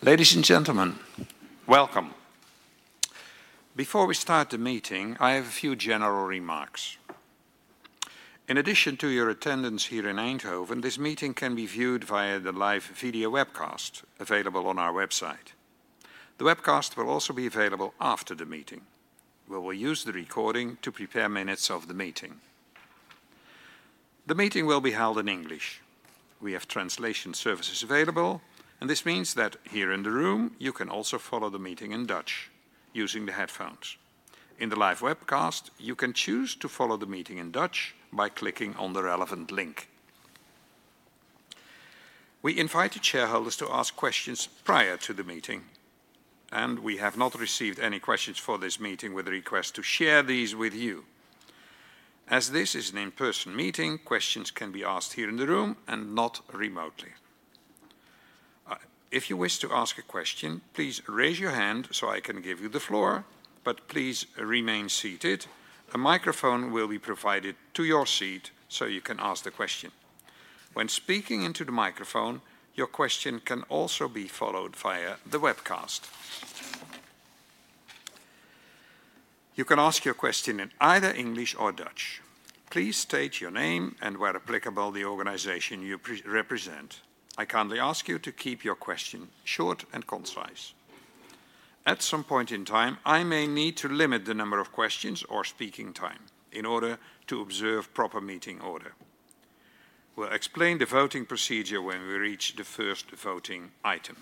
Ladies and gentlemen, welcome. Before we start the meeting, I have a few general remarks. In addition to your attendance here in Eindhoven, this meeting can be viewed via the live video webcast available on our website. The webcast will also be available after the meeting, where we will use the recording to prepare minutes of the meeting. The meeting will be held in English. We have translation services available, and this means that here in the room you can also follow the meeting in Dutch using the headphones. In the live webcast, you can choose to follow the meeting in Dutch by clicking on the relevant link. We invite the shareholders to ask questions prior to the meeting. We have not received any questions for this meeting with a request to share these with you. As this is an in-person meeting, questions can be asked here in the room and not remotely. If you wish to ask a question, please raise your hand so I can give you the floor. But please remain seated. A microphone will be provided to your seat so you can ask the question. When speaking into the microphone, your question can also be followed via the webcast. You can ask your question in either English or Dutch. Please state your name and, where applicable, the organization you represent. I kindly ask you to keep your question short and concise. At some point in time, I may need to limit the number of questions or speaking time in order to observe proper meeting order. We'll explain the voting procedure when we reach the first voting item.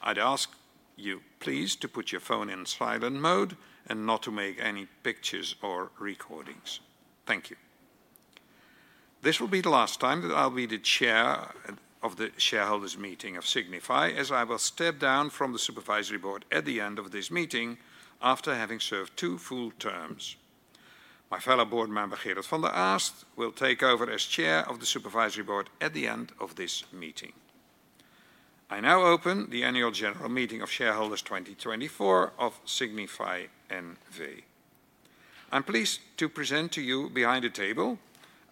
I'd ask you, please, to put your phone in silent mode and not to make any pictures or recordings. Thank you. This will be the last time that I'll be the chair of the shareholders' meeting of Signify, as I will step down from the Supervisory Board at the end of this meeting after having served two full terms. My fellow Board member Gerard van de Aast will take over as chair of the Supervisory Board at the end of this meeting. I now open the Annual General Meeting of Shareholders 2024 of Signify NV. I'm pleased to present to you, behind the table,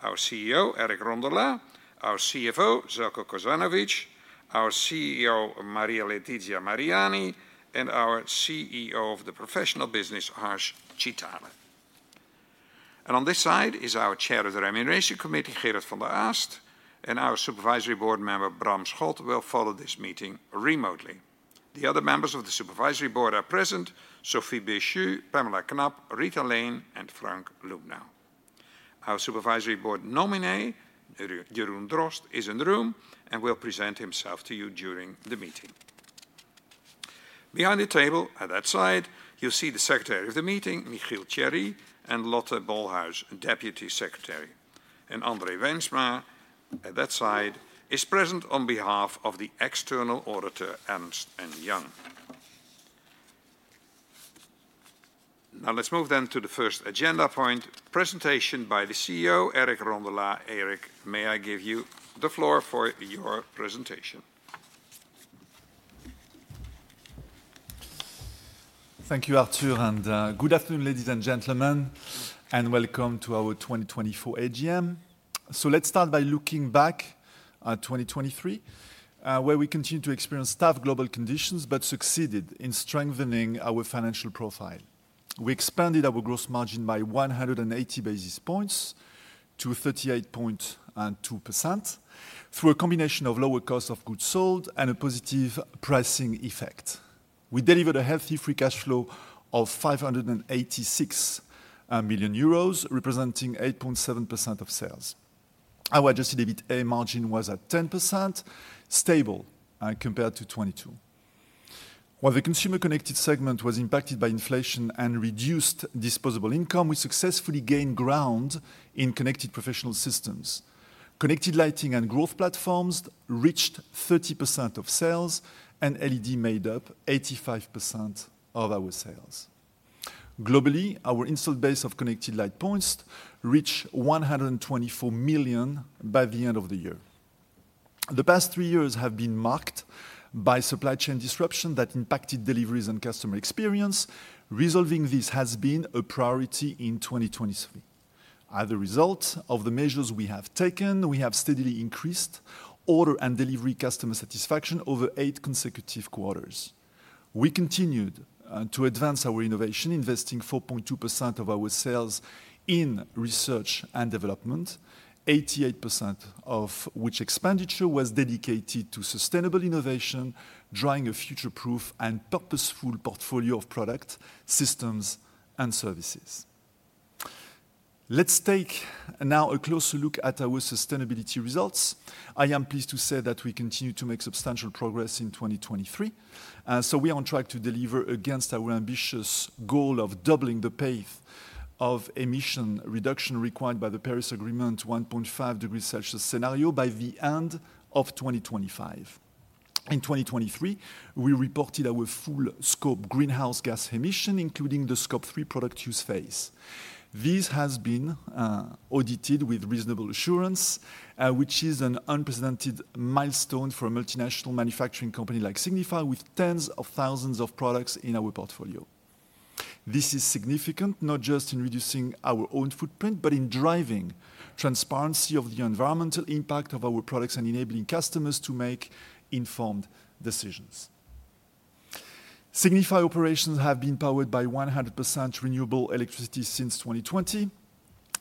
our CEO Eric Rondolat, our CFO Željko Kosanović, our CEO Maria Letizia Mariani, and our CEO of the Professional Business Harsh Chitale. And on this side is our Chair of the Remuneration Committee Gerard van de Aast, and our Supervisory Board member Bram Schot will follow this meeting remotely. The other members of the Supervisory Board are present: Sophie Béchu, Pamela Knapp, Rita Lane, and Frank Lubnau. Our Supervisory Board nominee Jeroen Drost is in the room and will present himself to you during the meeting. Behind the table, at that side, you'll see the Secretary of the Meeting Michiel Thierry and Lotte Bolhuis, Deputy Secretary. And André Wijnsma at that side is present on behalf of the External Auditor Ernst & Young. Now let's move then to the first agenda point: presentation by the CEO Eric Rondolat. Eric, may I give you the floor for your presentation? Thank you, Arthur. And good afternoon, ladies and gentlemen, and welcome to our 2024 AGM. So let's start by looking back at 2023, where we continued to experience tough global conditions but succeeded in strengthening our financial profile. We expanded our gross margin by 180 basis points to 38.2% through a combination of lower costs of goods sold and a positive pricing effect. We delivered a healthy free cash flow of 586 million euros, representing 8.7% of sales. Our adjusted EBITDA margin was at 10%, stable compared to 2022. While the consumer-connected segment was impacted by inflation and reduced disposable income, we successfully gained ground in connected professional systems. Connected lighting and growth platforms reached 30% of sales, and LED made up 85% of our sales. Globally, our installed base of connected light points reached 124 million by the end of the year. The past three years have been marked by supply chain disruption that impacted deliveries and customer experience. Resolving this has been a priority in 2023. As a result of the measures we have taken, we have steadily increased order and delivery customer satisfaction over eight consecutive quarters. We continued to advance our innovation, investing 4.2% of our sales in research and development, 88% of which expenditure was dedicated to sustainable innovation, drawing a future-proof and purposeful portfolio of products, systems, and services. Let's take now a closer look at our sustainability results. I am pleased to say that we continue to make substantial progress in 2023. We are on track to deliver, against our ambitious goal of doubling the pace of emission reduction required by the Paris Agreement 1.5 degrees Celsius scenario, by the end of 2025. In 2023, we reported our full-scope greenhouse gas emission, including the Scope 3 product use phase. This has been audited with reasonable assurance, which is an unprecedented milestone for a multinational manufacturing company like Signify, with tens of thousands of products in our portfolio. This is significant not just in reducing our own footprint but in driving transparency of the environmental impact of our products and enabling customers to make informed decisions. Signify operations have been powered by 100% renewable electricity since 2020.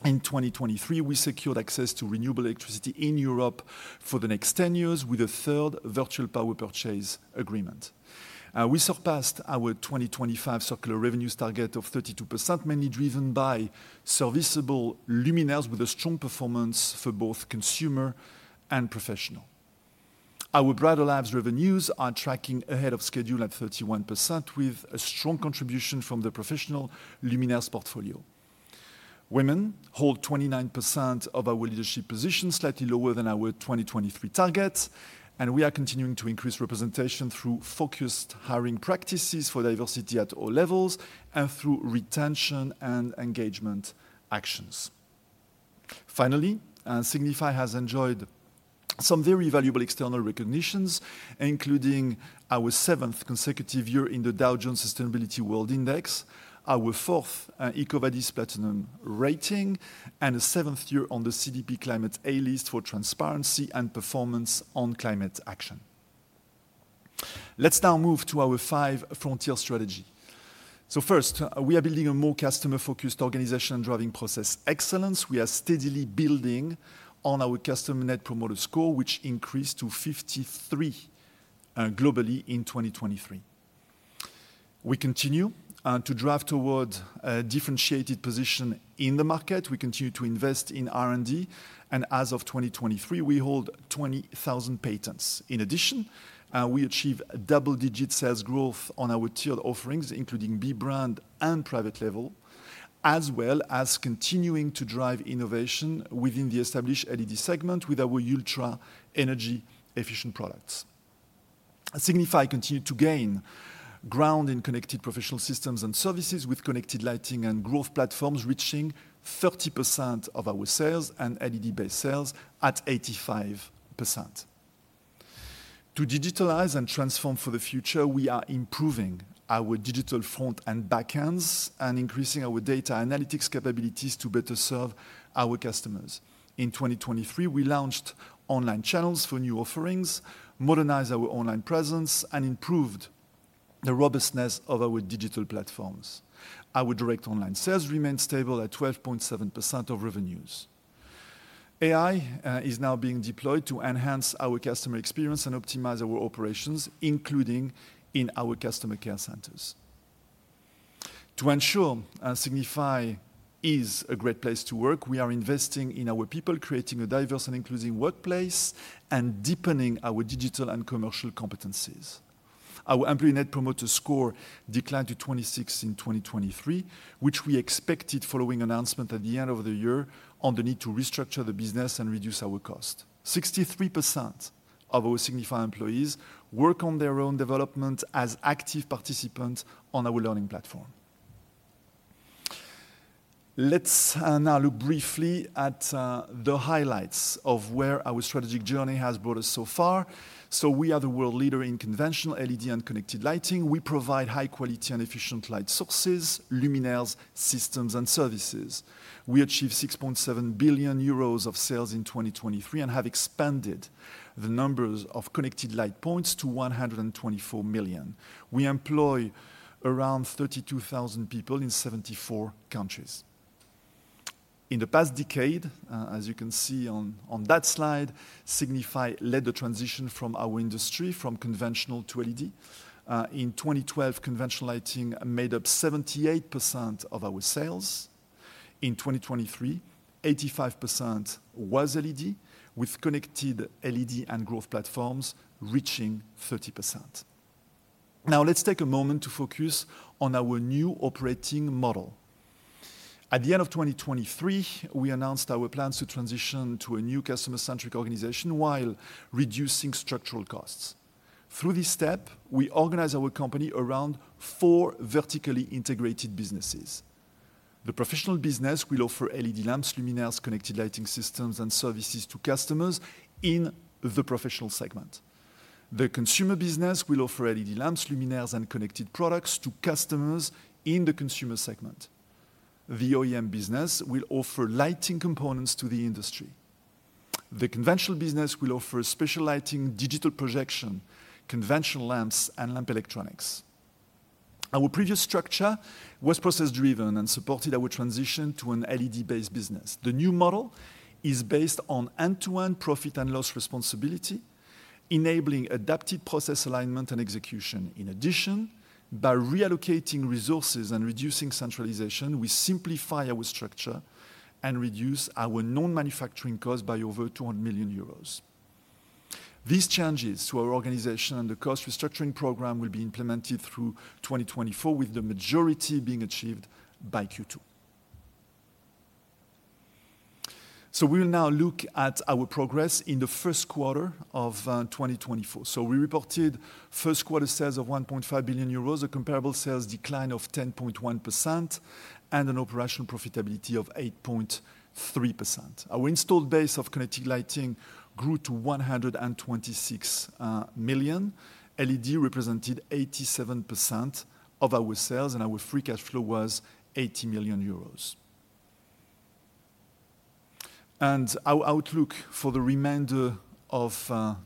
In 2023, we secured access to renewable electricity in Europe for the next 10 years with a third virtual power purchase agreement. We surpassed our 2025 circular revenues target of 32%, mainly driven by serviceable luminaires with a strong performance for both consumer and professional. Our Brighter Lives revenues are tracking ahead of schedule at 31%, with a strong contribution from the professional luminaires portfolio. Women hold 29% of our leadership positions, slightly lower than our 2023 target. We are continuing to increase representation through focused hiring practices for diversity at all levels and through retention and engagement actions. Finally, Signify has enjoyed some very valuable external recognitions, including our seventh consecutive year in the Dow Jones Sustainability World Index, our fourth EcoVadis Platinum rating, and a seventh year on the CDP Climate A List for transparency and performance on climate action. Let's now move to our five frontier strategies. First, we are building a more customer-focused organization and driving process excellence. We are steadily building on our customer Net Promoter Score, which increased to 53 globally in 2023. We continue to drive toward a differentiated position in the market. We continue to invest in R&D. As of 2023, we hold 20,000 patents. In addition, we achieve double-digit sales growth on our Tiered offerings, including B-brand and private label, as well as continuing to drive innovation within the established LED segment with our ultra-energy-efficient products. Signify continues to gain ground in connected professional systems and services, with connected lighting and growth platforms reaching 30% of our sales and LED-based sales at 85%. To digitalize and transform for the future, we are improving our digital front and back ends and increasing our data analytics capabilities to better serve our customers. In 2023, we launched online channels for new offerings, modernized our online presence, and improved the robustness of our digital platforms. Our direct online sales remained stable at 12.7% of revenues. AI is now being deployed to enhance our customer experience and optimize our operations, including in our customer care centers. To ensure Signify is a great place to work, we are investing in our people, creating a diverse and inclusive workplace, and deepening our digital and commercial competencies. Our employee Net Promoter Score declined to 26 in 2023, which we expected following announcements at the end of the year on the need to restructure the business and reduce our costs. 63% of our Signify employees work on their own development as active participants on our learning platform. Let's now look briefly at the highlights of where our strategic journey has brought us so far. So we are the world leader in conventional LED and connected lighting. We provide high-quality and efficient light sources, luminaires, systems, and services. We achieved 6.7 billion euros of sales in 2023 and have expanded the numbers of connected light points to 124 million. We employ around 32,000 people in 74 countries. In the past decade, as you can see on that slide, Signify led the transition from our industry, from conventional to LED. In 2012, conventional lighting made up 78% of our sales. In 2023, 85% was LED, with connected LED and growth platforms reaching 30%. Now let's take a moment to focus on our new operating model. At the end of 2023, we announced our plans to transition to a new customer-centric organization while reducing structural costs. Through this step, we organize our company around four vertically integrated businesses. The professional business will offer LED lamps, luminaires, connected lighting systems, and services to customers in the professional segment. The consumer business will offer LED lamps, luminaires, and connected products to customers in the consumer segment. The OEM business will offer lighting components to the industry. The conventional business will offer special lighting, digital projection, conventional lamps, and lamp electronics. Our previous structure was process-driven and supported our transition to an LED-based business. The new model is based on end-to-end profit and loss responsibility, enabling adapted process alignment and execution. In addition, by reallocating resources and reducing centralization, we simplify our structure and reduce our non-manufacturing costs by over 200 million euros. These changes to our organization and the cost restructuring program will be implemented through 2024, with the majority being achieved by Q2. We will now look at our progress in the first quarter of 2024. So we reported first quarter sales of 1.5 billion euros, a comparable sales decline of 10.1%, and an operational profitability of 8.3%. Our installed base of connected lighting grew to 126 million. LED represented 87% of our sales, and our free cash flow was 80 million euros. Our outlook for the remainder of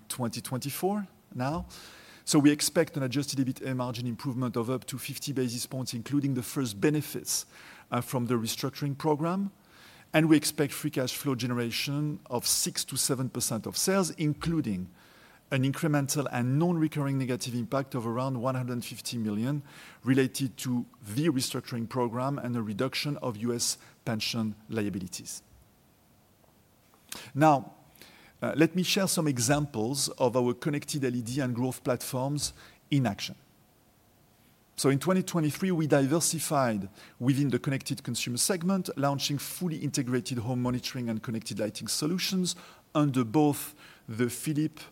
2024 now: So we expect an adjusted EBITDA margin improvement of up to 50 basis points, including the first benefits from the restructuring program. We expect free cash flow generation of 6%-7% of sales, including an incremental and non-recurring negative impact of around 150 million related to the restructuring program and a reduction of U.S. pension liabilities. Now let me share some examples of our connected LED and growth platforms in action. So in 2023, we diversified within the connected consumer segment, launching fully integrated home monitoring and connected lighting solutions under both the Philips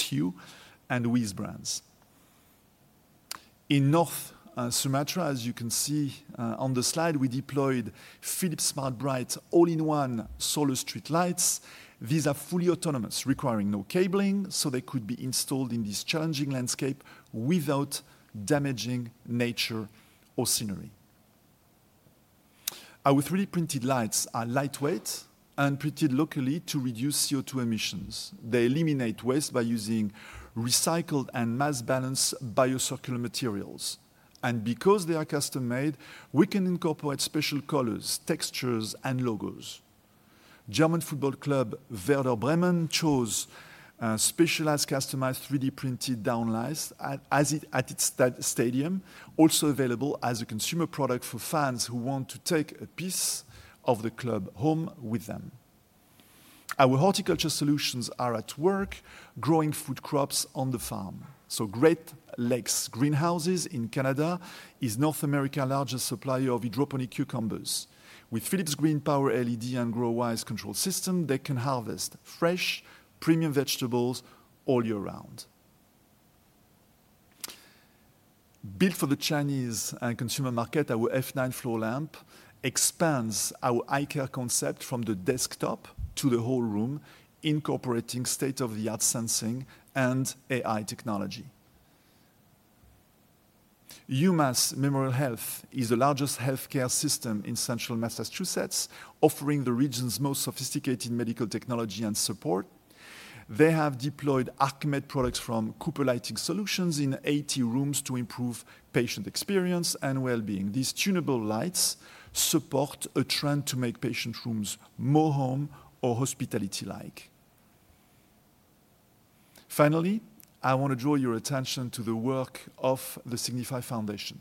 Hue and WiZ brands. In North Sumatra, as you can see on the slide, we deployed Philips SmartBright all-in-one solar street lights. These are fully autonomous, requiring no cabling, so they could be installed in this challenging landscape without damaging nature or scenery. Our 3D printed lights are lightweight and printed locally to reduce CO2 emissions. They eliminate waste by using recycled and mass-balanced bio-circular materials. And because they are custom-made, we can incorporate special colors, textures, and logos. German football club Werder Bremen chose specialized, customized 3D printed downlights at its stadium, also available as a consumer product for fans who want to take a piece of the club home with them. Our horticulture solutions are at work, growing food crops on the farm. So Great Lakes Greenhouses in Canada is North America's largest supplier of hydroponic cucumbers. With Philips GreenPower LED and GrowWise control system, they can harvest fresh, premium vegetables all year round. Built for the Chinese consumer market, our F9 floor lamp expands our eye-care concept from the desktop to the whole room, incorporating state-of-the-art sensing and AI technology. UMass Memorial Health is the largest healthcare system in central Massachusetts, offering the region's most sophisticated medical technology and support. They have deployed ArcMed products from Cooper Lighting Solutions in 80 rooms to improve patient experience and well-being. These tunable lights support a trend to make patient rooms more home or hospitality-like. Finally, I want to draw your attention to the work of the Signify Foundation.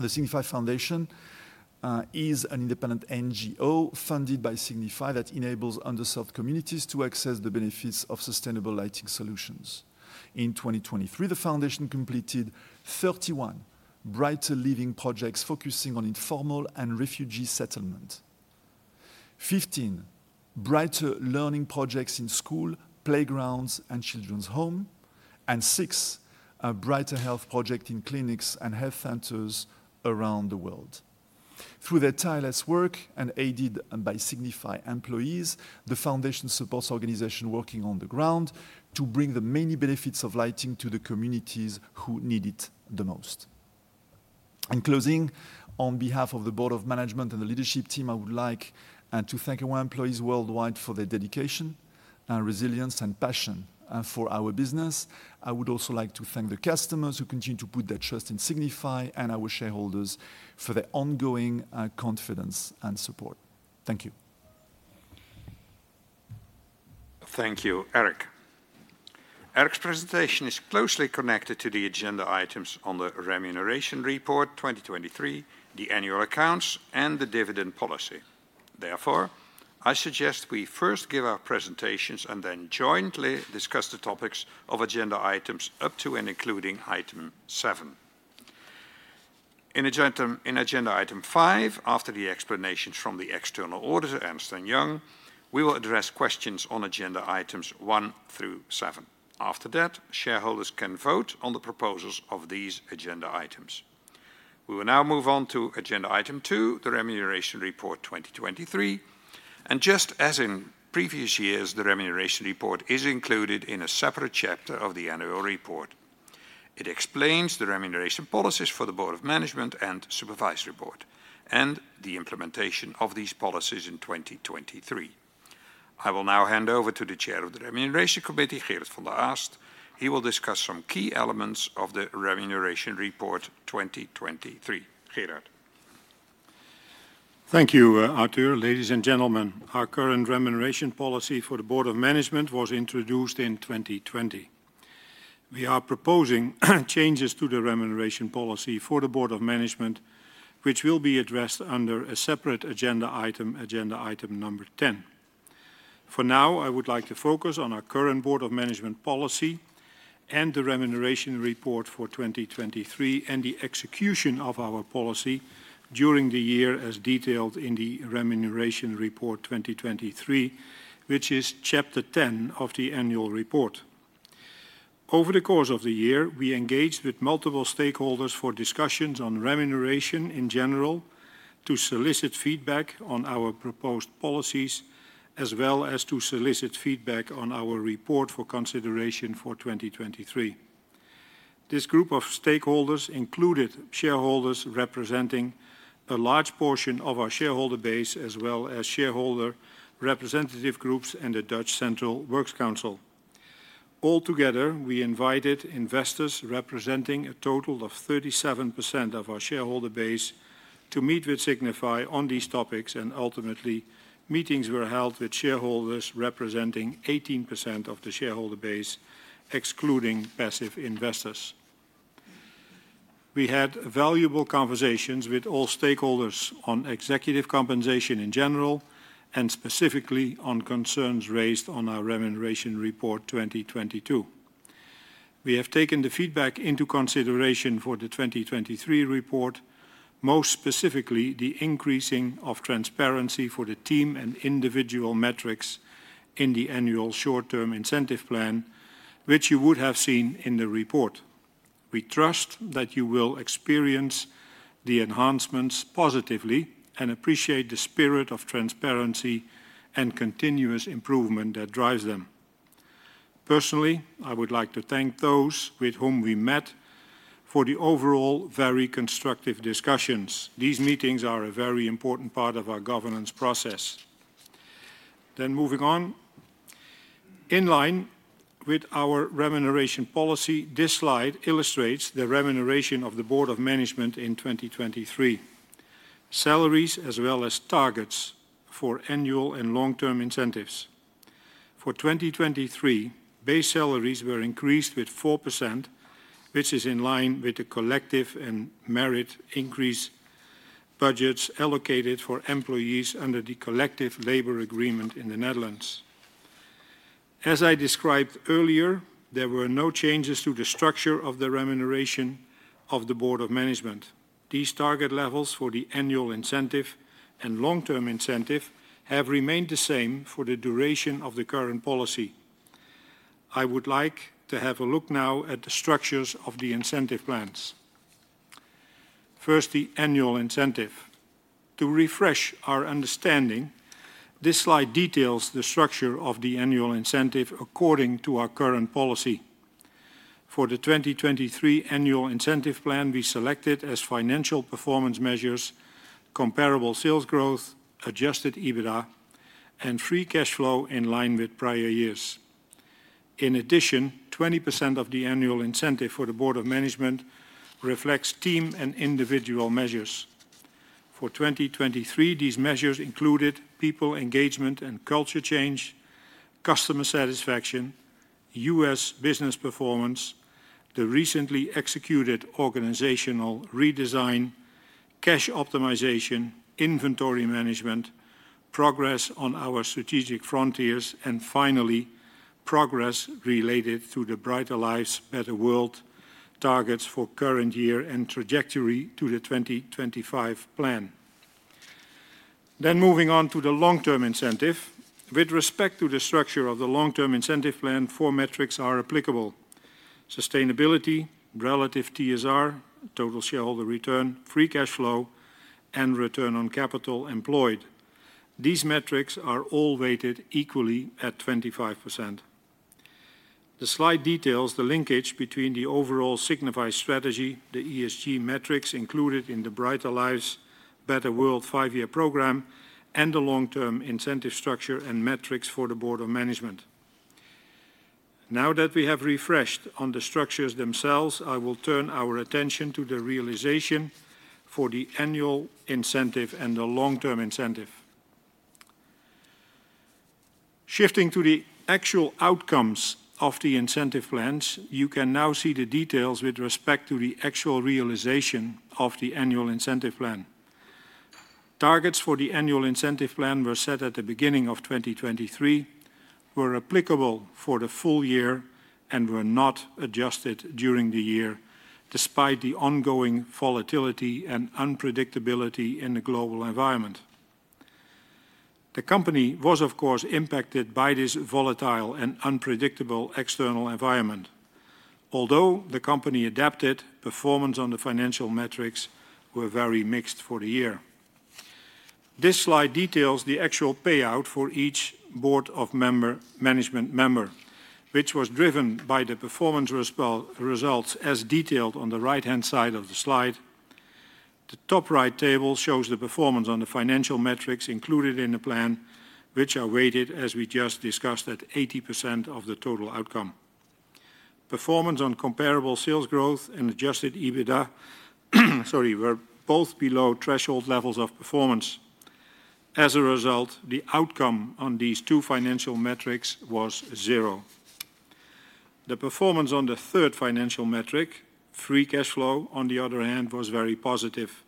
The Signify Foundation is an independent NGO funded by Signify that enables underserved communities to access the benefits of sustainable lighting solutions. In 2023, the foundation completed 31 Brighter Living projects focusing on informal and refugee settlement, 15 Brighter Learning projects in schools, playgrounds, and children's homes, and 6 Brighter Health projects in clinics and health centers around the world. Through their tireless work and aided by Signify employees, the foundation supports organizations working on the ground to bring the many benefits of lighting to the communities who need it the most. In closing, on behalf of the board of management and the leadership team, I would like to thank our employees worldwide for their dedication, resilience, and passion for our business. I would also like to thank the customers who continue to put their trust in Signify and our shareholders for their ongoing confidence and support. Thank you. Thank you, Eric. Eric's presentation is closely connected to the agenda items on the Remuneration Report 2023, the Annual Accounts, and the Dividend Policy. Therefore, I suggest we first give our presentations and then jointly discuss the topics of agenda items up to and including item 7. In agenda item 5, after the explanations from the external auditor, Ernst & Young, we will address questions on agenda items 1 through 7. After that, shareholders can vote on the proposals of these agenda items. We will now move on to agenda item 2, the Remuneration Report 2023. Just as in previous years, the Remuneration Report is included in a separate chapter of the Annual Report. It explains the remuneration policies for the Board of Management and Supervisory Board, and the implementation of these policies in 2023. I will now hand over to the Chair of the Remuneration Committee, Gerard van der Aast. He will discuss some key elements of the remuneration report 2023. Gerard. Thank you, Arthur. Ladies and gentlemen, our current remuneration policy for the board of management was introduced in 2020. We are proposing changes to the remuneration policy for the board of management, which will be addressed under a separate agenda item, agenda item number 10. For now, I would like to focus on our current board of management policy and the remuneration report for 2023, and the execution of our policy during the year as detailed in the remuneration report 2023, which is chapter 10 of the annual report. Over the course of the year, we engaged with multiple stakeholders for discussions on remuneration in general to solicit feedback on our proposed policies, as well as to solicit feedback on our report for consideration for 2023. This group of stakeholders included shareholders representing a large portion of our shareholder base, as well as shareholder representative groups and the Dutch Central Works Council. Altogether, we invited investors representing a total of 37% of our shareholder base to meet with Signify on these topics, and ultimately, meetings were held with shareholders representing 18% of the shareholder base, excluding passive investors. We had valuable conversations with all stakeholders on executive compensation in general, and specifically on concerns raised on our remuneration report 2022. We have taken the feedback into consideration for the 2023 report, most specifically the increasing of transparency for the team and individual metrics in the annual short-term incentive plan, which you would have seen in the report. We trust that you will experience the enhancements positively and appreciate the spirit of transparency and continuous improvement that drives them. Personally, I would like to thank those with whom we met for the overall very constructive discussions. These meetings are a very important part of our governance process. Then, moving on. In line with our remuneration policy, this slide illustrates the remuneration of the board of management in 2023: salaries, as well as targets for annual and long-term incentives. For 2023, base salaries were increased with 4%, which is in line with the collective and merit increase budgets allocated for employees under the collective labor agreement in the Netherlands. As I described earlier, there were no changes to the structure of the remuneration of the board of management. These target levels for the annual incentive and long-term incentive have remained the same for the duration of the current policy. I would like to have a look now at the structures of the incentive plans. First, the annual incentive. To refresh our understanding, this slide details the structure of the annual incentive according to our current policy. For the 2023 annual incentive plan, we selected as financial performance measures comparable sales growth, adjusted EBITDA, and free cash flow in line with prior years. In addition, 20% of the annual incentive for the board of management reflects team and individual measures. For 2023, these measures included people engagement and culture change, customer satisfaction, U.S. business performance, the recently executed organizational redesign, cash optimization, inventory management, progress on our strategic frontiers, and finally, progress related to the Brighter Lives, Better World targets for current year and trajectory to the 2025 plan. Then, moving on to the long-term incentive. With respect to the structure of the long-term incentive plan, four metrics are applicable: sustainability, relative TSR, total shareholder return, free cash flow, and return on capital employed. These metrics are all weighted equally at 25%. The slide details the linkage between the overall Signify strategy, the ESG metrics included in the Brighter Lives, Better World five-year program, and the long-term incentive structure and metrics for the board of management. Now that we have refreshed on the structures themselves, I will turn our attention to the realization for the annual incentive and the long-term incentive. Shifting to the actual outcomes of the incentive plans, you can now see the details with respect to the actual realization of the annual incentive plan. Targets for the annual incentive plan were set at the beginning of 2023, were applicable for the full year, and were not adjusted during the year, despite the ongoing volatility and unpredictability in the global environment. The company was, of course, impacted by this volatile and unpredictable external environment. Although the company adapted, performance on the financial metrics were very mixed for the year. This slide details the actual payout for each Board of Management member, which was driven by the performance results as detailed on the right-hand side of the slide. The top right table shows the performance on the financial metrics included in the plan, which are weighted, as we just discussed, at 80% of the total outcome. Performance on comparable sales growth and adjusted EBITDA were both below threshold levels of performance. As a result, the outcome on these two financial metrics was zero. The performance on the third financial metric, free cash flow, on the other hand, was very positive.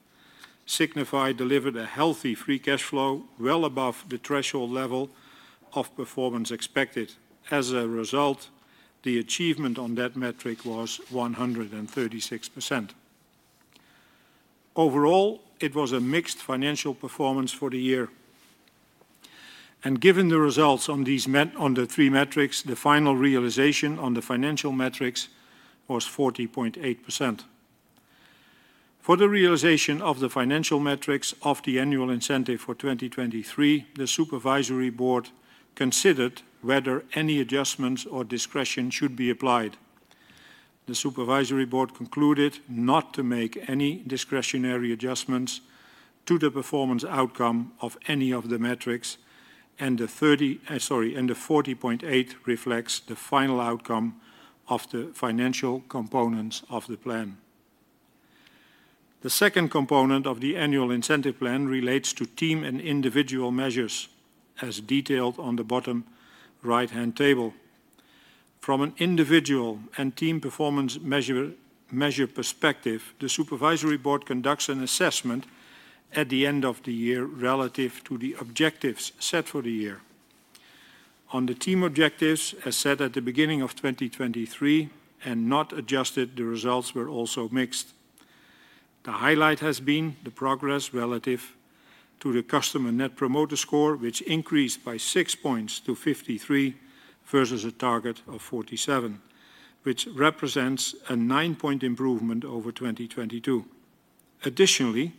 Signify delivered a healthy free cash flow well above the threshold level of performance expected. As a result, the achievement on that metric was 136%. Overall, it was a mixed financial performance for the year. Given the results on these on the three metrics, the final realization on the financial metrics was 40.8%. For the realization of the financial metrics of the annual incentive for 2023, the supervisory board considered whether any adjustments or discretion should be applied. The supervisory board concluded not to make any discretionary adjustments to the performance outcome of any of the metrics, and the 40.8 reflects the final outcome of the financial components of the plan. The second component of the annual incentive plan relates to team and individual measures, as detailed on the bottom right-hand table. From an individual and team performance measure perspective, the supervisory board conducts an assessment at the end of the year relative to the objectives set for the year. On the team objectives, as set at the beginning of 2023 and not adjusted, the results were also mixed. The highlight has been the progress relative to the customer Net Promoter Score, which increased by 6 points to 53 versus a target of 47, which represents a 9-point improvement over 2022. Additionally,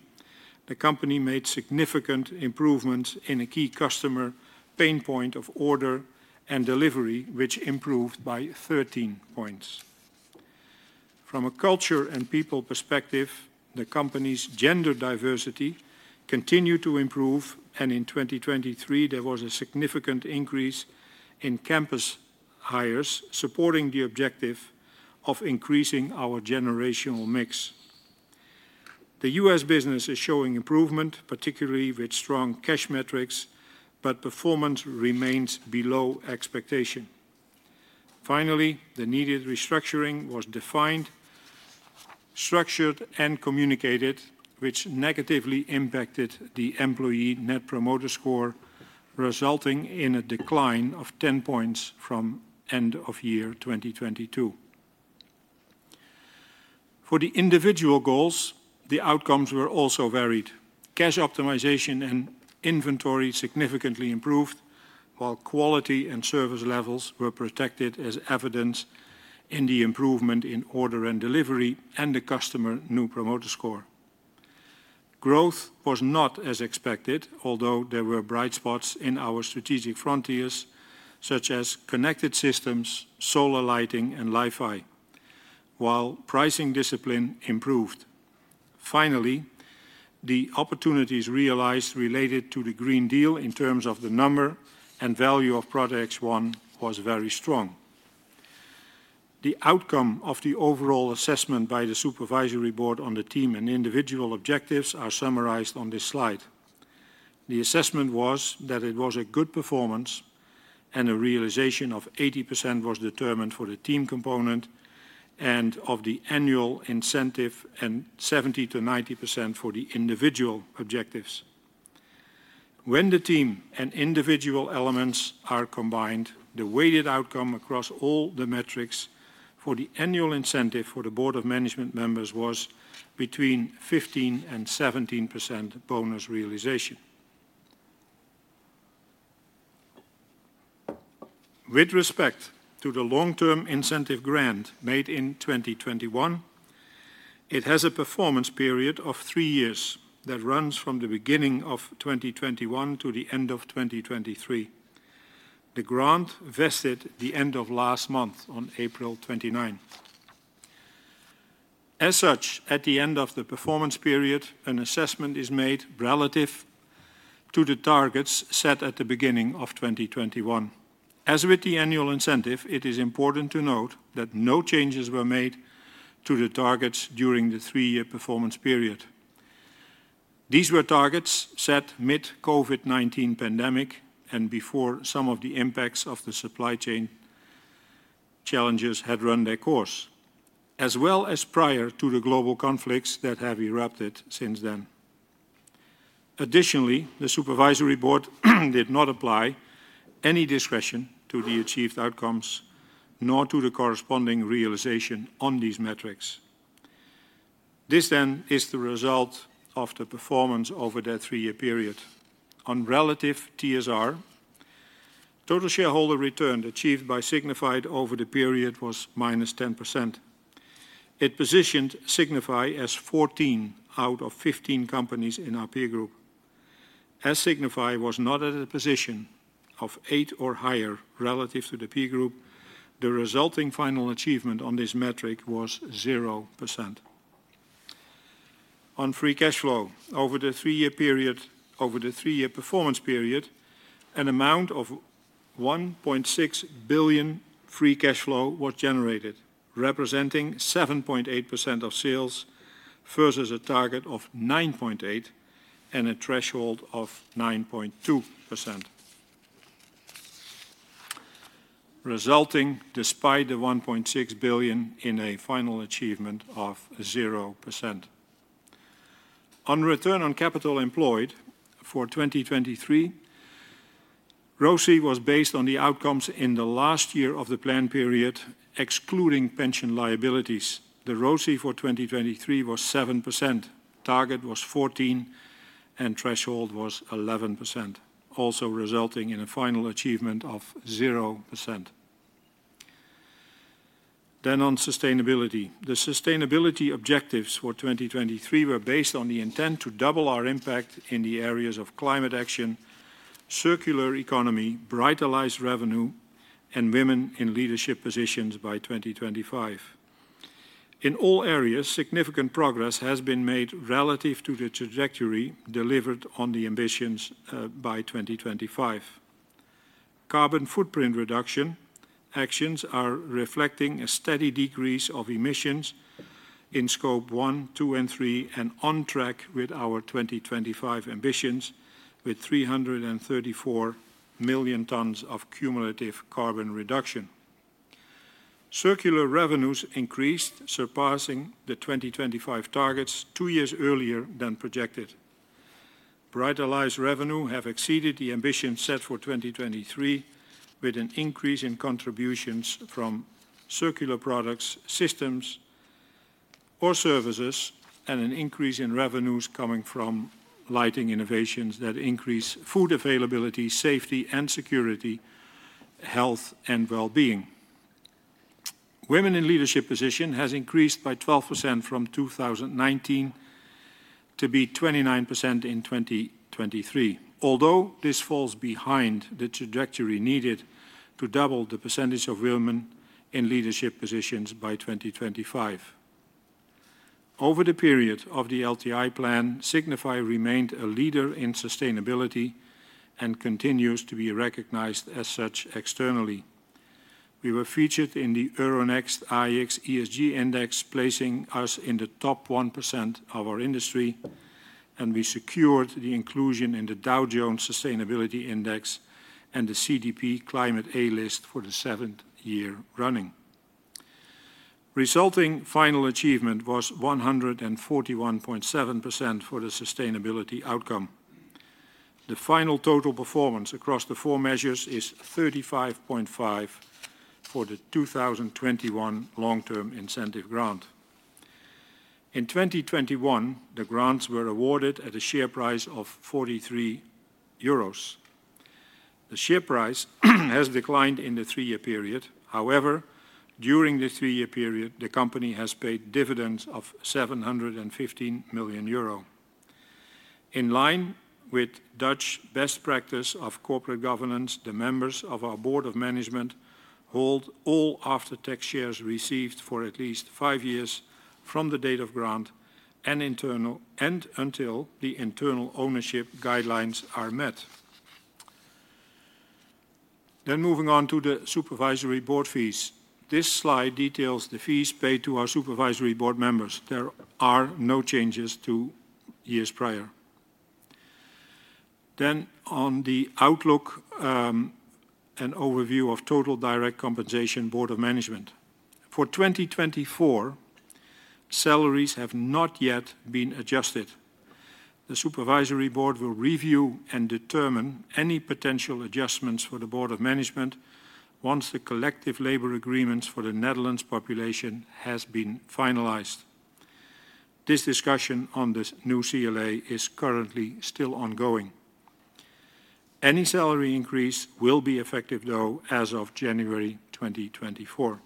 the company made significant improvements in a key customer pain point of order and delivery, which improved by 13 points. From a culture and people perspective, the company's gender diversity continued to improve, and in 2023, there was a significant increase in campus hires supporting the objective of increasing our generational mix. The U.S. business is showing improvement, particularly with strong cash metrics, but performance remains below expectation. Finally, the needed restructuring was defined, structured, and communicated, which negatively impacted the employee Net Promoter Score, resulting in a decline of 10 points from end of year 2022. For the individual goals, the outcomes were also varied. Cash optimization and inventory significantly improved, while quality and service levels were protected, as evidenced in the improvement in order and delivery and the customer Net Promoter Score. Growth was not as expected, although there were bright spots in our strategic frontiers, such as connected systems, solar lighting, and Li-Fi, while pricing discipline improved. Finally, the opportunities realized related to the Green Deal, in terms of the number and value of projects won, were very strong. The outcome of the overall assessment by the supervisory board on the team and individual objectives is summarized on this slide. The assessment was that it was a good performance, and a realization of 80% was determined for the team component and of the annual incentive, and 70%-90% for the individual objectives. When the team and individual elements are combined, the weighted outcome across all the metrics for the annual incentive for the board of management members was between 15% and 17% bonus realization. With respect to the long-term incentive grant made in 2021, it has a performance period of three years that runs from the beginning of 2021 to the end of 2023. The grant vested the end of last month, on April 29th. As such, at the end of the performance period, an assessment is made relative to the targets set at the beginning of 2021. As with the annual incentive, it is important to note that no changes were made to the targets during the three-year performance period. These were targets set mid-COVID-19 pandemic and before some of the impacts of the supply chain challenges had run their course, as well as prior to the global conflicts that have erupted since then. Additionally, the supervisory board did not apply any discretion to the achieved outcomes, nor to the corresponding realisation on these metrics. This then is the result of the performance over that three-year period. On relative TSR, total shareholder return achieved by Signify over the period was -10%. It positioned Signify as 14 out of 15 companies in our peer group. As Signify was not at a position of 8 or higher relative to the peer group, the resulting final achievement on this metric was zero percent. On free cash flow over the three-year period over the three-year performance period, an amount of 1.6 billion free cash flow was generated, representing 7.8% of sales versus a target of 9.8% and a threshold of 9.2%, resulting despite the 1.6 billion in a final achievement of zero percent. On return on capital employed for 2023, ROCE was based on the outcomes in the last year of the plan period, excluding pension liabilities. The ROCE for 2023 was 7%, target was 14%, and threshold was 11%, also resulting in a final achievement of zero percent. Then, on sustainability. The sustainability objectives for 2023 were based on the intent to double our impact in the areas of climate action, circular economy, Brighter Lives revenue, and women in leadership positions by 2025. In all areas, significant progress has been made relative to the trajectory delivered on the ambitions by 2025. Carbon footprint reduction actions are reflecting a steady decrease of emissions in Scope 1, 2, and 3, and on track with our 2025 ambitions, with 334 million tons of cumulative carbon reduction. Circular revenues increased, surpassing the 2025 targets two years earlier than projected. Brighter Lives revenue has exceeded the ambitions set for 2023, with an increase in contributions from circular products, systems, or services, and an increase in revenues coming from lighting innovations that increase food availability, safety, and security, health, and well-being. Women in leadership positions have increased by 12% from 2019 to be 29% in 2023, although this falls behind the trajectory needed to double the percentage of women in leadership positions by 2025. Over the period of the LTI plan, Signify remained a leader in sustainability and continues to be recognized as such externally. We were featured in the Euronext AEX ESG Index, placing us in the top 1% of our industry, and we secured the inclusion in the Dow Jones Sustainability Index and the CDP Climate A-List for the seventh year running. Resulting final achievement was 141.7% for the sustainability outcome. The final total performance across the four measures is 35.5 for the 2021 long-term incentive grant. In 2021, the grants were awarded at a share price of 43 euros. The share price has declined in the three-year period. However, during the three-year period, the company has paid dividends of 715 million euro. In line with Dutch best practice of corporate governance, the members of our board of management hold all after-tax shares received for at least five years from the date of grant and internal and until the internal ownership guidelines are met. Then, moving on to the supervisory board fees. This slide details the fees paid to our supervisory board members. There are no changes to years prior. Then, on the outlook and overview of total direct compensation board of management. For 2024, salaries have not yet been adjusted. The supervisory board will review and determine any potential adjustments for the board of management once the collective labor agreements for the Netherlands population have been finalized. This discussion on the new CLA is currently still ongoing. Any salary increase will be effective, though, as of January 2024.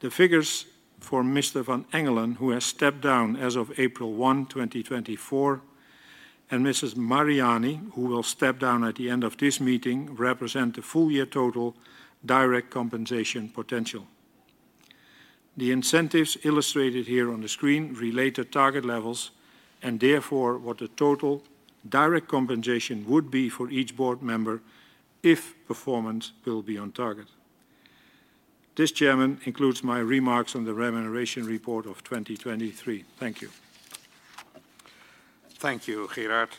The figures for Mr. Van Engelen, who has stepped down as of April 1, 2024, and Mrs. Mariani, who will step down at the end of this meeting, represent the full-year total direct compensation potential. The incentives illustrated here on the screen relate to target levels and, therefore, what the total direct compensation would be for each board member if performance will be on target. This concludes my remarks on the remuneration report of 2023. Thank you. Thank you, Gerard.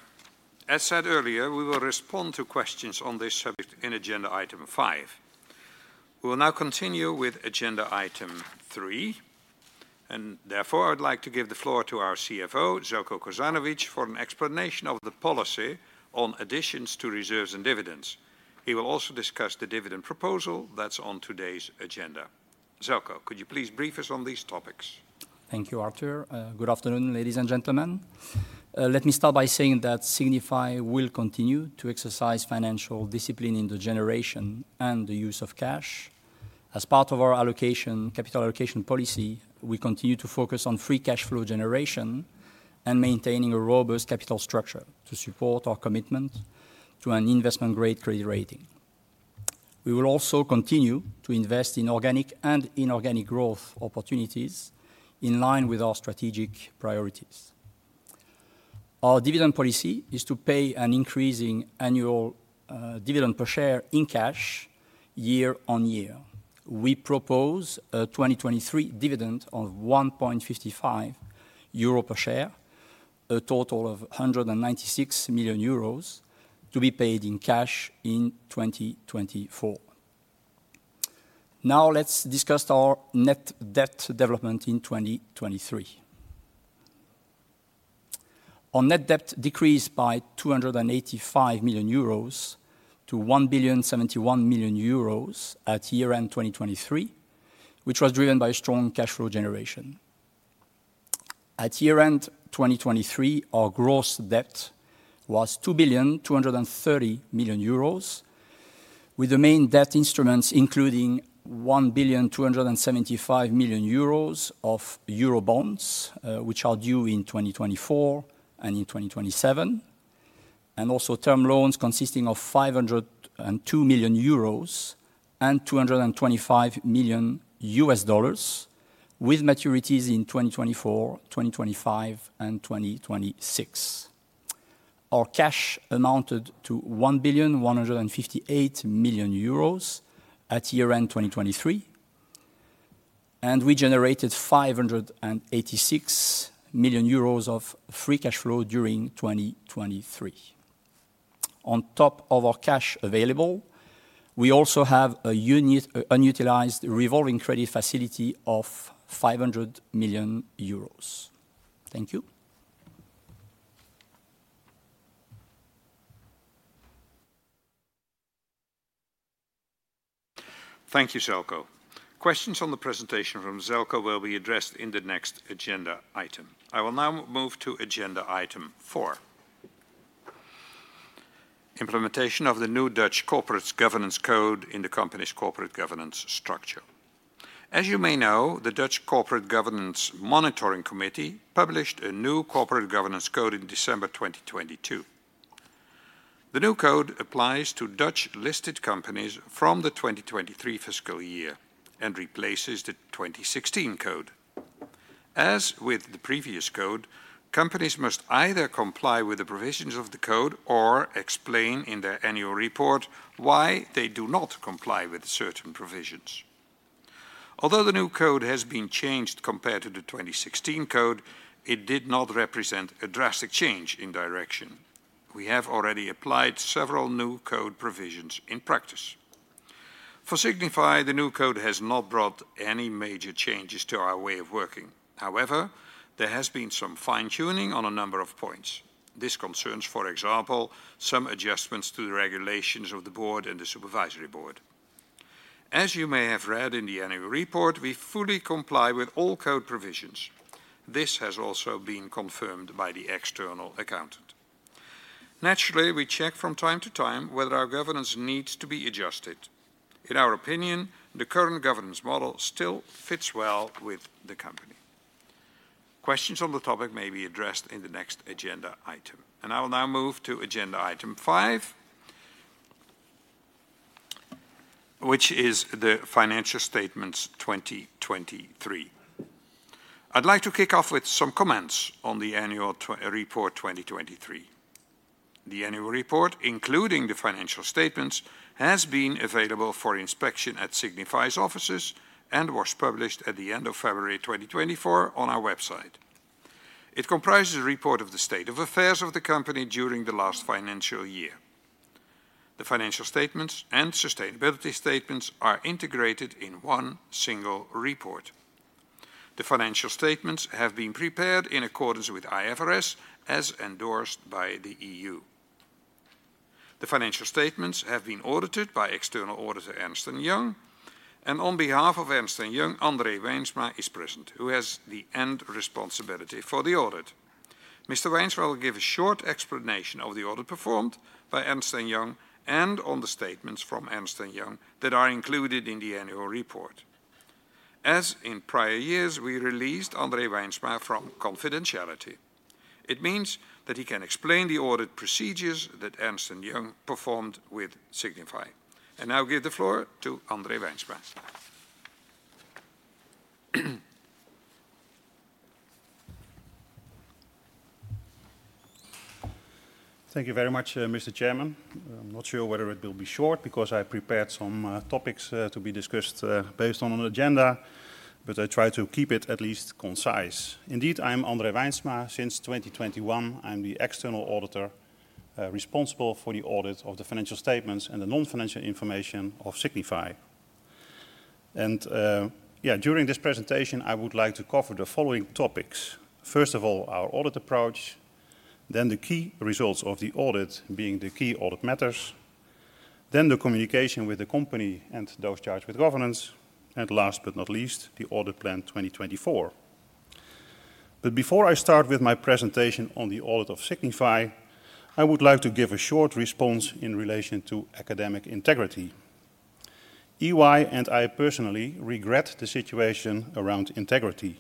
As said earlier, we will respond to questions on this subject in agenda item five. We will now continue with agenda item three. Therefore, I would like to give the floor to our CFO, Željko Kosanović, for an explanation of the policy on additions to reserves and dividends. He will also discuss the dividend proposal that's on today's agenda. Željko, could you please brief us on these topics? Thank you, Arthur. Good afternoon, ladies and gentlemen. Let me start by saying that Signify will continue to exercise financial discipline in the generation and the use of cash. As part of our capital allocation policy, we continue to focus on free cash flow generation and maintaining a robust capital structure to support our commitment to an investment-grade credit rating. We will also continue to invest in organic and inorganic growth opportunities in line with our strategic priorities. Our dividend policy is to pay an increasing annual dividend per share in cash year on year. We propose a 2023 dividend of 1.55 euro per share, a total of 196 million euros, to be paid in cash in 2024. Now, let's discuss our net debt development in 2023. Our net debt decreased by 285 million euros to 1,071 million euros at year-end 2023, which was driven by strong cash flow generation. At year-end 2023, our gross debt was 2.23 billion, with the main debt instruments including 1.275 billion of euro bonds, which are due in 2024 and in 2027, and also term loans consisting of 502 million euros and $225 million, with maturities in 2024, 2025, and 2026. Our cash amounted to 1.158 billion at year-end 2023, and we generated 586 million euros of free cash flow during 2023. On top of our cash available, we also have a unutilized revolving credit facility of 500 million euros. Thank you. Thank you, Željko. Questions on the presentation from Željko will be addressed in the next agenda item. I will now move to agenda item four. Implementation of the new Dutch Corporate Governance Code in the company's corporate governance structure. As you may know, the Dutch Corporate Governance Monitoring Committee published a new corporate governance code in December 2022. The new code applies to Dutch listed companies from the 2023 fiscal year and replaces the 2016 code. As with the previous code, companies must either comply with the provisions of the code or explain in their annual report why they do not comply with certain provisions. Although the new code has been changed compared to the 2016 code, it did not represent a drastic change in direction. We have already applied several new code provisions in practice. For Signify, the new code has not brought any major changes to our way of working. However, there has been some fine-tuning on a number of points. This concerns, for example, some adjustments to the regulations of the board and the supervisory board. As you may have read in the annual report, we fully comply with all code provisions. This has also been confirmed by the external accountant. Naturally, we check from time to time whether our governance needs to be adjusted. In our opinion, the current governance model still fits well with the company. Questions on the topic may be addressed in the next agenda item. I will now move to agenda item five, which is the financial statements 2023. I'd like to kick off with some comments on the annual report 2023. The annual report, including the financial statements, has been available for inspection at Signify's offices and was published at the end of February 2024 on our website. It comprises a report of the state of affairs of the company during the last financial year. The financial statements and sustainability statements are integrated in one single report. The financial statements have been prepared in accordance with IFRS, as endorsed by the EU. The financial statements have been audited by external auditor Ernst & Young, and on behalf of Ernst & Young, André Wijnsma is present, who has the end responsibility for the audit. Mr. Wijnsma will give a short explanation of the audit performed by Ernst & Young and on the statements from Ernst & Young that are included in the annual report. As in prior years, we released André Wijnsma from confidentiality. It means that he can explain the audit procedures that Ernst & Young performed with Signify. Now, I give the floor to André Wijnsma. Thank you very much, Mr. Chairman. I'm not sure whether it will be short because I prepared some topics to be discussed based on an agenda, but I try to keep it at least concise. Indeed, I'm André Wijnsma. Since 2021, I'm the external auditor responsible for the audit of the financial statements and the non-financial information of Signify. And, yeah, during this presentation, I would like to cover the following topics. First of all, our audit approach, then the key results of the audit being the key audit matters, then the communication with the company and those charged with governance, and last but not least, the audit plan 2024. But before I start with my presentation on the audit of Signify, I would like to give a short response in relation to academic integrity. EY and I personally regret the situation around integrity,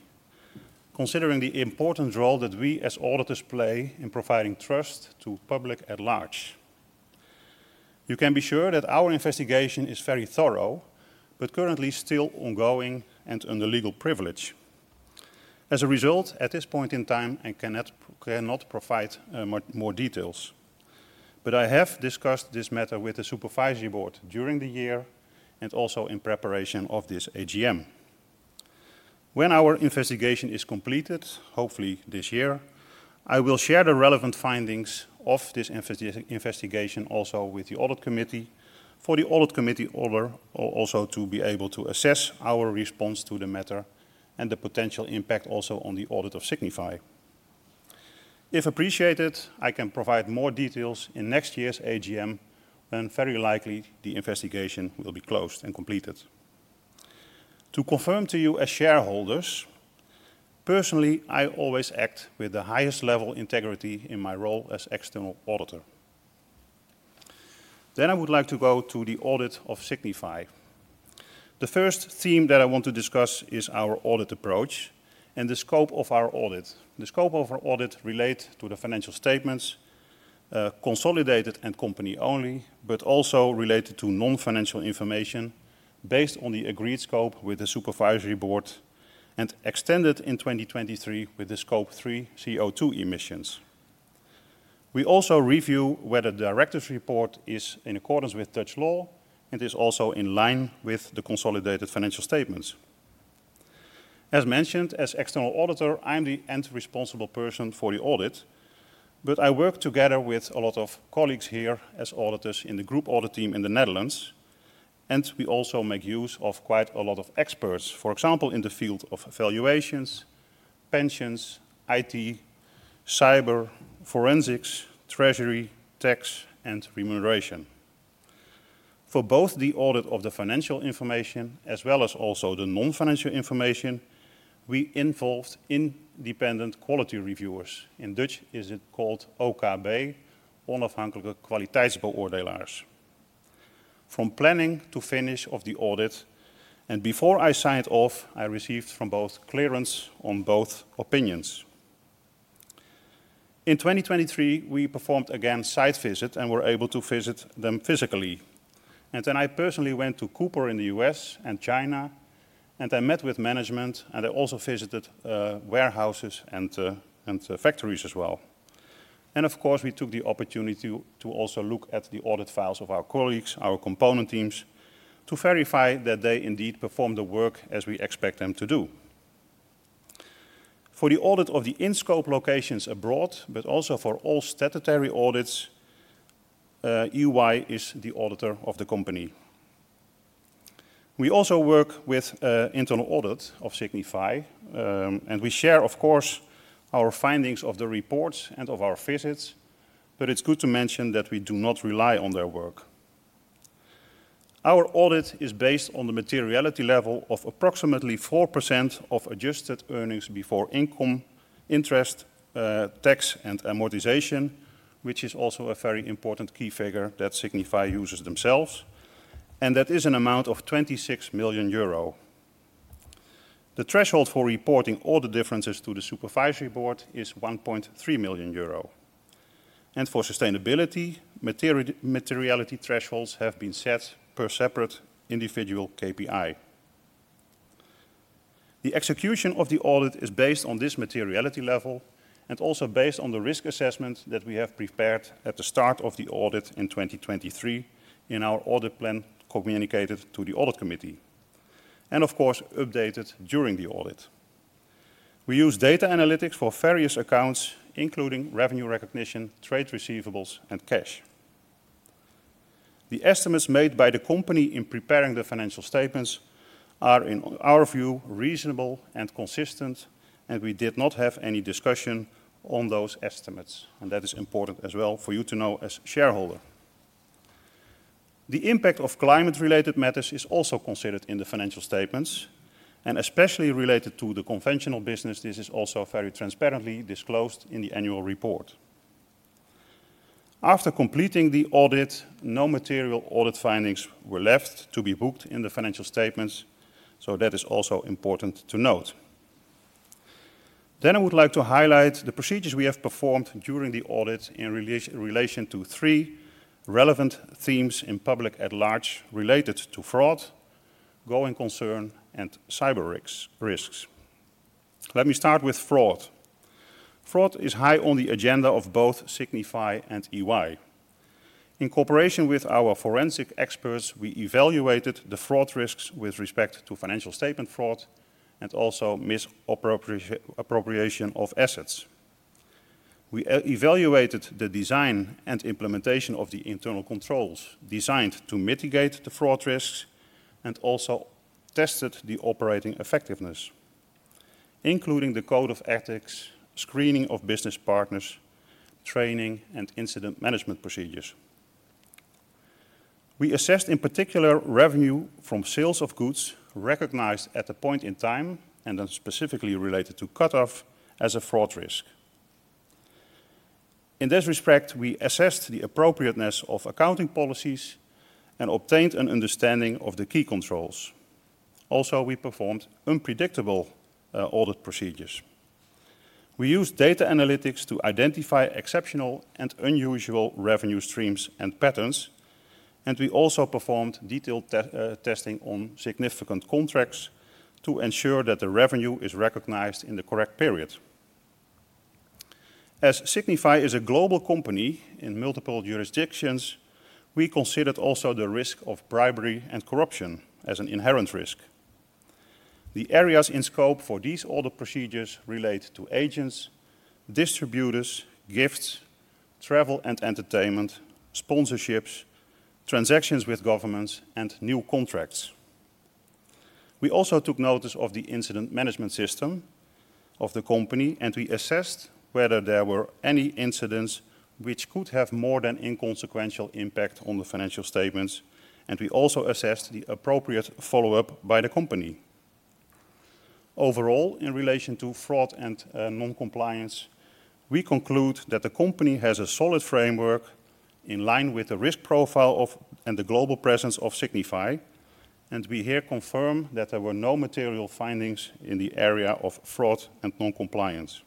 considering the important role that we as auditors play in providing trust to the public at large. You can be sure that our investigation is very thorough but currently still ongoing and under legal privilege. As a result, at this point in time, I cannot provide more details. But I have discussed this matter with the Supervisory Board during the year and also in preparation of this AGM. When our investigation is completed, hopefully this year, I will share the relevant findings of this investigation also with the Audit Committee for the Audit Committee also to be able to assess our response to the matter and the potential impact also on the audit of Signify. If appreciated, I can provide more details in next year's AGM when very likely the investigation will be closed and completed. To confirm to you as shareholders, personally, I always act with the highest level integrity in my role as external auditor. Then I would like to go to the audit of Signify. The first theme that I want to discuss is our audit approach and the scope of our audit. The scope of our audit relates to the financial statements, consolidated and company-only, but also related to non-financial information based on the agreed scope with the Supervisory Board and extended in 2023 with the Scope 3 CO2 emissions. We also review whether the director's report is in accordance with Dutch law and is also in line with the consolidated financial statements. As mentioned, as external auditor, I'm the end responsible person for the audit, but I work together with a lot of colleagues here as auditors in the group audit team in the Netherlands, and we also make use of quite a lot of experts, for example, in the field of valuations, pensions, IT, cyber, forensics, treasury, tax, and remuneration. For both the audit of the financial information as well as also the non-financial information, we involved independent quality reviewers. In Dutch is it called OKB, Onafhankelijke Kwaliteitsbeoordelaars. From planning to finish of the audit, and before I signed off, I received from both clearance on both opinions. In 2023, we performed again a site visit and were able to visit them physically. And then I personally went to Cooper in the U.S. and China, and I met with management, and I also visited warehouses and factories as well. And, of course, we took the opportunity to also look at the audit files of our colleagues, our component teams, to verify that they indeed perform the work as we expect them to do. For the audit of the in-scope locations abroad but also for all statutory audits, EY is the auditor of the company. We also work with internal audit of Signify, and we share, of course, our findings of the reports and of our visits, but it's good to mention that we do not rely on their work. Our audit is based on the materiality level of approximately 4% of adjusted earnings before income, interest, tax, and amortization, which is also a very important key figure that Signify uses themselves, and that is an amount of 26 million euro. The threshold for reporting all the differences to the supervisory board is 1.3 million euro. For sustainability, materiality thresholds have been set per separate individual KPI. The execution of the audit is based on this materiality level and also based on the risk assessment that we have prepared at the start of the audit in 2023 in our audit plan communicated to the audit committee and, of course, updated during the audit. We use data analytics for various accounts including revenue recognition, trade receivables, and cash. The estimates made by the company in preparing the financial statements are, in our view, reasonable and consistent, and we did not have any discussion on those estimates, and that is important as well for you to know as shareholder. The impact of climate-related matters is also considered in the financial statements, and especially related to the conventional business, this is also very transparently disclosed in the annual report. After completing the audit, no material audit findings were left to be booked in the financial statements, so that is also important to note. Then I would like to highlight the procedures we have performed during the audit in relation to three relevant themes in public at large related to fraud, going concern, and cyber risks. Let me start with fraud. Fraud is high on the agenda of both Signify and EY. In cooperation with our forensic experts, we evaluated the fraud risks with respect to financial statement fraud and also misappropriation of assets. We evaluated the design and implementation of the internal controls designed to mitigate the fraud risks and also tested the operating effectiveness, including the code of ethics, screening of business partners, training, and incident management procedures. We assessed, in particular, revenue from sales of goods recognized at a point in time and then specifically related to cutoff as a fraud risk. In this respect, we assessed the appropriateness of accounting policies and obtained an understanding of the key controls. Also, we performed unpredictable audit procedures. We used data analytics to identify exceptional and unusual revenue streams and patterns, and we also performed detailed testing on significant contracts to ensure that the revenue is recognized in the correct period. As Signify is a global company in multiple jurisdictions, we considered also the risk of bribery and corruption as an inherent risk. The areas in scope for these audit procedures relate to agents, distributors, gifts, travel and entertainment, sponsorships, transactions with governments, and new contracts. We also took notice of the incident management system of the company, and we assessed whether there were any incidents which could have more than inconsequential impact on the financial statements, and we also assessed the appropriate follow-up by the company. Overall, in relation to fraud and non-compliance, we conclude that the company has a solid framework in line with the risk profile of and the global presence of Signify, and we here confirm that there were no material findings in the area of fraud and non-compliance.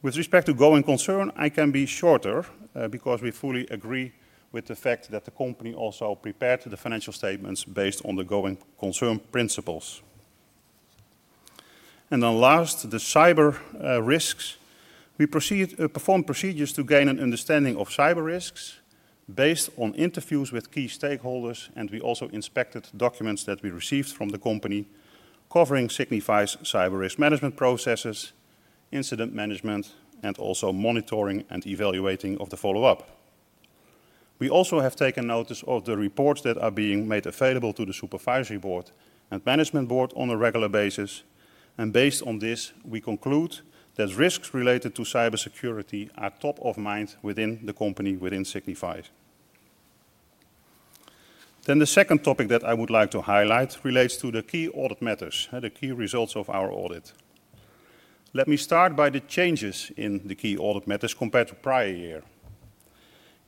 With respect to going concern, I can be shorter because we fully agree with the fact that the company also prepared the financial statements based on the going concern principles. Then last, the cyber risks. We performed procedures to gain an understanding of cyber risks based on interviews with key stakeholders, and we also inspected documents that we received from the company covering Signify's cyber risk management processes, incident management, and also monitoring and evaluating of the follow-up. We also have taken notice of the reports that are being made available to the supervisory board and management board on a regular basis, and based on this, we conclude that risks related to cyber security are top of mind within the company within Signify. Then the second topic that I would like to highlight relates to the key audit matters, the key results of our audit. Let me start by the changes in the key audit matters compared to prior year.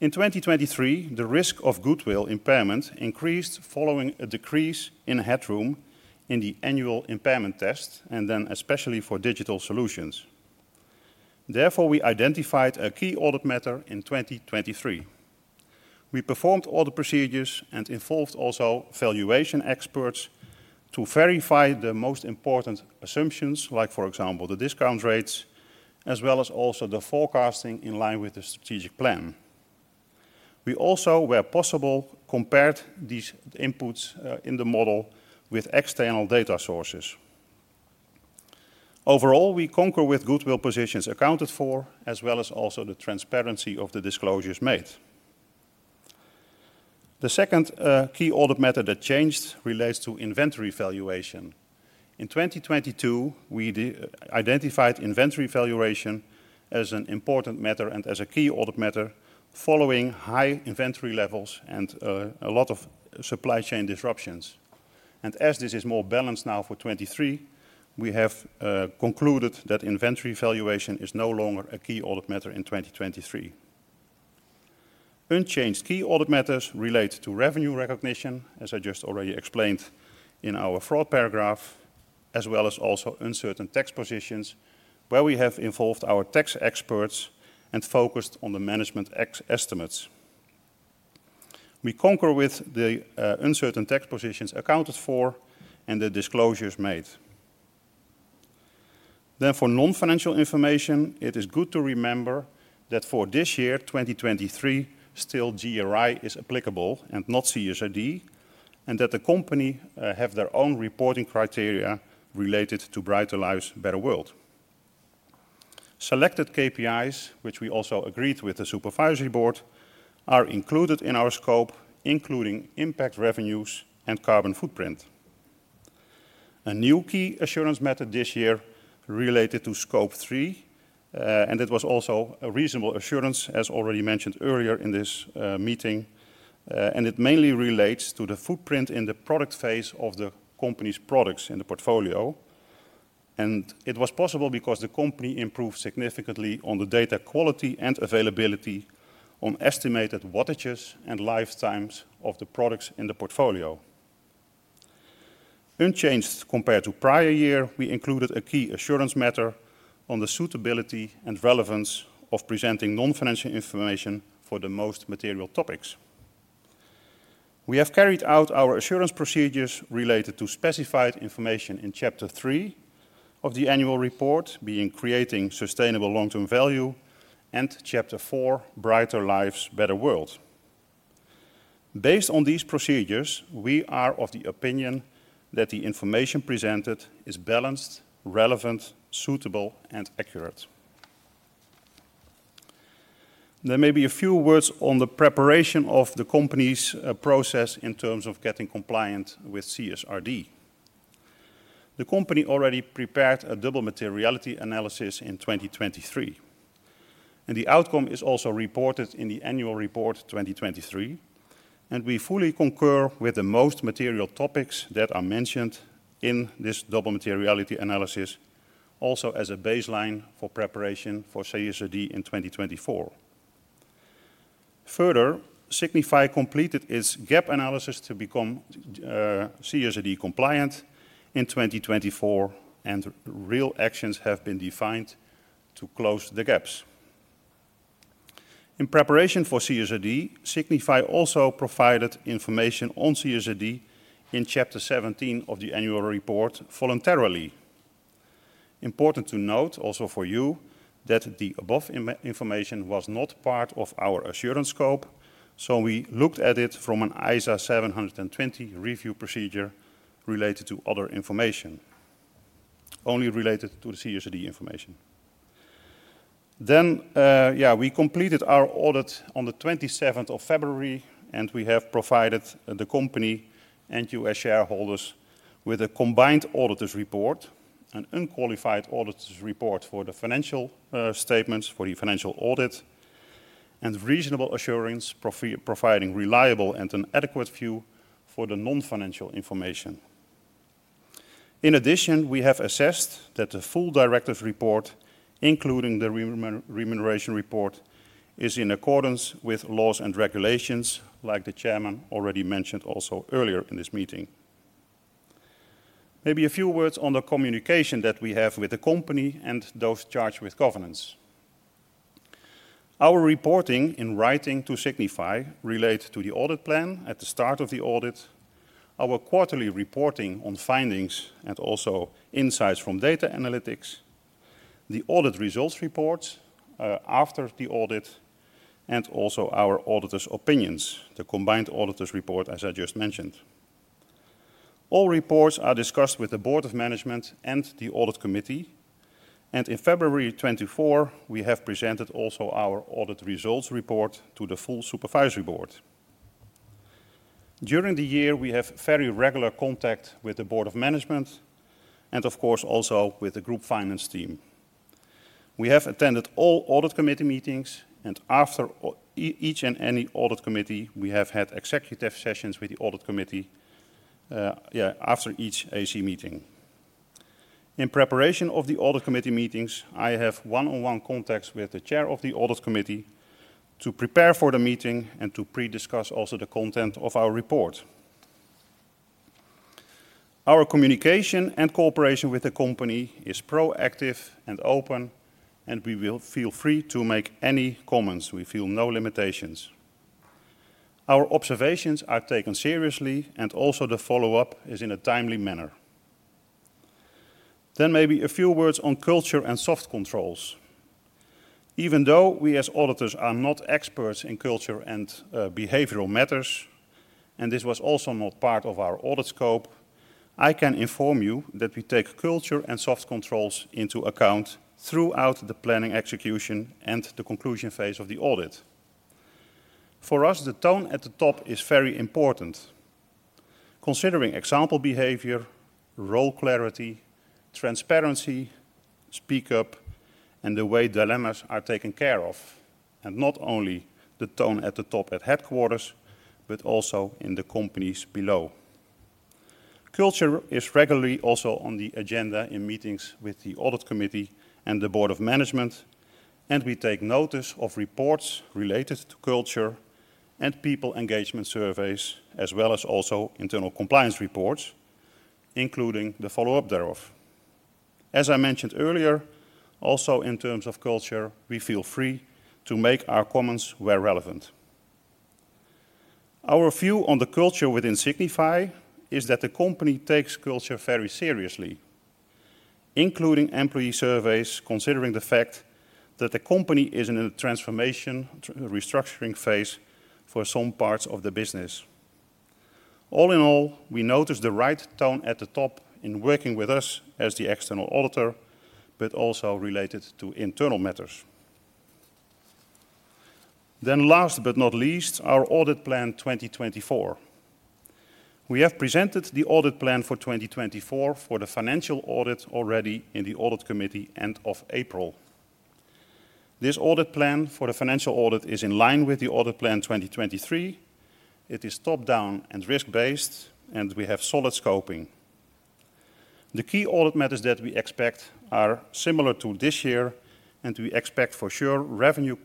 In 2023, the risk of goodwill impairment increased following a decrease in headroom in the annual impairment test and then especially for digital solutions. Therefore, we identified a key audit matter in 2023. We performed audit procedures and involved also valuation experts to verify the most important assumptions like, for example, the discount rates as well as also the forecasting in line with the strategic plan. We also, where possible, compared these inputs in the model with external data sources. Overall, we concurred with goodwill positions accounted for as well as also the transparency of the disclosures made. The second key audit matter that changed relates to inventory valuation. In 2022, we identified inventory valuation as an important matter and as a key audit matter following high inventory levels and a lot of supply chain disruptions. And as this is more balanced now for 2023, we have concluded that inventory valuation is no longer a key audit matter in 2023. Unchanged key audit matters relate to revenue recognition, as I just already explained in our fraud paragraph, as well as also uncertain tax positions where we have involved our tax experts and focused on the management estimates. We concurred with the uncertain tax positions accounted for and the disclosures made. For non-financial information, it is good to remember that for this year, 2023, still GRI is applicable and not CSRD, and that the company has their own reporting criteria related to Brighter Lives, Better World. Selected KPIs, which we also agreed with the Supervisory Board, are included in our scope, including impact revenues and carbon footprint. A new key assurance matter this year related to Scope 3, and it was also a reasonable assurance, as already mentioned earlier in this meeting, and it mainly relates to the footprint in the product phase of the company's products in the portfolio. It was possible because the company improved significantly on the data quality and availability on estimated wattages and lifetimes of the products in the portfolio. Unchanged compared to prior year, we included a key assurance matter on the suitability and relevance of presenting non-financial information for the most material topics. We have carried out our assurance procedures related to specified information in chapter three of the annual report, being creating sustainable long-term value, and chapter four, Brighter Lives, Better World. Based on these procedures, we are of the opinion that the information presented is balanced, relevant, suitable, and accurate. There may be a few words on the preparation of the company's process in terms of getting compliant with CSRD. The company already prepared a double materiality analysis in 2023, and the outcome is also reported in the annual report 2023, and we fully concur with the most material topics that are mentioned in this double materiality analysis also as a baseline for preparation for CSRD in 2024. Further, Signify completed its gap analysis to become CSRD compliant in 2024, and real actions have been defined to close the gaps. In preparation for CSRD, Signify also provided information on CSRD in chapter 17 of the annual report voluntarily. Important to note also for you that the above information was not part of our assurance scope, so we looked at it from an ISA 720 review procedure related to other information, only related to the CSRD information. Then, yeah, we completed our audit on the 27th of February, and we have provided the company and U.S. shareholders with a combined auditor's report, an unqualified auditor's report for the financial statements, for the financial audit, and reasonable assurance providing reliable and an adequate view for the non-financial information. In addition, we have assessed that the full director's report, including the remuneration report, is in accordance with laws and regulations like the chairman already mentioned also earlier in this meeting. Maybe a few words on the communication that we have with the company and those charged with governance. Our reporting in writing to Signify relates to the audit plan at the start of the audit, our quarterly reporting on findings and also insights from data analytics, the audit results reports after the audit, and also our auditor's opinions, the combined auditor's report as I just mentioned. All reports are discussed with the board of management and the audit committee, and in February 2024, we have presented also our audit results report to the full supervisory board. During the year, we have very regular contact with the board of management and, of course, also with the group finance team. We have attended all audit committee meetings, and after each and any audit committee, we have had executive sessions with the audit committee, yeah, after each AC meeting. In preparation of the audit committee meetings, I have one-on-one contacts with the chair of the audit committee to prepare for the meeting and to pre-discuss also the content of our report. Our communication and cooperation with the company is proactive and open, and we will feel free to make any comments. We feel no limitations. Our observations are taken seriously, and also the follow-up is in a timely manner. Then maybe a few words on culture and soft controls. Even though we, as auditors, are not experts in culture and behavioral matters, and this was also not part of our audit scope, I can inform you that we take culture and soft controls into account throughout the planning, execution, and the conclusion phase of the audit. For us, the tone at the top is very important, considering example behavior, role clarity, transparency, speak up, and the way dilemmas are taken care of, and not only the tone at the top at headquarters but also in the companies below. Culture is regularly also on the agenda in meetings with the Audit Committee and the Board of Management, and we take notice of reports related to culture and people engagement surveys as well as also internal compliance reports, including the follow-up thereof. As I mentioned earlier, also in terms of culture, we feel free to make our comments where relevant. Our view on the culture within Signify is that the company takes culture very seriously, including employee surveys considering the fact that the company is in a transformation, restructuring phase for some parts of the business. All in all, we notice the right tone at the top in working with us as the external auditor but also related to internal matters. Then last but not least, our audit plan 2024. We have presented the audit plan for 2024 for the financial audit already in the audit committee end of April. This audit plan for the financial audit is in line with the audit plan 2023. It is top-down and risk-based, and we have solid scoping. The key audit matters that we expect are similar to this year, and we expect for sure revenue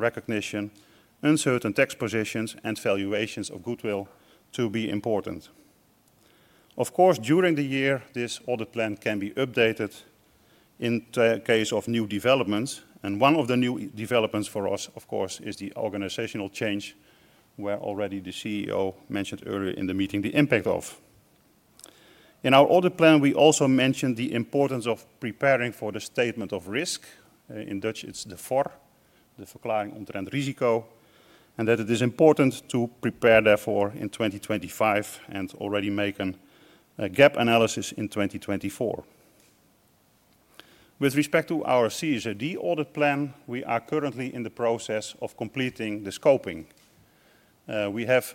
recognition, uncertain tax positions, and valuations of goodwill to be important. Of course, during the year, this audit plan can be updated in case of new developments, and one of the new developments for us, of course, is the organizational change where already the CEO mentioned earlier in the meeting the impact of. In our audit plan, we also mentioned the importance of preparing for the statement of risk. In Dutch, it's the VOR, the Verklaring omtrent risico, and that it is important to prepare therefore in 2025 and already make a gap analysis in 2024. With respect to our CSRD audit plan, we are currently in the process of completing the scoping. We have,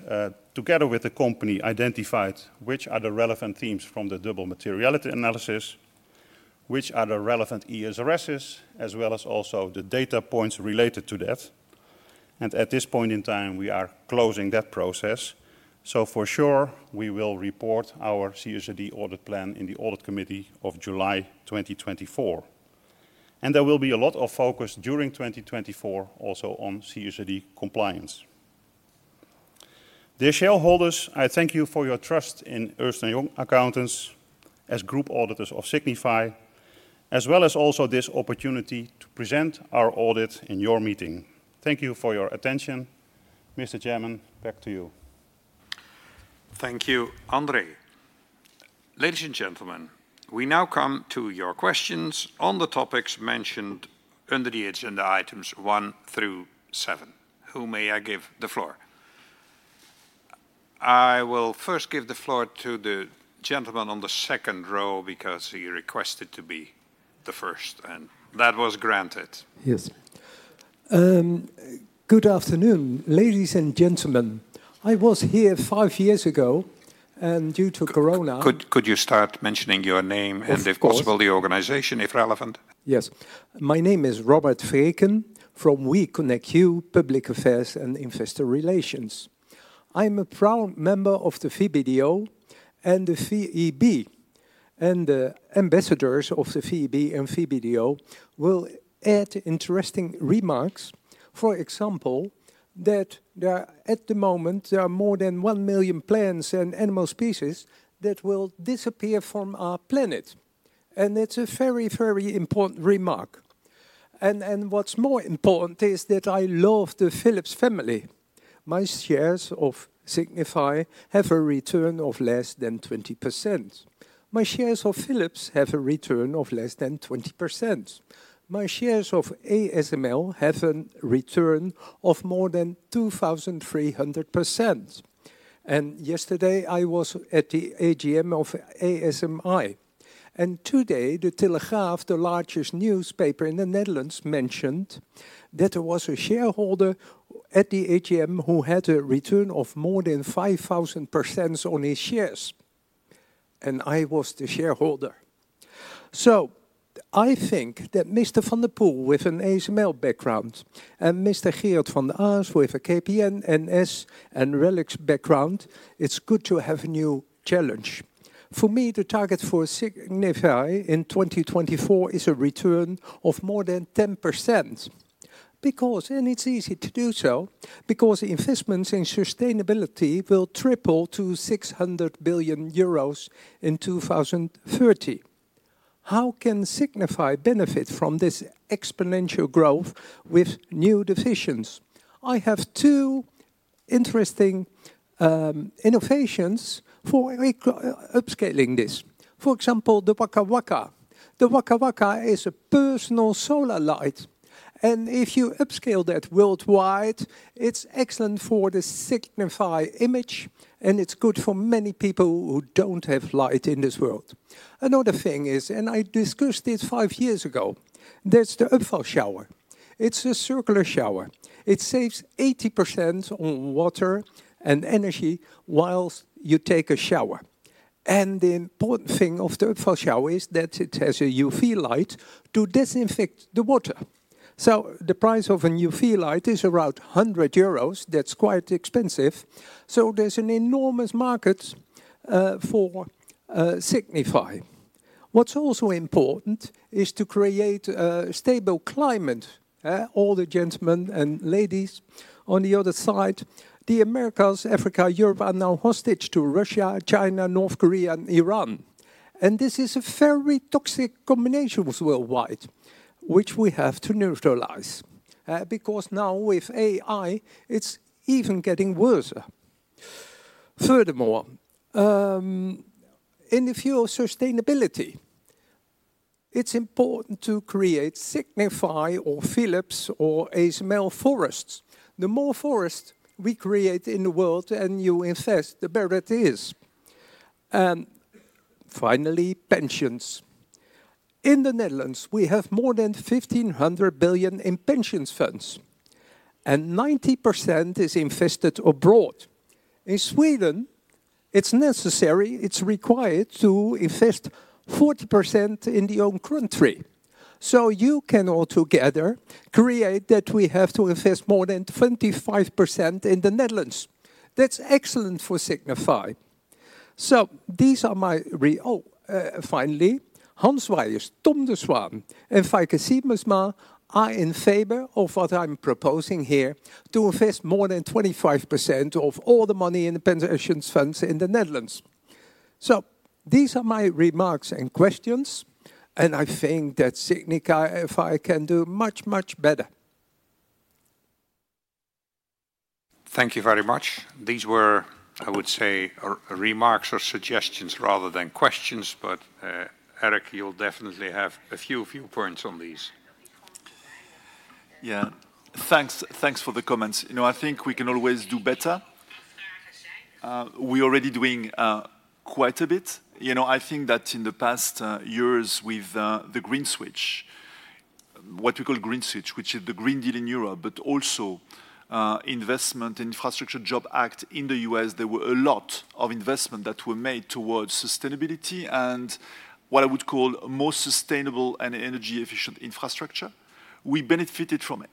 together with the company, identified which are the relevant themes from the double materiality analysis, which are the relevant ESRSs, as well as also the data points related to that, and at this point in time, we are closing that process. For sure, we will report our CSRD audit plan in the audit committee of July 2024. There will be a lot of focus during 2024 also on CSRD compliance. Dear shareholders, I thank you for your trust in Ernst & Young Accountants as group auditors of Signify, as well as also this opportunity to present our audit in your meeting. Thank you for your attention. Mr. Chairman, back to you. Thank you, André. Ladies and gentlemen, we now come to your questions on the topics mentioned under the agenda items one through seven. Who may I give the floor? I will first give the floor to the gentleman on the second row because he requested to be the first, and that was granted. Yes. Good afternoon. Ladies and gentlemen, I was here five years ago, and due to corona— Could you start mentioning your name and, if possible, the organization, if relevant? Yes. My name is Robert Vreeken from WeConnectYou Public Affairs and Investor Relations. I'm a proud member of the VBDO and the VEB, and the ambassadors of the VEB and VBDO will add interesting remarks, for example, that at the moment, there are more than 1 million plants and animal species that will disappear from our planet. And it's a very, very important remark. And what's more important is that I love the Philips family. My shares of Signify have a return of less than 20%. My shares of Philips have a return of less than 20%. My shares of ASML have a return of more than 2,300%. And yesterday, I was at the AGM of ASMI. Today, De Telegraaf, the largest newspaper in the Netherlands, mentioned that there was a shareholder at the AGM who had a return of more than 5,000% on his shares. I was the shareholder. So I think that Mr. van der Poel, with an ASML background, and Mr. Gerard van der Aast, with a KPN, NS, and RELX background, it's good to have a new challenge. For me, the target for Signify in 2024 is a return of more than 10%. It's easy to do so because investments in sustainability will triple to 600 billion euros in 2030. How can Signify benefit from this exponential growth with new divisions? I have two interesting innovations for upscaling this. For example, the WakaWaka. The WakaWaka is a personal solar light, and if you upscale that worldwide, it's excellent for the Signify image, and it's good for many people who don't have light in this world. Another thing is, and I discussed this 5 years ago, there's the Upfall Shower. It's a circular shower. It saves 80% on water and energy while you take a shower. And the important thing of the Upfall Shower is that it has a UV light to disinfect the water. So the price of a UV light is around 100 euros. That's quite expensive. So there's an enormous market for Signify. What's also important is to create a stable climate, all the gentlemen and ladies. On the other side, the Americas, Africa, Europe are now hostage to Russia, China, North Korea, and Iran. This is a very toxic combination worldwide, which we have to neutralize because now with AI, it's even getting worse. Furthermore, in the field of sustainability, it's important to create Signify or Philips or ASML forests. The more forests we create in the world and you invest, the better it is. Finally, pensions. In the Netherlands, we have more than 1,500 billion in pension funds, and 90% is invested abroad. In Sweden, it's necessary, it's required to invest 40% in the own country. So you can altogether create that we have to invest more than 25% in the Netherlands. That's excellent for Signify. So these are my, oh, finally, Hans Wijers, Tom de Swaan, and Feike Sijbesma are in favor of what I'm proposing here: to invest more than 25% of all the money in the pension funds in the Netherlands. So these are my remarks and questions, and I think that Signify can do much, much better. Thank you very much. These were, I would say, remarks or suggestions rather than questions, but Eric, you'll definitely have a few viewpoints on these. Yeah. Thanks for the comments. You know, I think we can always do better. We're already doing quite a bit. You know, I think that in the past years with the Green Switch, what we call Green Switch, which is the Green Deal in Europe, but also Infrastructure Investment and Jobs Act in the US, there were a lot of investments that were made towards sustainability and what I would call most sustainable and energy-efficient infrastructure. We benefited from it,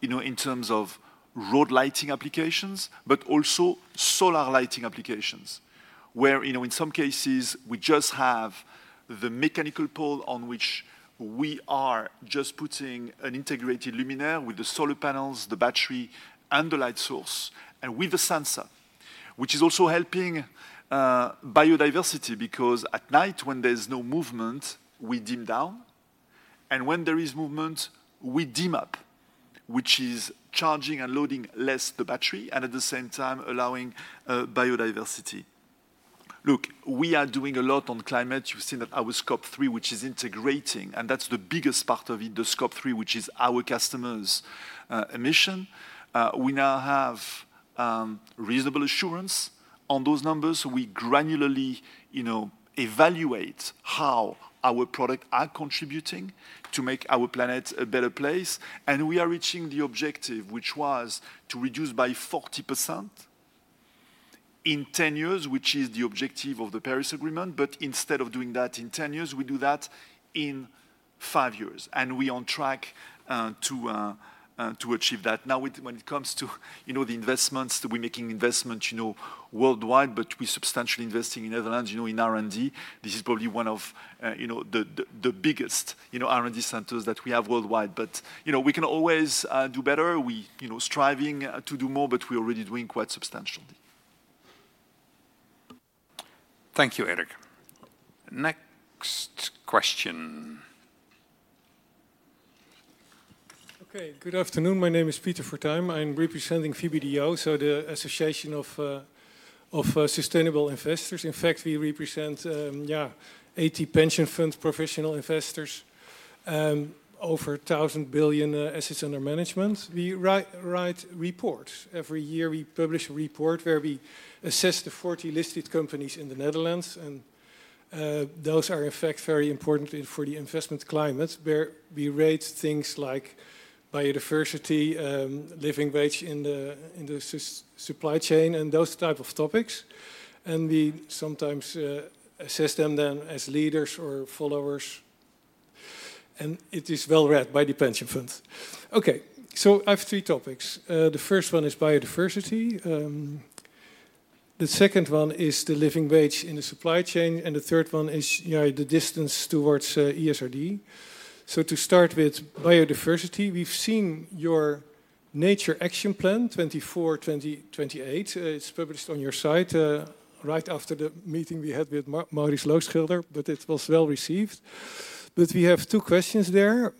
you know, in terms of road lighting applications, but also solar lighting applications, where, you know, in some cases, we just have the mechanical pole on which we are just putting an integrated luminaire with the solar panels, the battery, and the light source, and with the sensor, which is also helping biodiversity because at night, when there's no movement, we dim down, and when there is movement, we dim up, which is charging and loading less the battery and at the same time allowing biodiversity. Look, we are doing a lot on climate. You've seen that our Scope Three, which is integrating, and that's the biggest part of it, the Scope Three, which is our customers' emission. We now have reasonable assurance on those numbers. We granularly, you know, evaluate how our products are contributing to make our planet a better place, and we are reaching the objective, which was to reduce by 40% in 10 years, which is the objective of the Paris Agreement, but instead of doing that in 10 years, we do that in 5 years, and we are on track to achieve that. Now, when it comes to, you know, the investments, we're making investment, you know, worldwide, but we're substantially investing in the Netherlands, you know, in R&D. This is probably one of, you know, the biggest, you know, R&D centers that we have worldwide, but, you know, we can always do better. We're, you know, striving to do more, but we're already doing quite substantially. Thank you, Eric. Next question. Okay. Good afternoon. My name is Peter Fortuyn. I'm representing VBDO, so the Association of Sustainable Investors. In fact, we represent, yeah, 80 pension fund professional investors over 1,000 billion assets under management. We write reports. Every year, we publish a report where we assess the 40 listed companies in the Netherlands, and those are, in fact, very important for the investment climate, where we rate things like biodiversity, living wage in the supply chain, and those types of topics, and we sometimes assess them then as leaders or followers, and it is well read by the pension funds. Okay. So I have three topics. The first one is biodiversity. The second one is the living wage in the supply chain, and the third one is, yeah, the distance towards CSRD. So to start with biodiversity, we've seen your Nature Action Plan 2024-2028. It's published on your site right after the meeting we had with Maurice Loosschilder, but it was well received. But we have two questions there.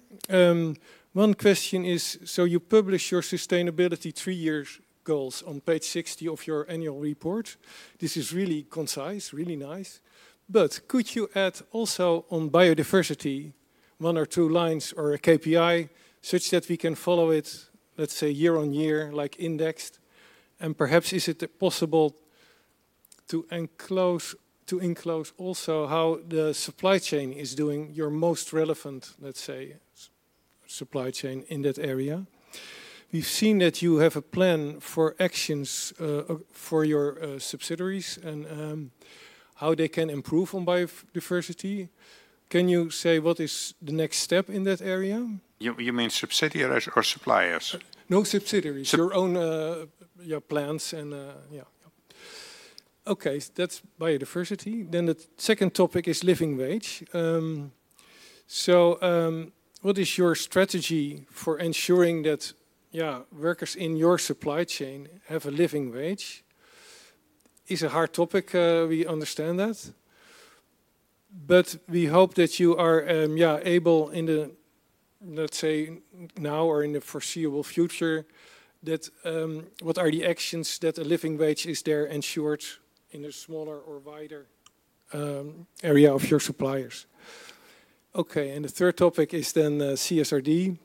One question is, so you publish your sustainability three-year goals on page 60 of your annual report. This is really concise, really nice. But could you add also on biodiversity one or two lines or a KPI such that we can follow it, let's say, year on year, like indexed? And perhaps is it possible to enclose also how the supply chain is doing, your most relevant, let's say, supply chain in that area? We've seen that you have a plan for actions for your subsidiaries and how they can improve on biodiversity. Can you say what is the next step in that area? You mean subsidiaries or suppliers? No, subsidiaries. Your own, yeah, plans and, yeah. Okay. That's biodiversity. Then the second topic is living wage. So what is your strategy for ensuring that, yeah, workers in your supply chain have a living wage? It's a hard topic. We understand that. But we hope that you are, yeah, able in the, let's say, now or in the foreseeable future, that what are the actions that a living wage is there ensured in a smaller or wider area of your suppliers? Okay. And the third topic is then CSRD.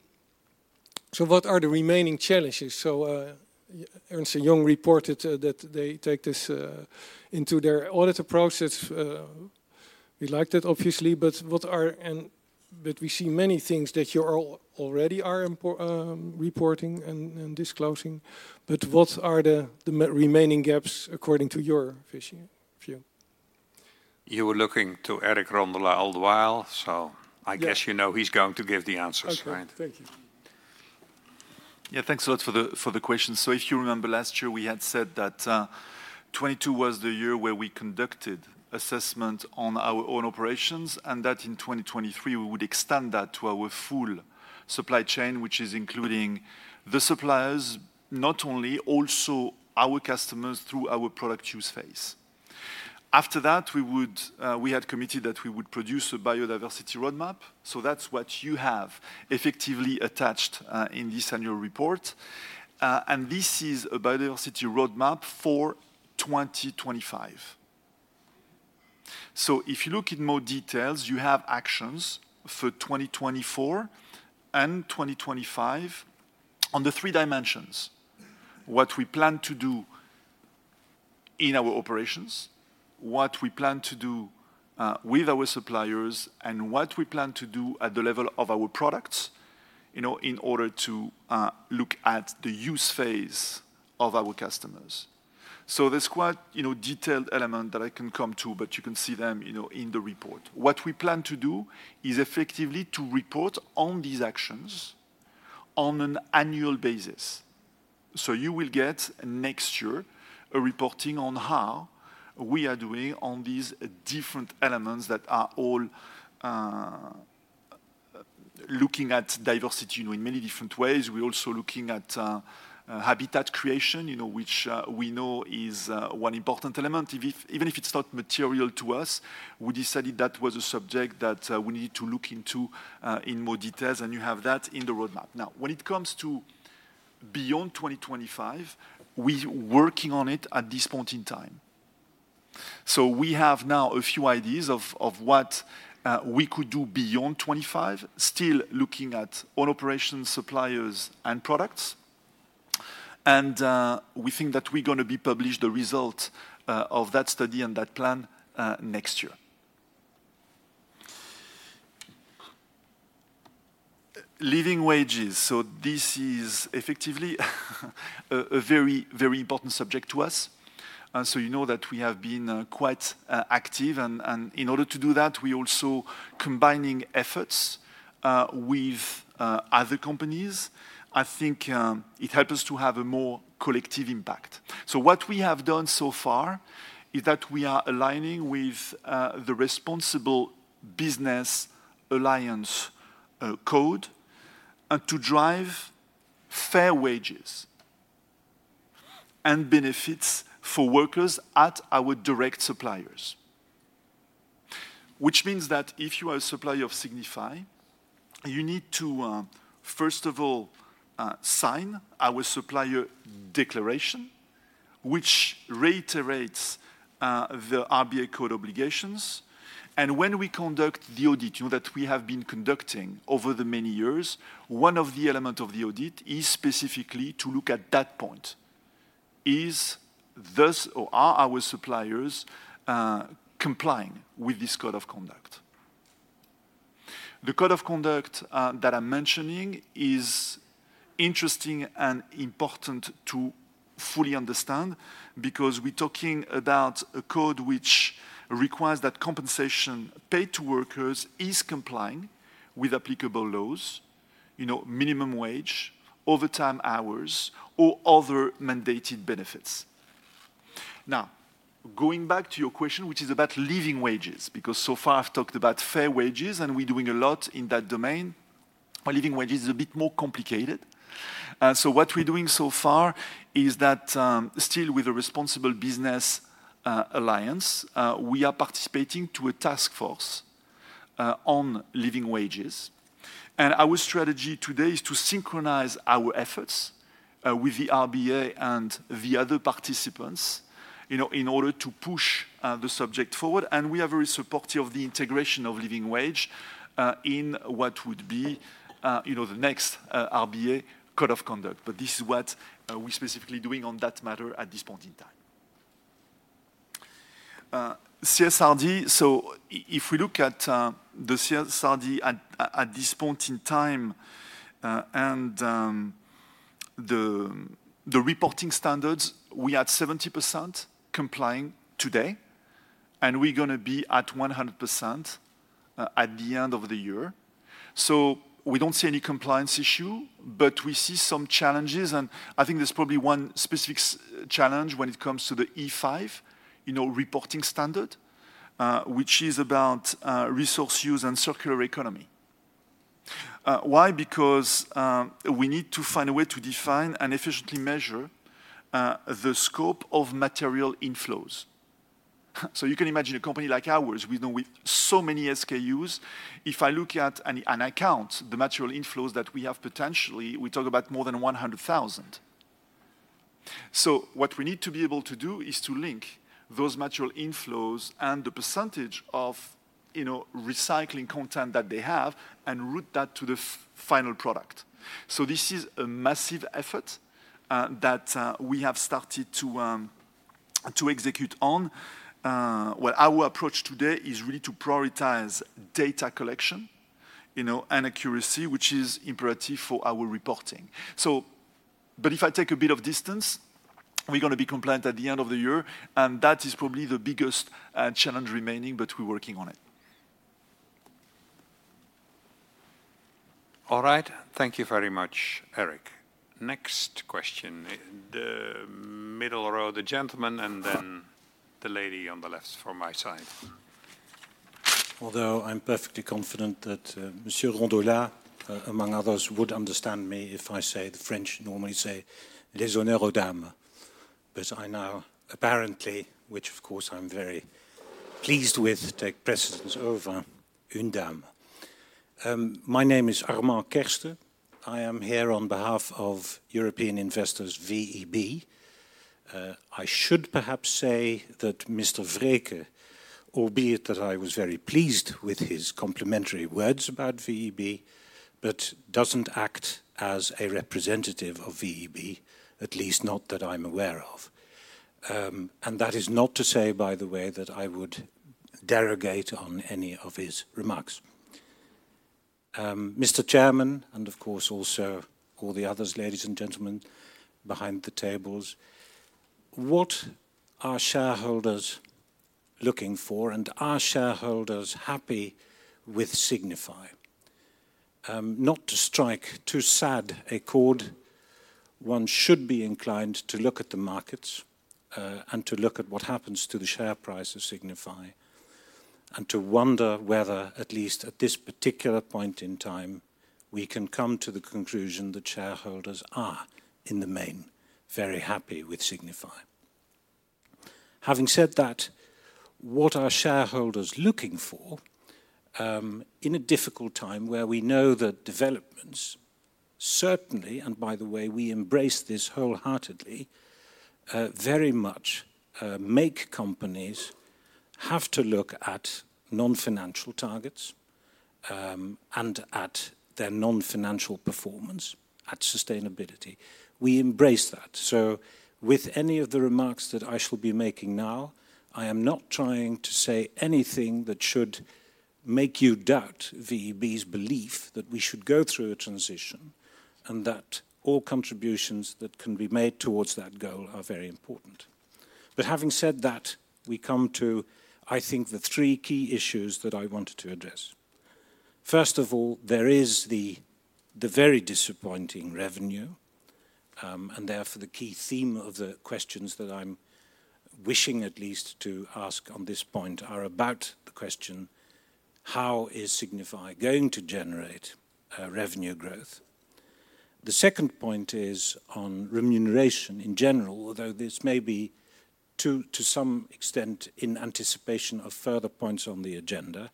So what are the remaining challenges? So Ernst & Young reported that they take this into their audit approaches. We like that, obviously, but what are—and but we see many things that you already are reporting and disclosing. But what are the remaining gaps according to your vision? You were looking to Eric Rondolat all the while, so I guess you know he's going to give the answers, right? Okay. Thank you. Yeah. Thanks a lot for the questions. So if you remember, last year, we had said that 2022 was the year where we conducted assessments on our own operations, and that in 2023, we would extend that to our full supply chain, which is including the suppliers, not only, also our customers through our product use phase. After that, we had committed that we would produce a biodiversity roadmap. So that's what you have effectively attached in this annual report. And this is a biodiversity roadmap for 2025. So if you look in more details, you have actions for 2024 and 2025 on the three dimensions: what we plan to do in our operations, what we plan to do with our suppliers, and what we plan to do at the level of our products, you know, in order to look at the use phase of our customers. So there's quite, you know, detailed elements that I can come to, but you can see them, you know, in the report. What we plan to do is effectively to report on these actions on an annual basis. So you will get next year a reporting on how we are doing on these different elements that are all looking at diversity, you know, in many different ways. We're also looking at habitat creation, you know, which we know is one important element. Even if it's not material to us, we decided that was a subject that we needed to look into in more details, and you have that in the roadmap. Now, when it comes to beyond 2025, we're working on it at this point in time. So we have now a few ideas of what we could do beyond 2025, still looking at own operations, suppliers, and products. We think that we're going to publish the results of that study and that plan next year. Living wages. So this is effectively a very, very important subject to us. So you know that we have been quite active, and in order to do that, we're also combining efforts with other companies. I think it helps us to have a more collective impact. So what we have done so far is that we are aligning with the Responsible Business Alliance Code to drive fair wages and benefits for workers at our direct suppliers, which means that if you are a supplier of Signify, you need to, first of all, sign our supplier declaration, which reiterates the RBA code obligations. And when we conduct the audit, you know, that we have been conducting over the many years, one of the elements of the audit is specifically to look at that point: are our suppliers complying with this code of conduct? The code of conduct that I'm mentioning is interesting and important to fully understand because we're talking about a code which requires that compensation paid to workers is complying with applicable laws, you know, minimum wage, overtime hours, or other mandated benefits. Now, going back to your question, which is about living wages, because so far I've talked about fair wages, and we're doing a lot in that domain, but living wages is a bit more complicated. So what we're doing so far is that, still with the Responsible Business Alliance, we are participating in a task force on living wages. And our strategy today is to synchronize our efforts with the RBA and the other participants, you know, in order to push the subject forward. And we are very supportive of the integration of living wage in what would be, you know, the next RBA code of conduct. But this is what we're specifically doing on that matter at this point in time. CSRD. So if we look at the CSRD at this point in time and the reporting standards, we're at 70% complying today, and we're going to be at 100% at the end of the year. So we don't see any compliance issue, but we see some challenges, and I think there's probably one specific challenge when it comes to the E5, you know, reporting standard, which is about resource use and circular economy. Why? Because we need to find a way to define and efficiently measure the scope of material inflows. So you can imagine a company like ours, you know, with so many SKUs, if I look at an account, the material inflows that we have potentially, we talk about more than 100,000. So what we need to be able to do is to link those material inflows and the percentage of, you know, recycling content that they have and route that to the final product. So this is a massive effort that we have started to execute on. Well, our approach today is really to prioritize data collection, you know, and accuracy, which is imperative for our reporting. So, but if I take a bit of distance, we're going to be compliant at the end of the year, and that is probably the biggest challenge remaining, but we're working on it. All right. Thank you very much, Eric. Next question. The middle row, the gentleman, and then the lady on the left from my side. Although I'm perfectly confident that Monsieur Rondolat, among others, would understand me if I say, the French normally say, "Les honneurs aux dames." But I now apparently, which, of course, I'm very pleased with, take precedence over "une dame." My name is Armand Kersten. I am here on behalf of European Investors VEB. I should perhaps say that Mr. Vreeken, albeit that I was very pleased with his complimentary words about VEB, but doesn't act as a representative of VEB, at least not that I'm aware of. And that is not to say, by the way, that I would derogate on any of his remarks. Mr. Chairman, and of course also all the other ladies and gentlemen behind the tables, what are shareholders looking for? Are shareholders happy with Signify? Not to strike too sad accord, one should be inclined to look at the markets and to look at what happens to the share price of Signify and to wonder whether, at least at this particular point in time, we can come to the conclusion that shareholders are, in the main, very happy with Signify. Having said that, what are shareholders looking for in a difficult time where we know that developments certainly, and by the way, we embrace this wholeheartedly, very much make companies have to look at non-financial targets and at their non-financial performance, at sustainability? We embrace that. So with any of the remarks that I shall be making now, I am not trying to say anything that should make you doubt VEB's belief that we should go through a transition and that all contributions that can be made towards that goal are very important. But having said that, we come to, I think, the three key issues that I wanted to address. First of all, there is the very disappointing revenue, and therefore the key theme of the questions that I'm wishing, at least, to ask on this point are about the question: How is Signify going to generate revenue growth? The second point is on remuneration in general, although this may be, to some extent, in anticipation of further points on the agenda,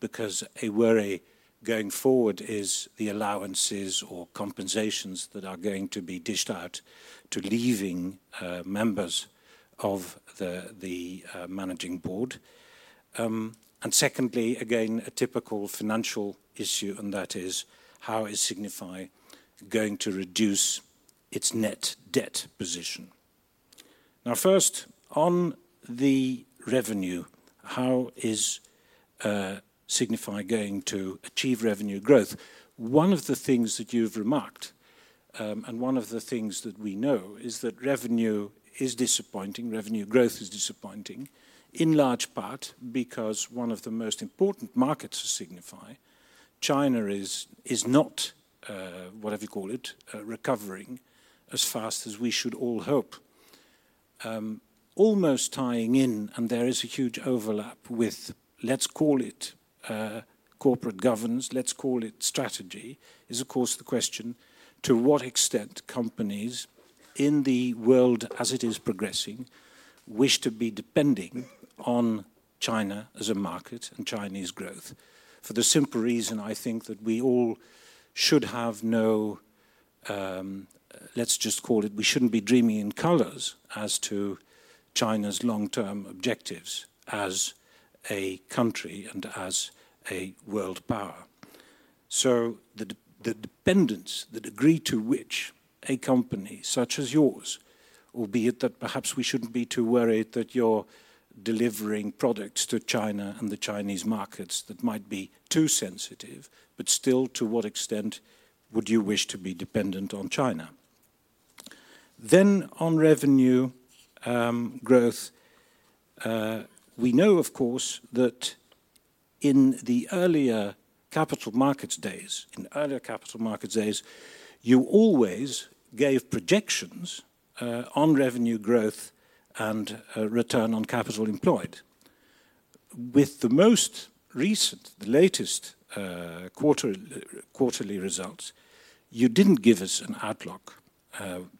because a worry going forward is the allowances or compensations that are going to be dished out to leaving members of the managing board. And secondly, again, a typical financial issue, and that is: How is Signify going to reduce its net debt position? Now, first, on the revenue, how is Signify going to achieve revenue growth? One of the things that you've remarked, and one of the things that we know, is that revenue is disappointing, revenue growth is disappointing, in large part because one of the most important markets for Signify, China is not, whatever you call it, recovering as fast as we should all hope. Almost tying in, and there is a huge overlap with, let's call it, corporate governance, let's call it strategy, is, of course, the question: To what extent companies, in the world as it is progressing, wish to be depending on China as a market and Chinese growth? For the simple reason, I think, that we all should have no—let's just call it—we shouldn't be dreaming in colors as to China's long-term objectives as a country and as a world power. So the dependence, the degree to which a company such as yours, albeit that perhaps we shouldn't be too worried that you're delivering products to China and the Chinese markets that might be too sensitive, but still, to what extent would you wish to be dependent on China? Then, on revenue growth, we know, of course, that in the earlier capital markets days, in earlier capital markets days, you always gave projections on revenue growth and return on capital employed. With the most recent, the latest quarterly results, you didn't give us an outlook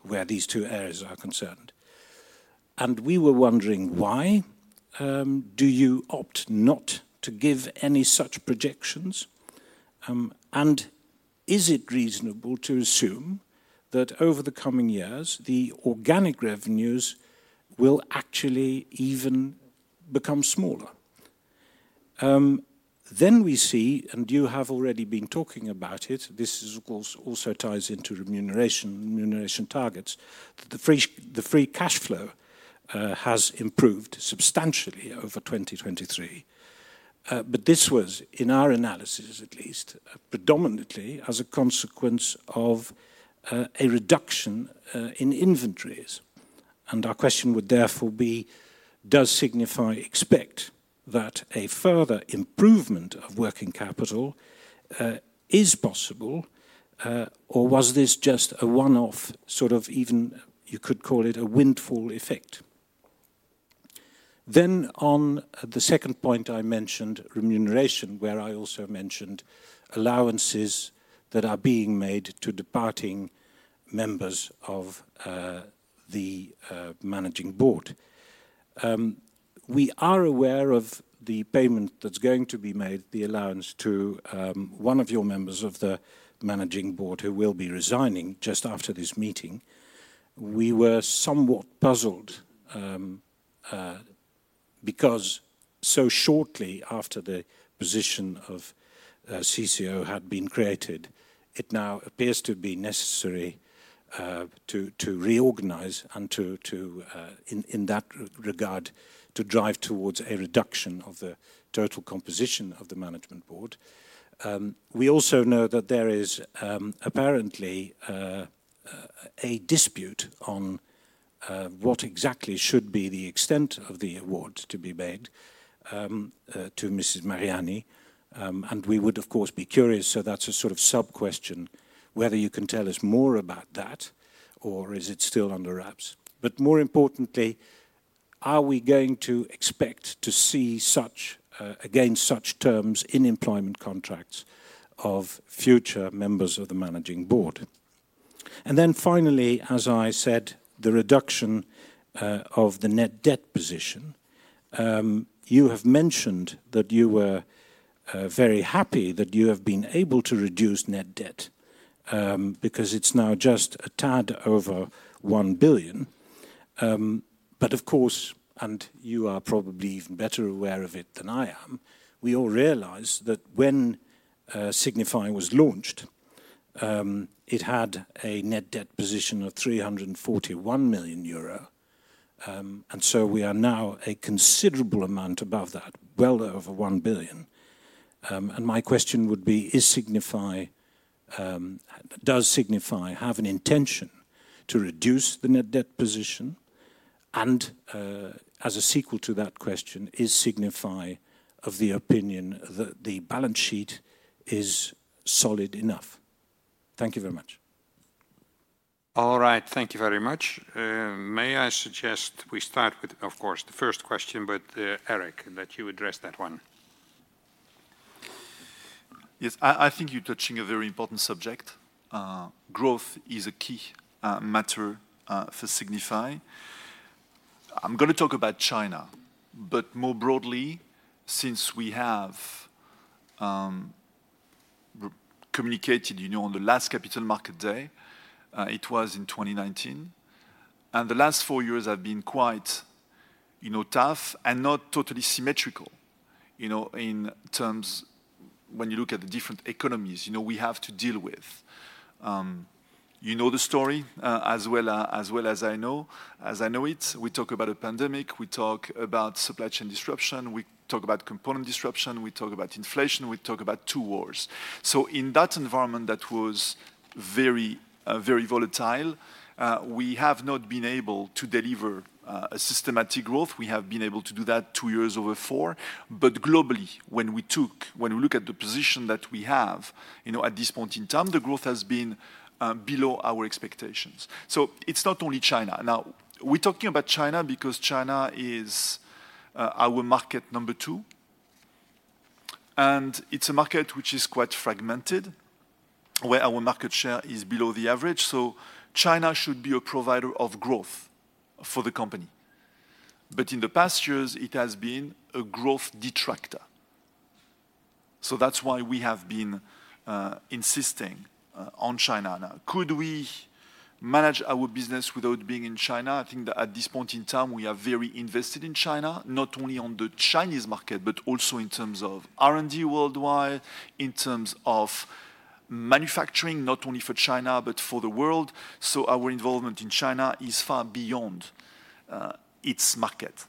where these two areas are concerned. And we were wondering: Why do you opt not to give any such projections? And is it reasonable to assume that over the coming years the organic revenues will actually even become smaller? Then we see, and you have already been talking about it, this is, of course, also ties into remuneration, remuneration targets, that the free cash flow has improved substantially over 2023. But this was, in our analysis at least, predominantly as a consequence of a reduction in inventories. And our question would therefore be: Does Signify expect that a further improvement of working capital is possible, or was this just a one-off sort of, even you could call it, a windfall effect? Then, on the second point I mentioned, remuneration, where I also mentioned allowances that are being made to departing members of the managing board. We are aware of the payment that's going to be made, the allowance to one of your members of the managing board who will be resigning just after this meeting. We were somewhat puzzled because so shortly after the position of CCO had been created, it now appears to be necessary to reorganise and to, in that regard, drive towards a reduction of the total composition of the management board. We also know that there is apparently a dispute on what exactly should be the extent of the award to be made to Mrs. Mariani. And we would, of course, be curious, so that's a sort of sub-question, whether you can tell us more about that or is it still under wraps. But more importantly, are we going to expect to see such, again, such terms in employment contracts of future members of the managing board? And then finally, as I said, the reduction of the net debt position. You have mentioned that you were very happy that you have been able to reduce net debt because it's now just a tad over 1 billion. But of course, and you are probably even better aware of it than I am, we all realize that when Signify was launched, it had a net debt position of 341 million euro. So we are now a considerable amount above that, well over 1 billion. My question would be: Is Signify, does Signify have an intention to reduce the net debt position? As a sequel to that question, is Signify of the opinion that the balance sheet is solid enough? Thank you very much. All right. Thank you very much. May I suggest we start with, of course, the first question, but Eric, that you address that one? Yes. I think you're touching a very important subject. Growth is a key matter for Signify. I'm going to talk about China, but more broadly, since we have communicated, you know, on the last capital market day, it was in 2019. The last four years have been quite, you know, tough and not totally symmetrical, you know, in terms when you look at the different economies, you know, we have to deal with. You know the story as well as I know it. We talk about a pandemic, we talk about supply chain disruption, we talk about component disruption, we talk about inflation, we talk about two wars. So in that environment that was very, very volatile, we have not been able to deliver a systematic growth. We have been able to do that two years over four. But globally, when we took, when we look at the position that we have, you know, at this point in time, the growth has been below our expectations. So it's not only China. Now, we're talking about China because China is our market number two. It's a market which is quite fragmented, where our market share is below the average. So China should be a provider of growth for the company. But in the past years, it has been a growth detractor. So that's why we have been insisting on China. Now, could we manage our business without being in China? I think that at this point in time we are very invested in China, not only on the Chinese market, but also in terms of R&D worldwide, in terms of manufacturing, not only for China, but for the world. So our involvement in China is far beyond its market.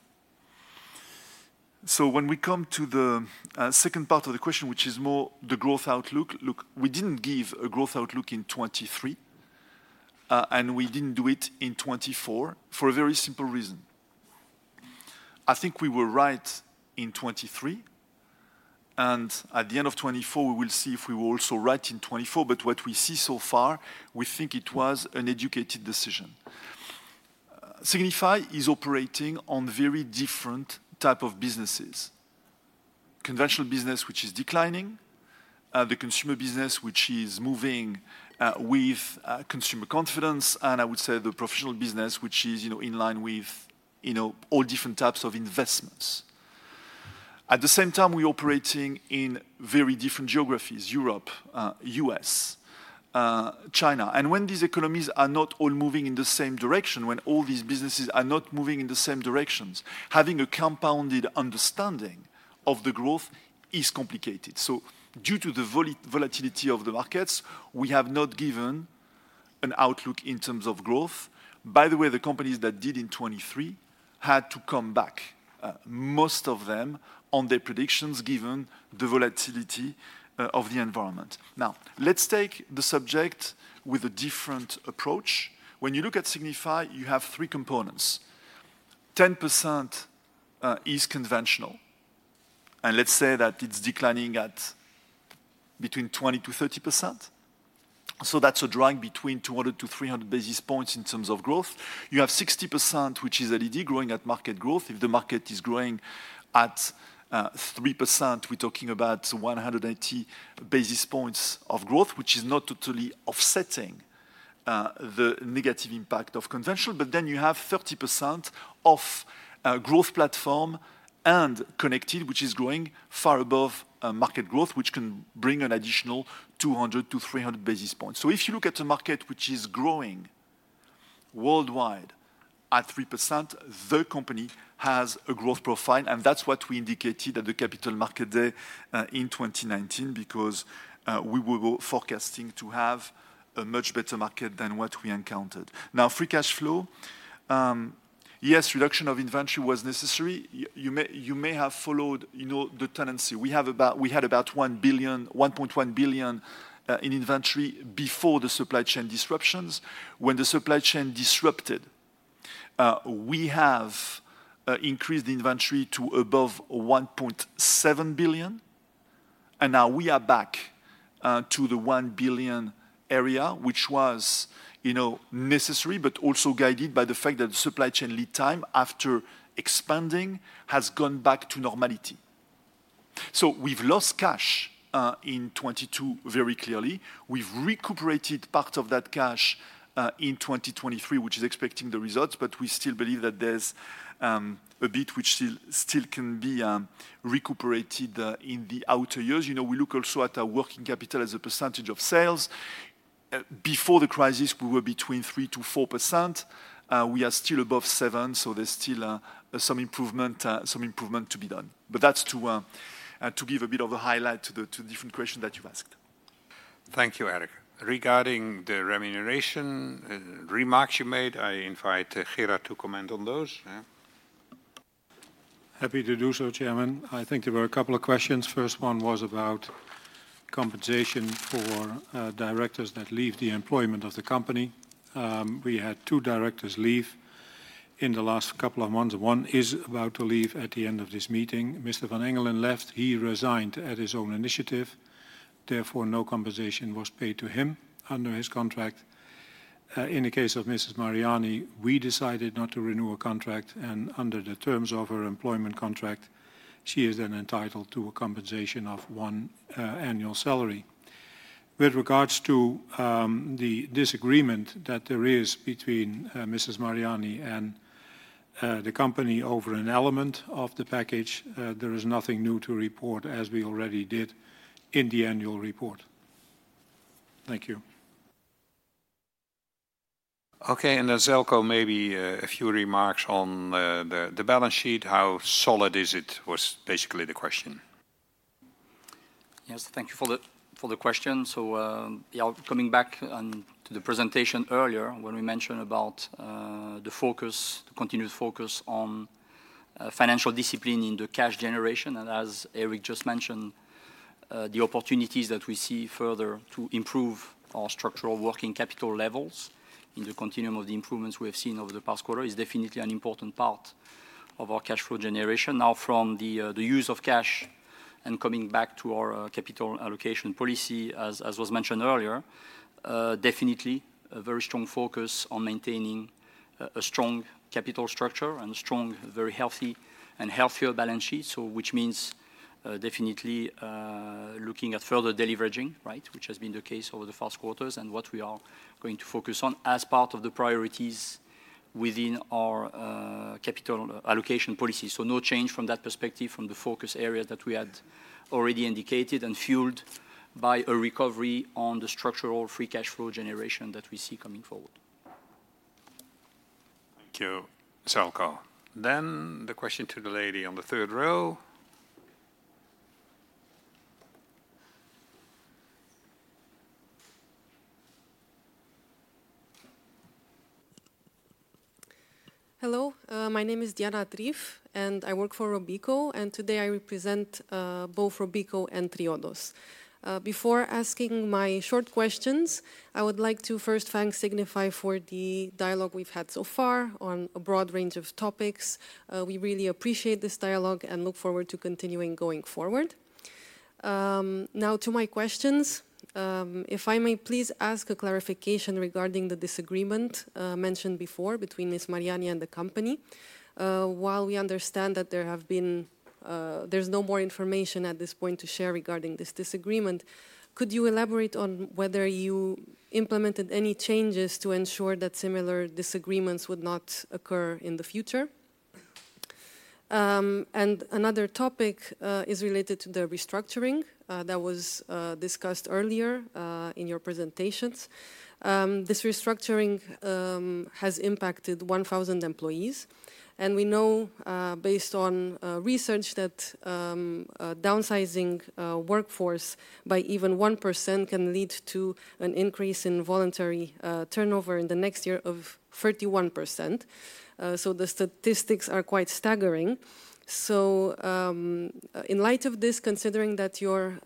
So when we come to the second part of the question, which is more the growth outlook, look, we didn't give a growth outlook in 2023, and we didn't do it in 2024, for a very simple reason. I think we were right in 2023, and at the end of 2024 we will see if we were also right in 2024, but what we see so far, we think it was an educated decision. Signify is operating on very different types of businesses: conventional business, which is declining. The consumer business, which is moving with consumer confidence; and I would say the professional business, which is, you know, in line with, you know, all different types of investments. At the same time, we are operating in very different geographies: Europe, U.S., China. When these economies are not all moving in the same direction, when all these businesses are not moving in the same directions, having a compounded understanding of the growth is complicated. So due to the volatility of the markets, we have not given an outlook in terms of growth. By the way, the companies that did in 2023 had to come back, most of them, on their predictions given the volatility of the environment. Now, let's take the subject with a different approach. When you look at Signify, you have three components: 10% is conventional, and let's say that it's declining at between 20%-30%. So that's a drag between 200-300 basis points in terms of growth. You have 60%, which is LED, growing at market growth. If the market is growing at 3%, we are talking about 180 basis points of growth, which is not totally offsetting the negative impact of conventional. But then you have 30% of growth platform and connected, which is growing far above market growth, which can bring an additional 200-300 basis points. So if you look at a market which is growing worldwide at 3%, the company has a growth profile, and that's what we indicated at the capital market day in 2019, because we were forecasting to have a much better market than what we encountered. Now, free cash flow: Yes, reduction of inventory was necessary. You may have followed, you know, the tendency. We had about 1 billion, 1.1 billion in inventory before the supply chain disruptions. When the supply chain disrupted, we have increased the inventory to above 1.7 billion. And now we are back to the 1 billion area, which was, you know, necessary, but also guided by the fact that the supply chain lead time, after expanding, has gone back to normality. So we have lost cash in 2022 very clearly. We have recuperated part of that cash in 2023, which is expecting the results, but we still believe that there is a bit which still can be recuperated in the outer years. You know, we look also at our working capital as a percentage of sales. Before the crisis, we were between 3%-4%. We are still above 7%, so there is still some improvement to be done. But that is to give a bit of a highlight to the different questions that you have asked. Thank you, Eric. Regarding the remuneration remarks you made, I invite Gerard to comment on those. Happy to do so, Chairman. I think there were a couple of questions. First one was about compensation for directors that leave the employment of the company. We had two directors leave in the last couple of months. One is about to leave at the end of this meeting. Mr. van Engelen left. He resigned at his own initiative. Therefore, no compensation was paid to him under his contract. In the case of Mrs. Mariani, we decided not to renew her contract, and under the terms of her employment contract, she is then entitled to a compensation of one annual salary. With regards to the disagreement that there is between Mrs. Mariani and the company over an element of the package, there is nothing new to report, as we already did in the annual report. Thank you. Okay, and then Željko, maybe a few remarks on the balance sheet. How solid is it? Was basically the question. Yes, thank you for the question. So, yeah, coming back to the presentation earlier, when we mentioned about the focus, the continued focus on financial discipline in the cash generation, and as Eric just mentioned, the opportunities that we see further to improve our structural working capital levels in the continuum of the improvements we have seen over the past quarter is definitely an important part of our cash flow generation. Now, from the use of cash and coming back to our capital allocation policy, as was mentioned earlier, definitely a very strong focus on maintaining a strong capital structure and a strong, very healthy and healthier balance sheet, which means definitely looking at further deleveraging, right, which has been the case over the past quarters, and what we are going to focus on as part of the priorities within our capital allocation policy. So no change from that perspective, from the focus areas that we had already indicated and fueled by a recovery on the structural free cash flow generation that we see coming forward. Thank you, Željko. Then the question to the lady on the third row. Hello. My name is Diana Trif, and I work for Robeco, and today I represent both Robeco and Triodos. Before asking my short questions, I would like to first thank Signify for the dialogue we have had so far on a broad range of topics. We really appreciate this dialogue and look forward to continuing going forward. Now, to my questions, if I may please ask a clarification regarding the disagreement mentioned before between Ms. Mariani and the company. While we understand, there is no more information at this point to share regarding this disagreement. Could you elaborate on whether you implemented any changes to ensure that similar disagreements would not occur in the future? Another topic is related to the restructuring that was discussed earlier in your presentations. This restructuring has impacted 1,000 employees. We know, based on research, that downsizing the workforce by even 1% can lead to an increase in voluntary turnover in the next year of 31%. The statistics are quite staggering. So in light of this, considering that your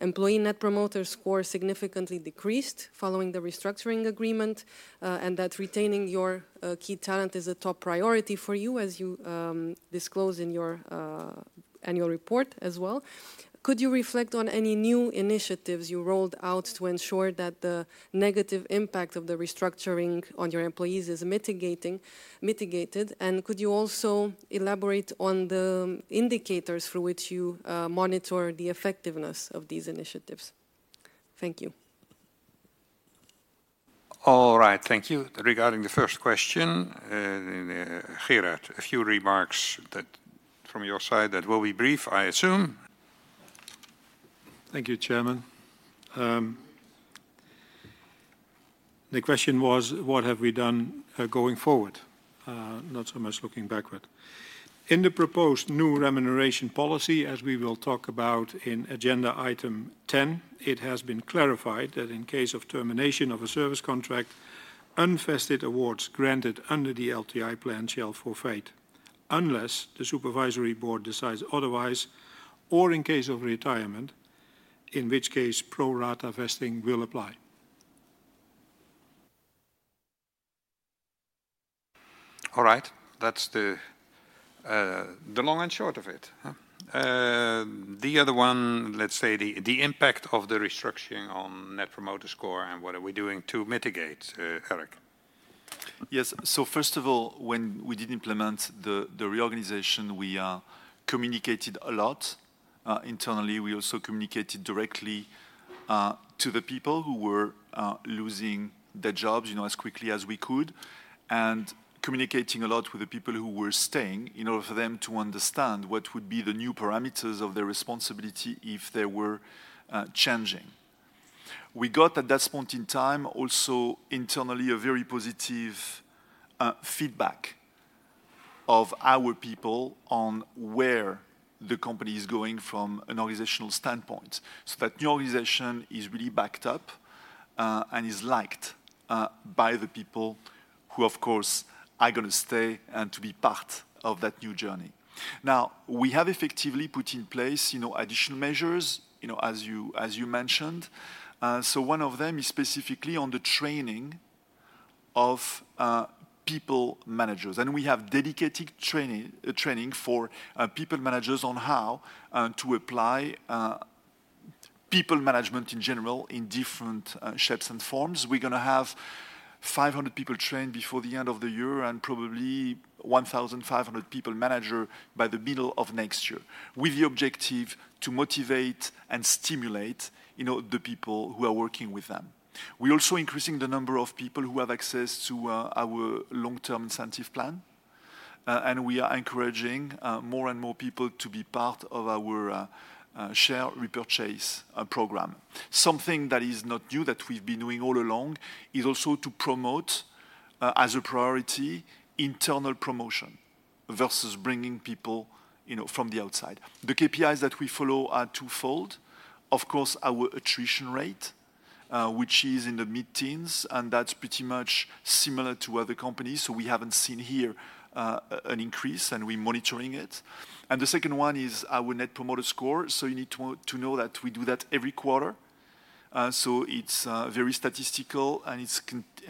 employee net promoter score significantly decreased following the restructuring agreement, and that retaining your key talent is a top priority for you, as you disclose in your annual report as well, could you reflect on any new initiatives you rolled out to ensure that the negative impact of the restructuring on your employees is mitigated? And could you also elaborate on the indicators through which you monitor the effectiveness of these initiatives? Thank you. All right. Thank you. Regarding the first question, Gerard, a few remarks from your side that will be brief, I assume. Thank you, Chairman. The question was: What have we done going forward? Not so much looking backward. In the proposed new remuneration policy, as we will talk about in agenda item 10, it has been clarified that in case of termination of a service contract, unvested awards granted under the LTI plan shall forfeit unless the supervisory board decides otherwise, or in case of retirement, in which case pro-rata vesting will apply. All right. That is the long and short of it. The other one, let's say, the impact of the restructuring on Net Promoter Score and what are we doing to mitigate, Eric? Yes. So first of all, when we did implement the reorganization, we communicated a lot internally. We also communicated directly to the people who were losing their jobs, you know, as quickly as we could, and communicating a lot with the people who were staying in order for them to understand what would be the new parameters of their responsibility if they were changing. We got, at that point in time, also internally a very positive feedback of our people on where the company is going from an organizational standpoint, so that new organization is really backed up and is liked by the people who, of course, are going to stay and to be part of that new journey. Now, we have effectively put in place, you know, additional measures, you know, as you mentioned. So one of them is specifically on the training of people managers. We have dedicated training for people managers on how to apply people management in general in different shapes and forms. We are going to have 500 people trained before the end of the year and probably 1,500 people managers by the middle of next year, with the objective to motivate and stimulate, you know, the people who are working with them. We are also increasing the number of people who have access to our long-term incentive plan, and we are encouraging more and more people to be part of our share repurchase program. Something that is not new, that we have been doing all along, is also to promote as a priority internal promotion versus bringing people, you know, from the outside. The KPIs that we follow are twofold. Of course, our attrition rate, which is in the mid-teens, and that is pretty much similar to other companies, so we have not seen here an increase, and we are monitoring it. The second one is our Net Promoter Score. You need to know that we do that every quarter. It is very statistical, and it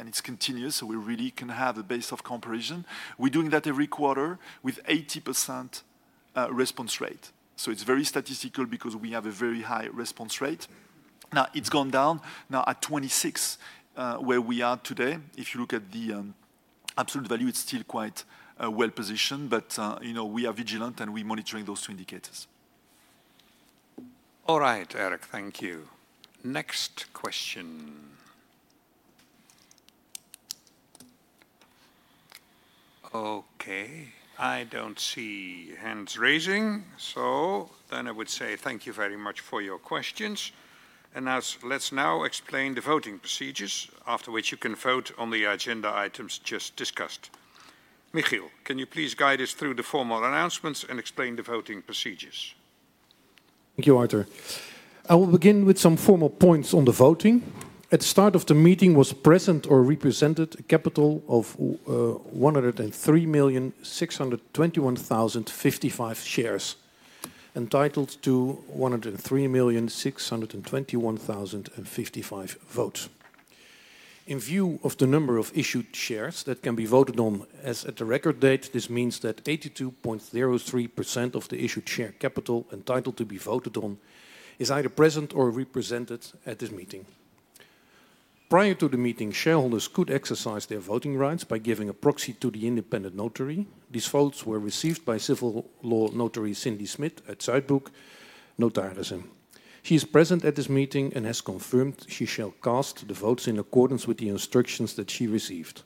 is continuous, so we really can have a base of comparison. We are doing that every quarter with 80% response rate. It is very statistical because we have a very high response rate. Now, it has gone down now at 26% where we are today. If you look at the absolute value, it is still quite well positioned, but, you know, we are vigilant and we are monitoring those two indicators. All right, Eric. Thank you. Next question. Okay, I do not see hands raising, so then I would say thank you very much for your questions. Let us now explain the voting procedures, after which you can vote on the agenda items just discussed. Michiel, can you please guide us through the formal announcements and explain the voting procedures? Thank you, Arthur. I will begin with some formal points on the voting. At the start of the meeting was present or represented a capital of 103,621,055 shares, entitled to 103,621,055 votes. In view of the number of issued shares that can be voted on, as at the record date, this means that 82.03% of the issued share capital entitled to be voted on is either present or represented at this meeting. Prior to the meeting, shareholders could exercise their voting rights by giving a proxy to the independent notary. These votes were received by civil law notary Cindy Smits at Zuidbroek Notarissen. She is present at this meeting and has confirmed she shall cast the votes in accordance with the instructions that she received.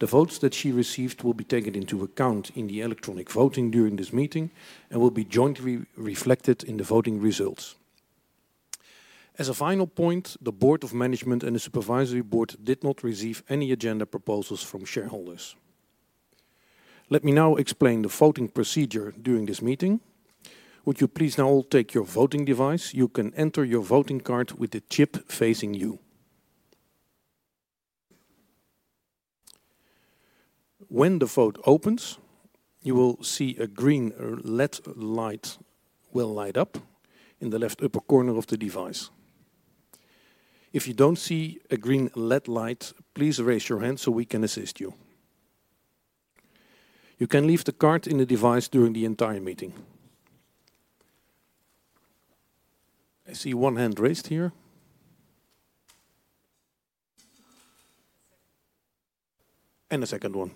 The votes that she received will be taken into account in the electronic voting during this meeting and will be jointly reflected in the voting results. As a final point, the board of management and the supervisory board did not receive any agenda proposals from shareholders. Let me now explain the voting procedure during this meeting. Would you please now all take your voting device? You can enter your voting card with the chip facing you. When the vote opens, you will see a green LED light will light up in the left upper corner of the device. If you do not see a green LED light, please raise your hand so we can assist you. You can leave the card in the device during the entire meeting. I see 1 hand raised here. And a second one.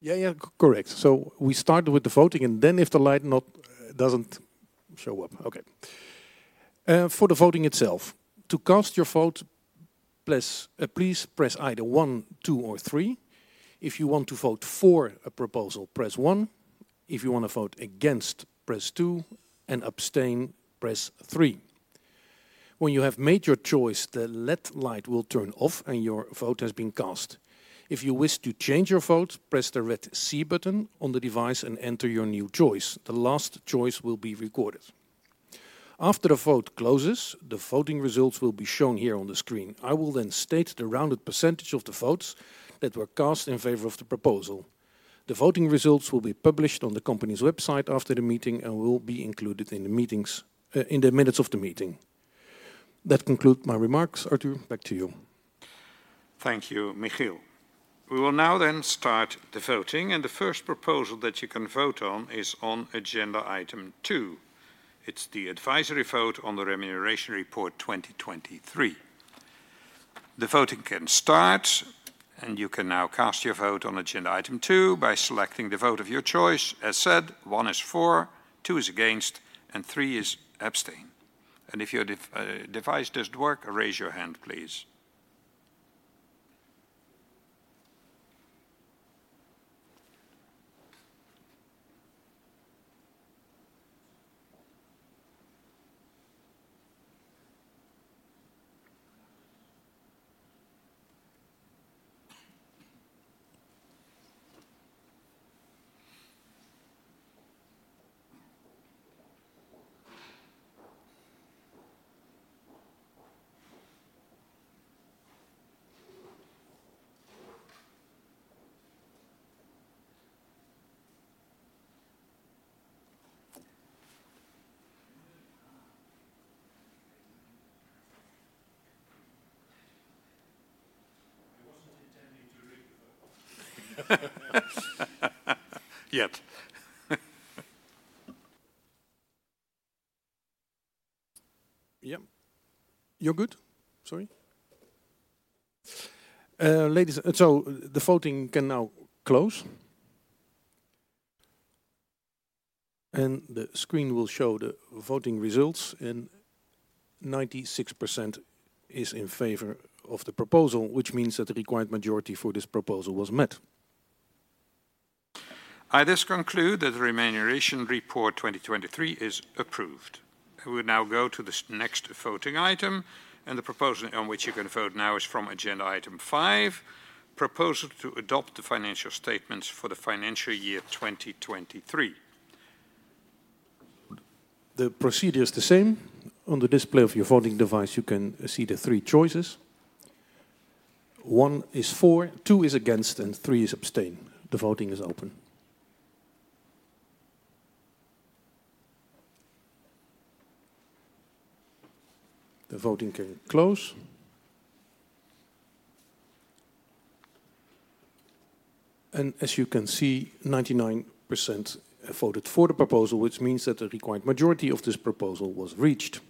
Yeah, yeah, correct. So we start with the voting and then if the light does not show up, okay. For the voting itself, to cast your vote, please press either one, two, or three. If you want to vote for a proposal, press one. If you want to vote against, press two, and abstain, press three. When you have made your choice, the LED light will turn off and your vote has been cast. If you wish to change your vote, press the red C button on the device and enter your new choice. The last choice will be recorded. After the vote closes, the voting results will be shown here on the screen. I will then state the rounded percentage of the votes that were cast in favor of the proposal. The voting results will be published on the company's website after the meeting and will be included in the minutes of the meeting. That concludes my remarks, Arthur. Back to you. Thank you, Michiel. We will now then start the voting, and the first proposal that you can vote on is on agenda item two. It is the advisory vote on the remuneration report 2023. The voting can start, and you can now cast your vote on agenda item two by selecting the vote of your choice. As said, one is for, two is against, and three is abstain. And if your device does not work, raise your hand, please. Yet. Yep. You are good? Sorry. Ladies and gentlemen, so the voting can now close. And the screen will show the voting results, and 96% is in favor of the proposal, which means that the required majority for this proposal was met. I thus conclude that the remuneration report 2023 is approved. We will now go to the next voting item, and the proposal on which you are going to vote now is from agenda item five: Proposal to adopt the financial statements for the financial year 2023. The procedure is the same. On the display of your voting device, you can see the three choices. One is for, two is against, and three is abstain. The voting is open. The voting can close. And as you can see, 99% voted for the proposal, which means that the required majority of this proposal was reached.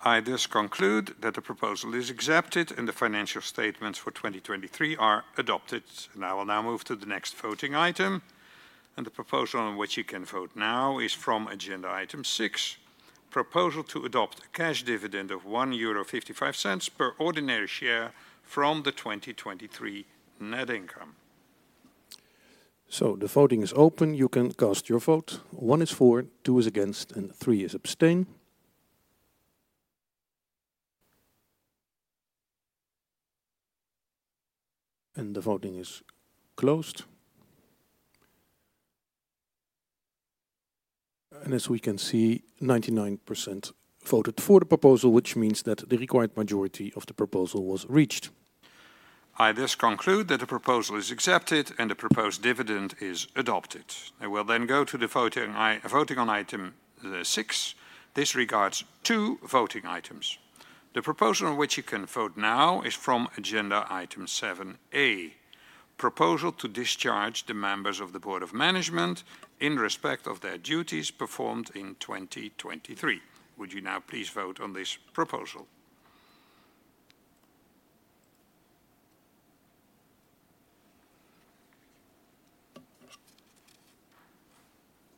I thus conclude that the proposal is accepted and the financial statements for 2023 are adopted. I will now move to the next voting item. The proposal on which you can vote now is from agenda item 6: Proposal to adopt a cash dividend of 1.55 euro per ordinary share from the 2023 net income. The voting is open. You can cast your vote. one is for, two is against, and three is abstain. The voting is closed. As we can see, 99% voted for the proposal, which means that the required majority of the proposal was reached. I thus conclude that the proposal is accepted and the proposed dividend is adopted. I will then go to the voting on item 6. This regards two voting items. The proposal on which you can vote now is from agenda item 7A: Proposal to discharge the members of the board of management in respect of their duties performed in 2023. Would you now please vote on this proposal?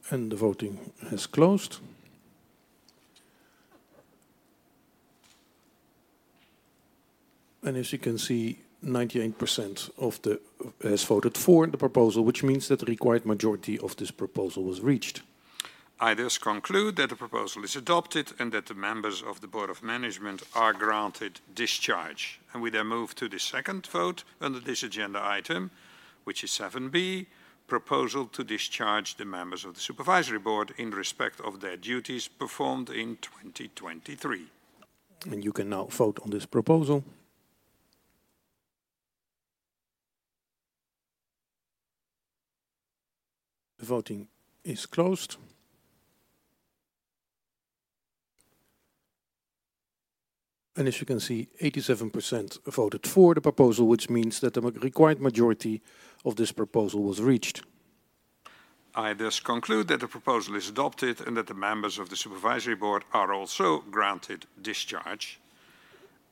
The voting has closed. As you can see, 98% has voted for the proposal, which means that the required majority of this proposal was reached. I thus conclude that the proposal is adopted and that the members of the board of management are granted discharge. We then move to the second vote under this agenda item, which is 7B: Proposal to discharge the members of the supervisory board in respect of their duties performed in 2023. You can now vote on this proposal. The voting is closed. As you can see, 87% voted for the proposal, which means that the required majority of this proposal was reached. I thus conclude that the proposal is adopted and that the members of the supervisory board are also granted discharge.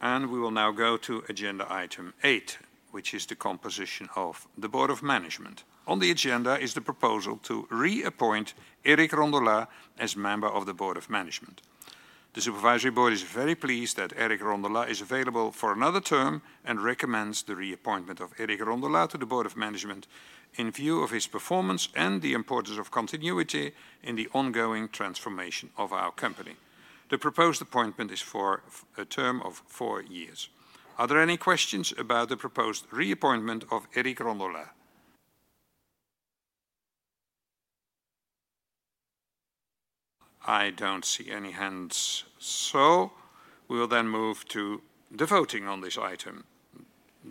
We will now go to agenda item 8, which is the composition of the board of management. On the agenda is the proposal to reappoint Eric Rondolat as member of the board of management. The supervisory board is very pleased that Eric Rondolat is available for another term and recommends the reappointment of Eric Rondolat to the board of management in view of his performance and the importance of continuity in the ongoing transformation of our company. The proposed appointment is for a term of 4 years. Are there any questions about the proposed reappointment of Eric Rondolat? I do not see any hands, so we will then move to the voting on this item.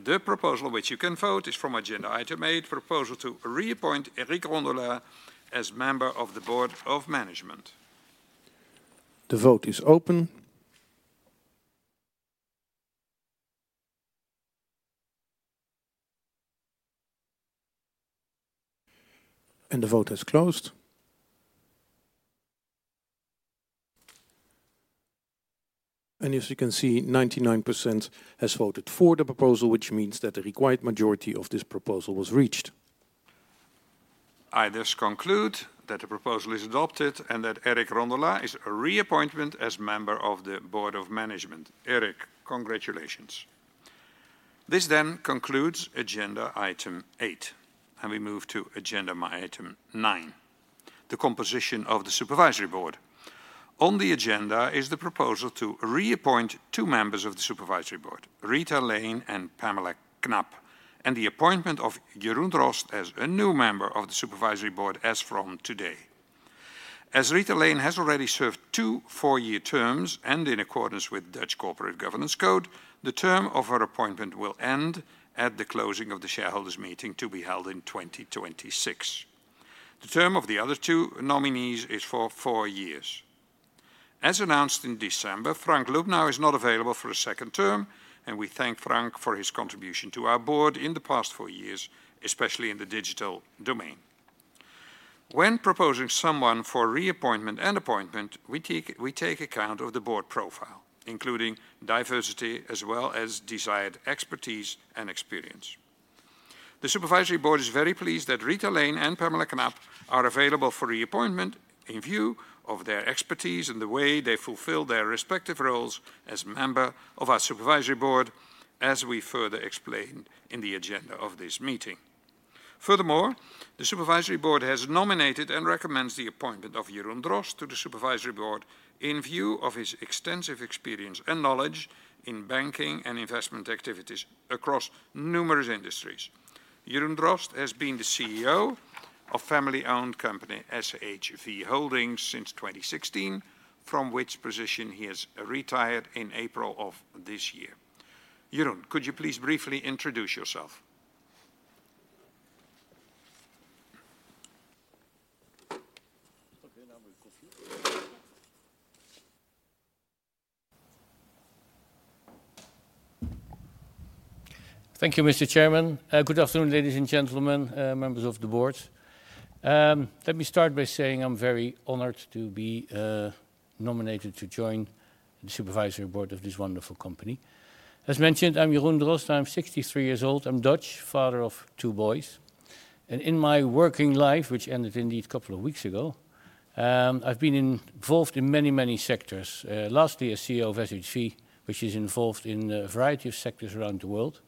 The proposal on which you can vote is from agenda item eight: Proposal to reappoint Eric Rondolat as member of the Board of Management. The vote is open. The vote has closed. As you can see, 99% has voted for the proposal, which means that the required majority of this proposal was reached. I thus conclude that the proposal is adopted and that Eric Rondolat is reappointed as member of the Board of Management. Eric, congratulations. This then concludes agenda item eight. We move to agenda item nine: The composition of the Supervisory Board. On the agenda is the proposal to reappoint two members of the Supervisory Board: Rita Lane and Pamela Knapp, and the appointment of Jeroen Drost as a new member of the Supervisory Board as from today. As Rita Lane has already served two four-year terms and in accordance with the Dutch Corporate Governance Code, the term of her appointment will end at the closing of the shareholders' meeting to be held in 2026. The term of the other two nominees is for four years. As announced in December, Frank Lubnau is not available for a second term, and we thank Frank for his contribution to our board in the past four years, especially in the digital domain. When proposing someone for reappointment and appointment, we take account of the board profile, including diversity as well as desired expertise and experience. The supervisory board is very pleased that Rita Lane and Pamela Knapp are available for reappointment in view of their expertise and the way they fulfill their respective roles as members of our supervisory board, as we further explained in the agenda of this meeting. Furthermore, the Supervisory Board has nominated and recommends the appointment of Jeroen Drost to the Supervisory Board in view of his extensive experience and knowledge in banking and investment activities across numerous industries. Jeroen Drost has been the CEO of family-owned company SHV Holdings since 2016, from which position he has retired in April of this year. Jeroen, could you please briefly introduce yourself? Thank you, Mr. Chairman. Good afternoon, ladies and gentlemen, members of the board. Let me start by saying I am very honored to be nominated to join the Supervisory Board of this wonderful company. As mentioned, I am Jeroen Drost. I am 63 years old. I am Dutch, father of two boys. And in my working life, which ended indeed a couple of weeks ago, I have been involved in many, many sectors. Lastly, as CEO of SHV, which is involved in a variety of sectors around the world.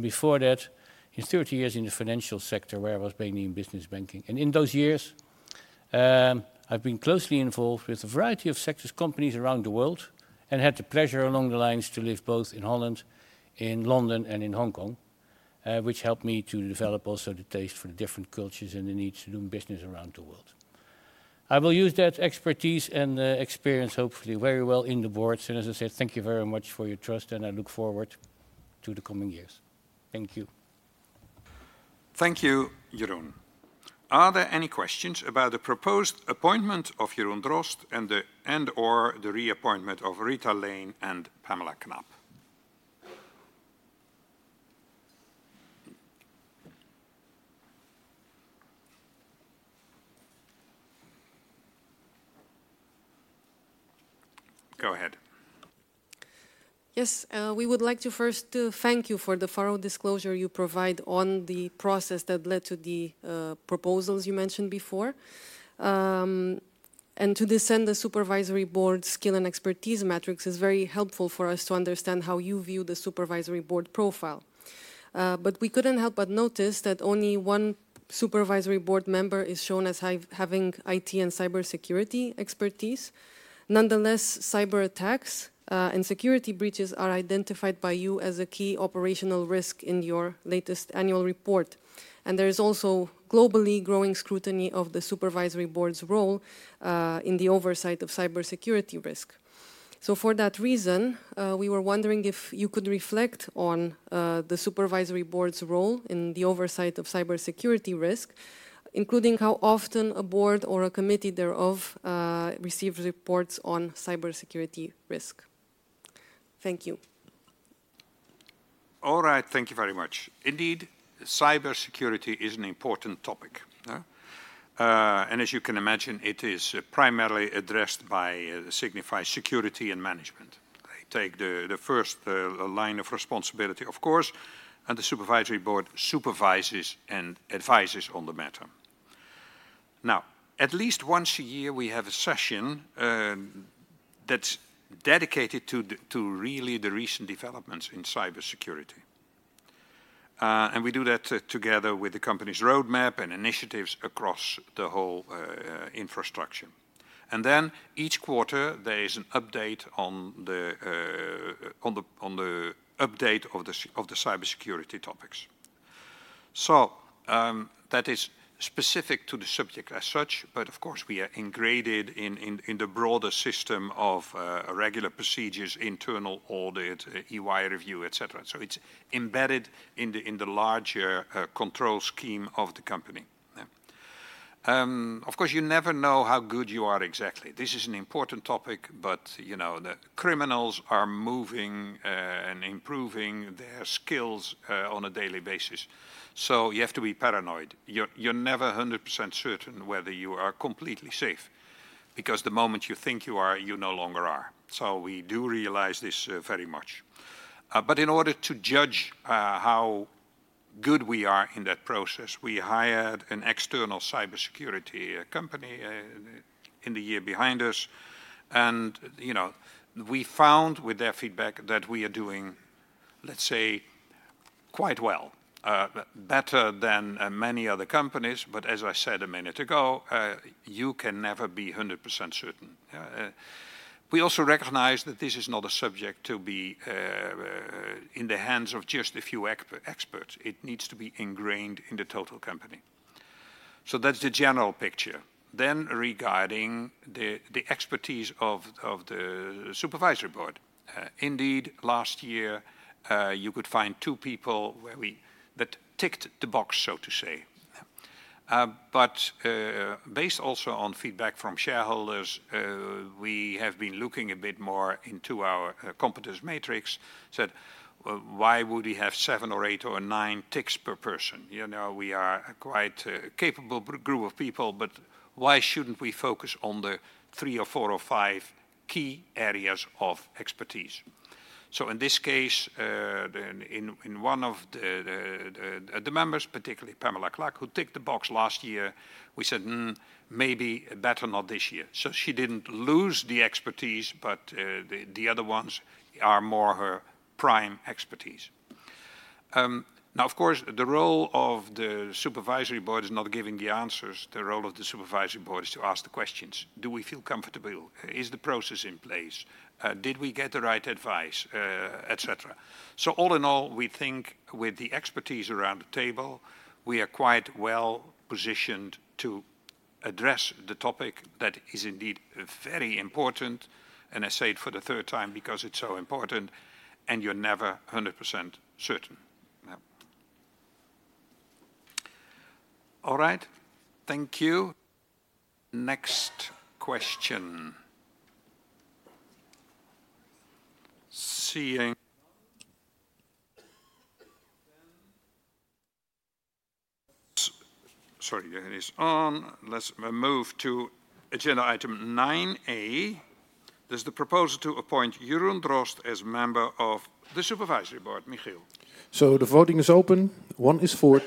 Before that, in 30 years in the financial sector, where I was mainly in business banking. In those years, I have been closely involved with a variety of sectors, companies around the world, and had the pleasure along the lines to live both in Holland, in London, and in Hong Kong, which helped me to develop also the taste for the different cultures and the need to do business around the world. I will use that expertise and experience hopefully very well on the board. As I said, thank you very much for your trust, and I look forward to the coming years. Thank you. Thank you, Jeroen. Are there any questions about the proposed appointment of Jeroen Drost and/or the reappointment of Rita Lane and Pamela Knapp? Go ahead. Yes, we would like to first thank you for the thorough disclosure you provide on the process that led to the proposals you mentioned before. And the Supervisory Board's skill and expertise matrix is very helpful for us to understand how you view the Supervisory Board profile. But we could not help but notice that only one Supervisory Board member is shown as having IT and cybersecurity expertise. Nonetheless, cyberattacks and security breaches are identified by you as a key operational risk in your latest annual report. And there is also globally growing scrutiny of the Supervisory Board's role in the oversight of cybersecurity risk. So for that reason, we were wondering if you could reflect on the Supervisory Board's role in the oversight of cybersecurity risk, including how often a board or a committee thereof receives reports on cybersecurity risk. Thank you. All right, thank you very much. Indeed, cybersecurity is an important topic. As you can imagine, it is primarily addressed by Signify Security and Management. They take the first line of responsibility, of course, and the supervisory board supervises and advises on the matter. Now, at least once a year we have a session that's dedicated to really the recent developments in cybersecurity. We do that together with the company's roadmap and initiatives across the whole infrastructure. Then each quarter there is an update on the update of the cybersecurity topics. That is specific to the subject as such, but of course we are ingrained in the broader system of regular procedures, internal audit, EY review, et cetera. It's embedded in the larger control scheme of the company. Of course, you never know how good you are exactly. This is an important topic, but you know the criminals are moving and improving their skills on a daily basis. So you have to be paranoid. You are never 100% certain whether you are completely safe. Because the moment you think you are, you no longer are. So we do realize this very much. But in order to judge how good we are in that process, we hired an external cybersecurity company in the year behind us. And you know we found with their feedback that we are doing, let's say, quite well. Better than many other companies, but as I said a minute ago, you can never be 100% certain. We also recognize that this is not a subject to be in the hands of just a few experts. It needs to be ingrained in the total company. So that's the general picture. Regarding the expertise of the supervisory board. Indeed, last year you could find 2 people that ticked the box, so to say. But based also on feedback from shareholders, we have been looking a bit more into our competence matrix. So we said, why would we have 7 or 8 or 9 ticks per person? You know we are a quite capable group of people, but why shouldn't we focus on the 3 or 4 or 5 key areas of expertise? So in this case, in one of the members, particularly Pamela Knapp, who ticked the box last year, we said, maybe better not this year. So she didn't lose the expertise, but the other ones are more her prime expertise. Now, of course, the role of the supervisory board is not giving the answers. The role of the supervisory board is to ask the questions. Do we feel comfortable? Is the process in place? Did we get the right advice? Et cetera. So all in all, we think with the expertise around the table, we are quite well positioned to address the topic that is indeed very important. And I say it for the third time because it's so important. And you are never 100% certain. All right. Thank you. Next question. Seeing... Sorry, it is on. Let's move to agenda item nine A. There's the proposal to appoint Jeroen Drost as member of the Supervisory Board. Michiel. So the voting is open. One is for,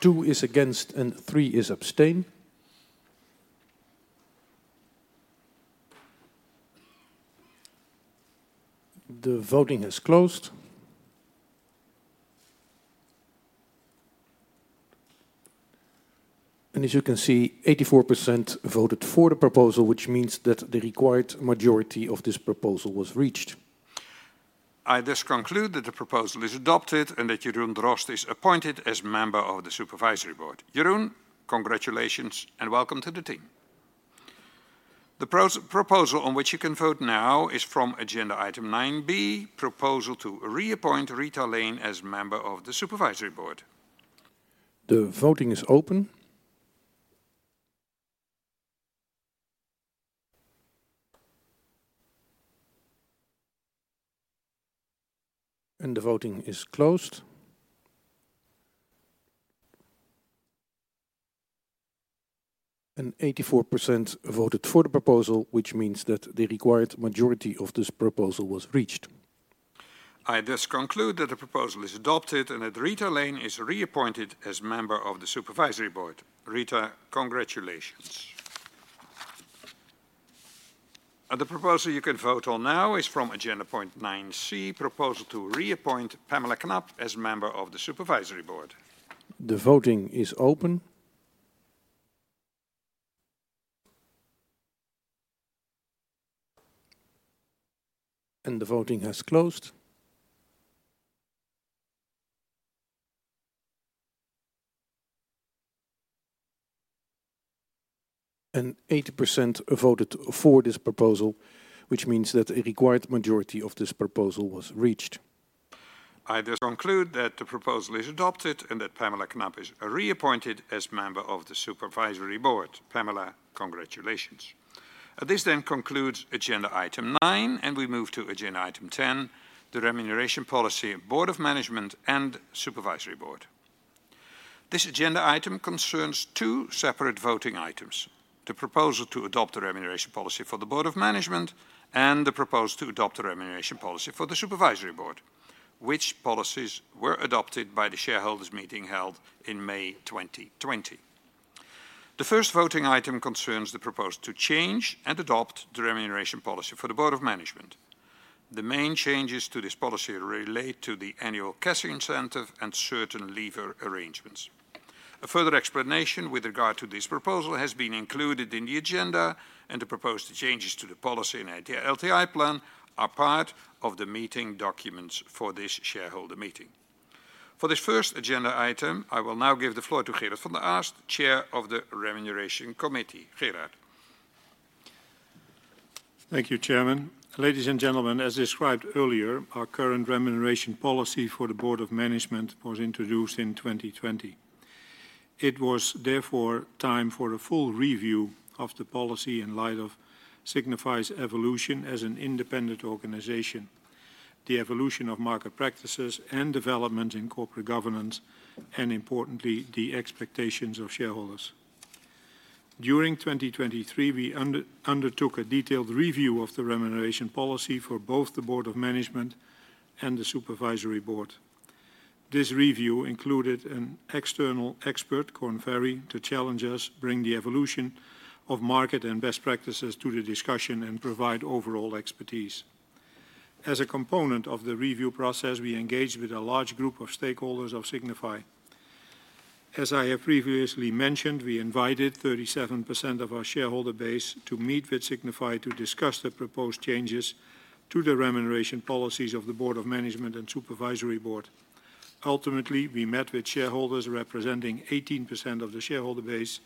two is against, and three is abstain. The voting has closed. And as you can see, 84% voted for the proposal, which means that the required majority of this proposal was reached. I thus conclude that the proposal is adopted and that Jeroen Drost is appointed as member of the supervisory board. Jeroen, congratulations and welcome to the team. The proposal on which you can vote now is from agenda item 9B, proposal to reappoint Rita Lane as member of the supervisory board. The voting is open. The voting is closed. 84% voted for the proposal, which means that the required majority of this proposal was reached. I thus conclude that the proposal is adopted and that Rita Lane is reappointed as member of the supervisory board. Rita, congratulations. The proposal you can vote on now is from agenda point 9C, proposal to reappoint Pamela Knapp as member of the supervisory board. The voting is open. The voting has closed. 80% voted for this proposal, which means that the required majority of this proposal was reached. I thus conclude that the proposal is adopted and that Pamela Knapp is reappointed as member of the supervisory board. Pamela, congratulations. This then concludes agenda item nine, and we move to agenda item ten, the remuneration policy, board of management, and supervisory board. This agenda item concerns two separate voting items. The proposal to adopt the remuneration policy for the board of management and the proposal to adopt the remuneration policy for the supervisory board, which policies were adopted by the shareholders' meeting held in May 2020. The first voting item concerns the proposal to change and adopt the remuneration policy for the board of management. The main changes to this policy relate to the annual cash incentive and certain leaver arrangements. A further explanation with regard to this proposal has been included in the agenda, and the proposed changes to the policy and LTI plan are part of the meeting documents for this shareholder meeting. For this first agenda item, I will now give the floor to Gerard van der Aast, Chair of the Remuneration Committee. Gerard. Thank you, Chairman. Ladies and gentlemen, as described earlier, our current remuneration policy for the Board of Management was introduced in 2020. It was therefore time for a full review of the policy in light of Signify's evolution as an independent organization, the evolution of market practices and developments in corporate governance, and importantly, the expectations of shareholders. During 2023, we undertook a detailed review of the remuneration policy for both the Board of Management and the Supervisory Board. This review included an external expert, Korn Ferry, to challenge us, bring the evolution of market and best practices to the discussion, and provide overall expertise. As a component of the review process, we engaged with a large group of stakeholders of Signify. As I have previously mentioned, we invited 37% of our shareholder base to meet with Signify to discuss the proposed changes to the remuneration policies of the board of management and supervisory board. Ultimately, we met with shareholders representing 18% of the shareholder base,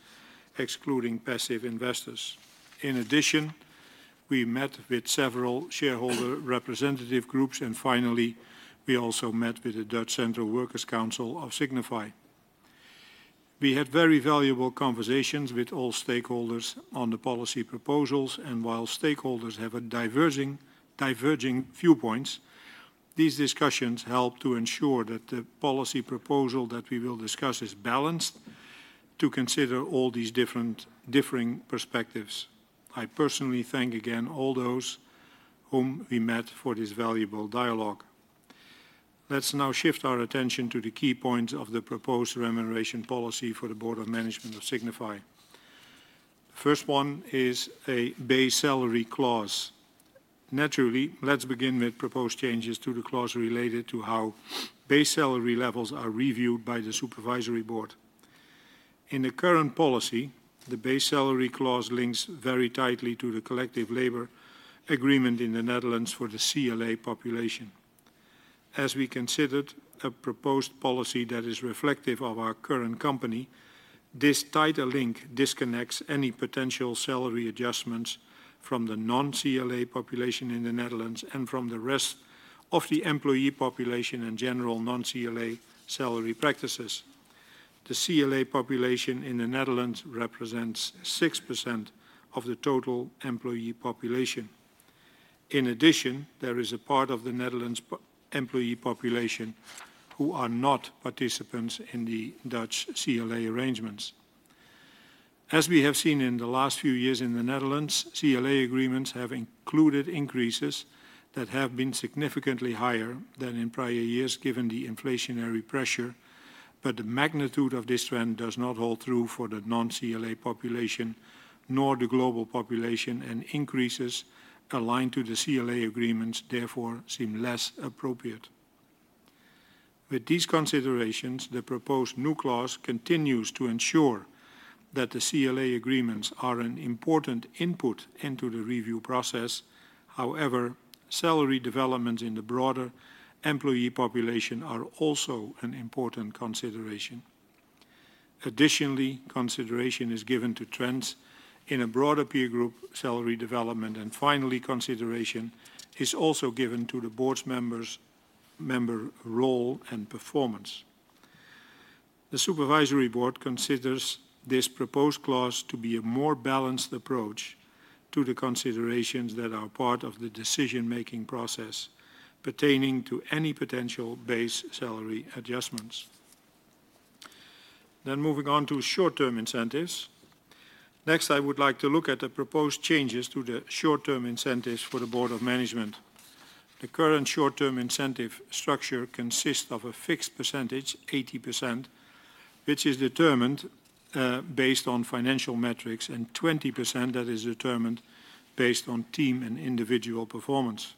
excluding passive investors. In addition, we met with several shareholder representative groups, and finally, we also met with the Dutch Central Workers' Council of Signify. We had very valuable conversations with all stakeholders on the policy proposals, and while stakeholders have a diverging viewpoint, these discussions help to ensure that the policy proposal that we will discuss is balanced to consider all these different differing perspectives. I personally thank again all those whom we met for this valuable dialogue. Let's now shift our attention to the key points of the proposed remuneration policy for the board of management of Signify. The first one is a base salary clause. Naturally, let's begin with proposed changes to the clause related to how base salary levels are reviewed by the supervisory board. In the current policy, the base salary clause links very tightly to the collective labor agreement in the Netherlands for the CLA population. As we considered a proposed policy that is reflective of our current company, this tighter link disconnects any potential salary adjustments from the non-CLA population in the Netherlands and from the rest of the employee population and general non-CLA salary practices. The CLA population in the Netherlands represents 6% of the total employee population. In addition, there is a part of the Netherlands' employee population who are not participants in the Dutch CLA arrangements. As we have seen in the last few years in the Netherlands, CLA agreements have included increases that have been significantly higher than in prior years given the inflationary pressure, but the magnitude of this trend does not hold true for the non-CLA population nor the global population, and increases aligned to the CLA agreements therefore seem less appropriate. With these considerations, the proposed new clause continues to ensure that the CLA agreements are an important input into the review process. However, salary developments in the broader employee population are also an important consideration. Additionally, consideration is given to trends in a broader peer group salary development, and finally, consideration is also given to the board's member role and performance. The Supervisory Board considers this proposed clause to be a more balanced approach to the considerations that are part of the decision-making process pertaining to any potential base salary adjustments. Moving on to short-term incentives. Next, I would like to look at the proposed changes to the short-term incentives for the Board of Management. The current short-term incentive structure consists of a fixed percentage, 80%, which is determined based on financial metrics, and 20% that is determined based on team and individual performance.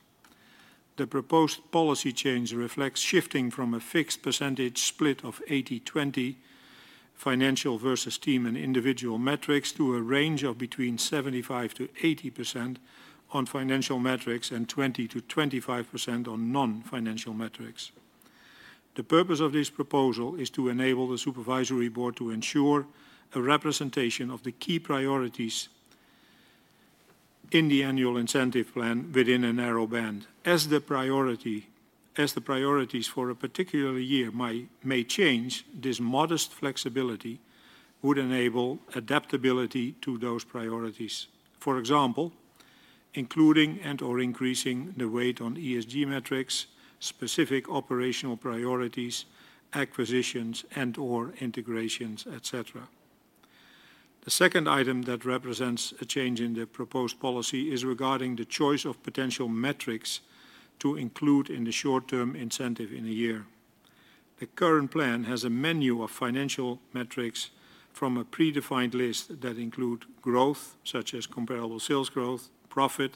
The proposed policy change reflects shifting from a fixed percentage split of 80%/20% financial versus team and individual metrics to a range of between 75%-80% on financial metrics and 20%-25% on non-financial metrics. The purpose of this proposal is to enable the supervisory board to ensure a representation of the key priorities in the annual incentive plan within a narrow band. As the priorities for a particular year may change, this modest flexibility would enable adaptability to those priorities. For example, including and/or increasing the weight on ESG metrics, specific operational priorities, acquisitions and/or integrations, et cetera. The second item that represents a change in the proposed policy is regarding the choice of potential metrics to include in the short-term incentive in a year. The current plan has a menu of financial metrics from a predefined list that include growth, such as comparable sales growth, profit,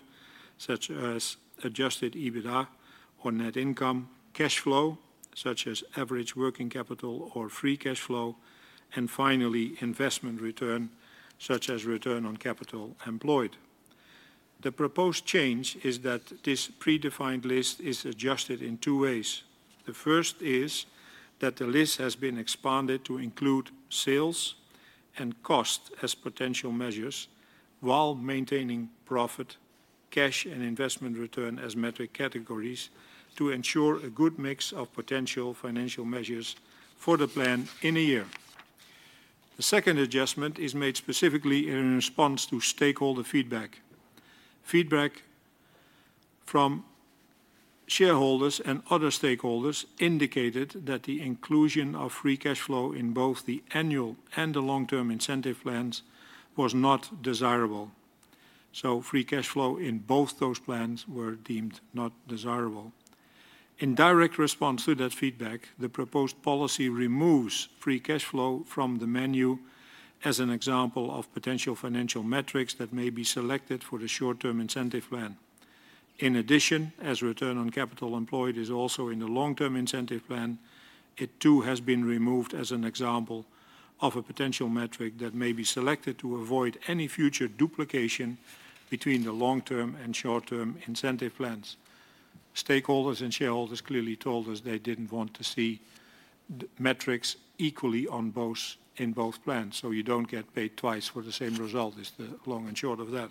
such as Adjusted EBITDA or net income, cash flow, such as average working capital or Free Cash Flow, and finally, investment return, such as Return on Capital Employed. The proposed change is that this predefined list is adjusted in two ways. The first is that the list has been expanded to include sales and cost as potential measures while maintaining profit, cash, and investment return as metric categories to ensure a good mix of potential financial measures for the plan in a year. The second adjustment is made specifically in response to stakeholder feedback. Feedback from shareholders and other stakeholders indicated that the inclusion of Free Cash Flow in both the annual and the long-term incentive plans was not desirable. Free cash flow in both those plans were deemed not desirable. In direct response to that feedback, the proposed policy removes free cash flow from the menu as an example of potential financial metrics that may be selected for the short-term incentive plan. In addition, as Return on Capital Employed is also in the long-term incentive plan, it too has been removed as an example of a potential metric that may be selected to avoid any future duplication between the long-term and short-term incentive plans. Stakeholders and shareholders clearly told us they didn't want to see metrics equally in both plans, so you don't get paid twice for the same result, is the long and short of that.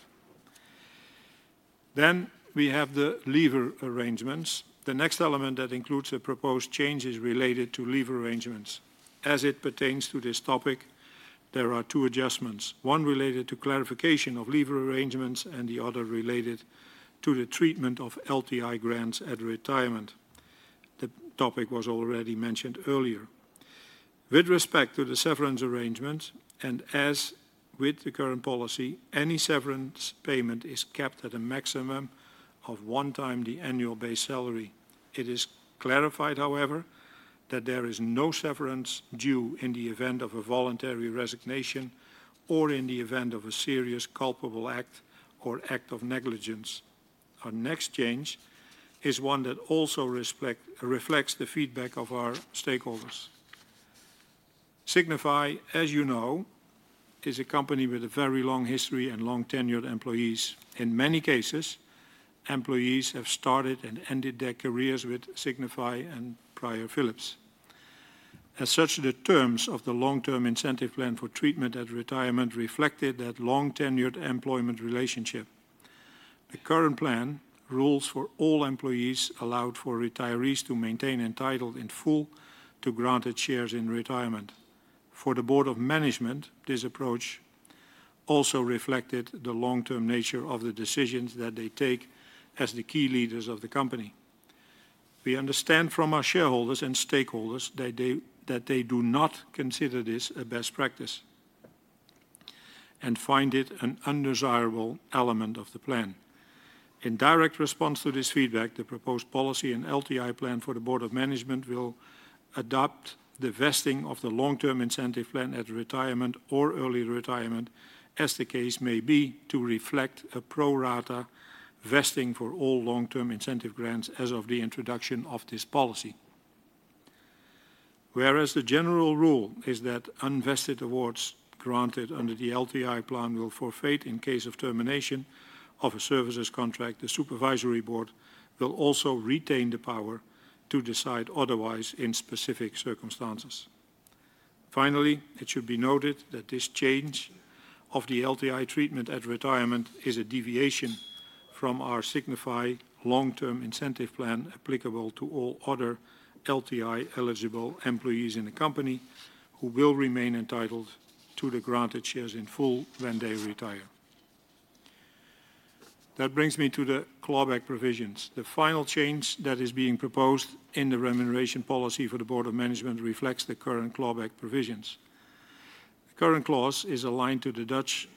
We have the leaver arrangements. The next element that includes a proposed change is related to leaver arrangements. As it pertains to this topic, there are two adjustments. One related to clarification of leaver arrangements and the other related to the treatment of LTI grants at retirement. The topic was already mentioned earlier. With respect to the severance arrangements, and as with the current policy, any severance payment is kept at a maximum of one time the annual base salary. It is clarified, however, that there is no severance due in the event of a voluntary resignation or in the event of a serious culpable act or act of negligence. Our next change is one that also reflects the feedback of our stakeholders. Signify, as you know, is a company with a very long history and long-tenured employees. In many cases, employees have started and ended their careers with Signify and prior Philips. As such, the terms of the long-term incentive plan for treatment at retirement reflected that long-tenured employment relationship. The current plan rules for all employees allowed retirees to remain entitled in full to granted shares in retirement. For the Board of Management, this approach also reflected the long-term nature of the decisions that they take as the key leaders of the company. We understand from our shareholders and stakeholders that they do not consider this a best practice and find it an undesirable element of the plan. In direct response to this feedback, the proposed policy and LTI plan for the Board of Management will adopt the vesting of the long-term incentive plan at retirement or early retirement, as the case may be, to reflect a pro-rata vesting for all long-term incentive grants as of the introduction of this policy. Whereas the general rule is that unvested awards granted under the LTI plan will forfeit in case of termination of a services contract, the supervisory board will also retain the power to decide otherwise in specific circumstances. Finally, it should be noted that this change of the LTI treatment at retirement is a deviation from our Signify long-term incentive plan applicable to all other LTI eligible employees in the company who will remain entitled to the granted shares in full when they retire. That brings me to the clawback provisions. The final change that is being proposed in the remuneration policy for the board of management reflects the current clawback provisions. The current clause is aligned to the Dutch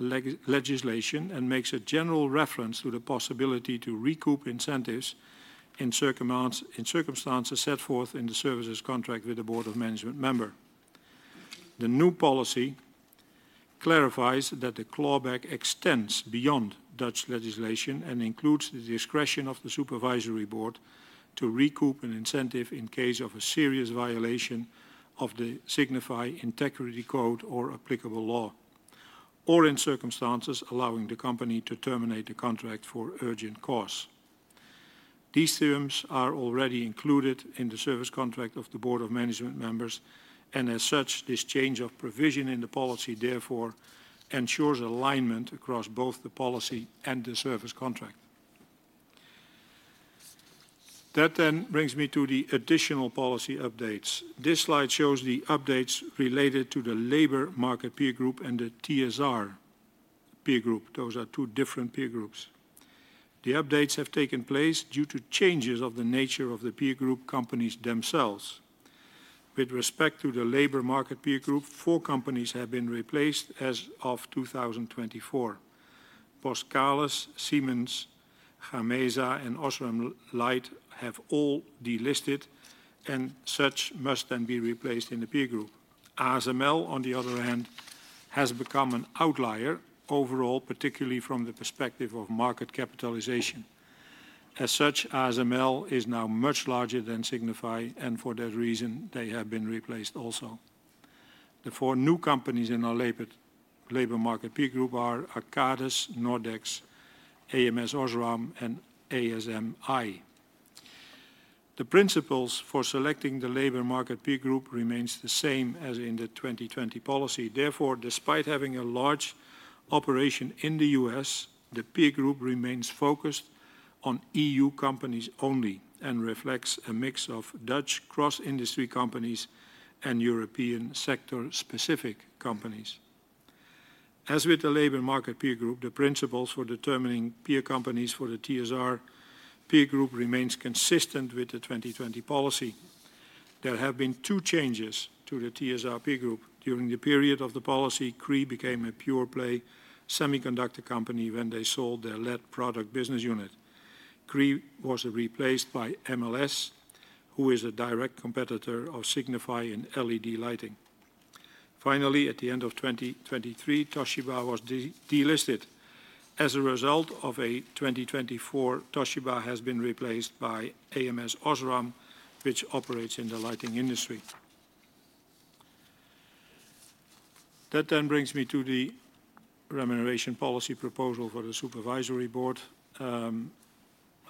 legislation and makes a general reference to the possibility to recoup incentives in circumstances set forth in the services contract with a board of management member. The new policy clarifies that the clawback extends beyond Dutch legislation and includes the discretion of the supervisory board to recoup an incentive in case of a serious violation of the Signify Integrity Code or applicable law, or in circumstances allowing the company to terminate the contract for urgent cause. These terms are already included in the service contract of the board of management members, and as such, this change of provision in the policy therefore ensures alignment across both the policy and the service contract. That then brings me to the additional policy updates. This slide shows the updates related to the labor market peer group and the TSR peer group. Those are two different peer groups. The updates have taken place due to changes of the nature of the peer group companies themselves. With respect to the labor market peer group, four companies have been replaced as of 2024. Boskalis, Siemens Gamesa, and Osram Licht have all delisted, and such must then be replaced in the peer group. ASML, on the other hand, has become an outlier overall, particularly from the perspective of market capitalization. As such, ASML is now much larger than Signify, and for that reason, they have been replaced also. The four new companies in our labor market peer group are Arcadis, Nordex, AMS Osram, and ASMI. The principles for selecting the labor market peer group remain the same as in the 2020 policy. Therefore, despite having a large operation in the U.S., the peer group remains focused on E.U. companies only and reflects a mix of Dutch cross-industry companies and European sector-specific companies. As with the labor market peer group, the principles for determining peer companies for the TSR peer group remain consistent with the 2020 policy. There have been two changes to the TSR peer group. During the period of the policy, Cree became a pure-play semiconductor company when they sold their LED product business unit. Cree was replaced by MLS, who is a direct competitor of Signify in LED lighting. Finally, at the end of 2023, Toshiba was delisted. As a result of 2024, Toshiba has been replaced by AMS Osram, which operates in the lighting industry. That then brings me to the remuneration policy proposal for the supervisory board.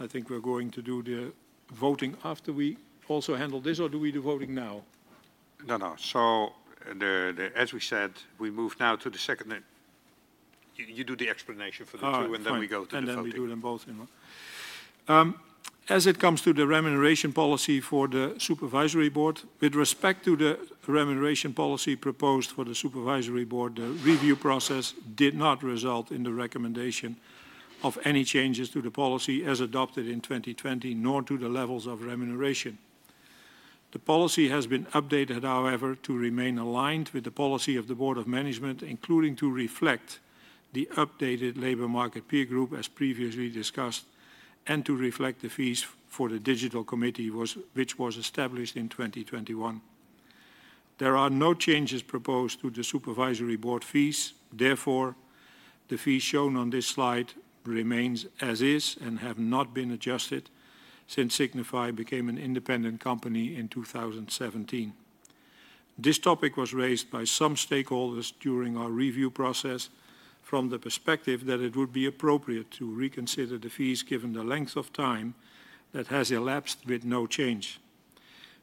I think we're going to do the voting after we also handle this, or do we do voting now? No, no. So as we said, we move now to the second you do the explanation for the two, and then we go to the voting. And then we do them both in one. As it comes to the remuneration policy for the Supervisory Board, with respect to the remuneration policy proposed for the Supervisory Board, the review process did not result in the recommendation of any changes to the policy as adopted in 2020 nor to the levels of remuneration. The policy has been updated, however, to remain aligned with the policy of the Board of Management, including to reflect the updated labor market peer group, as previously discussed, and to reflect the fees for the Digital Committee, which was established in 2021. There are no changes proposed to the Supervisory Board fees. Therefore, the fees shown on this slide remain as is and have not been adjusted since Signify became an independent company in 2017. This topic was raised by some stakeholders during our review process from the perspective that it would be appropriate to reconsider the fees given the length of time that has elapsed with no change.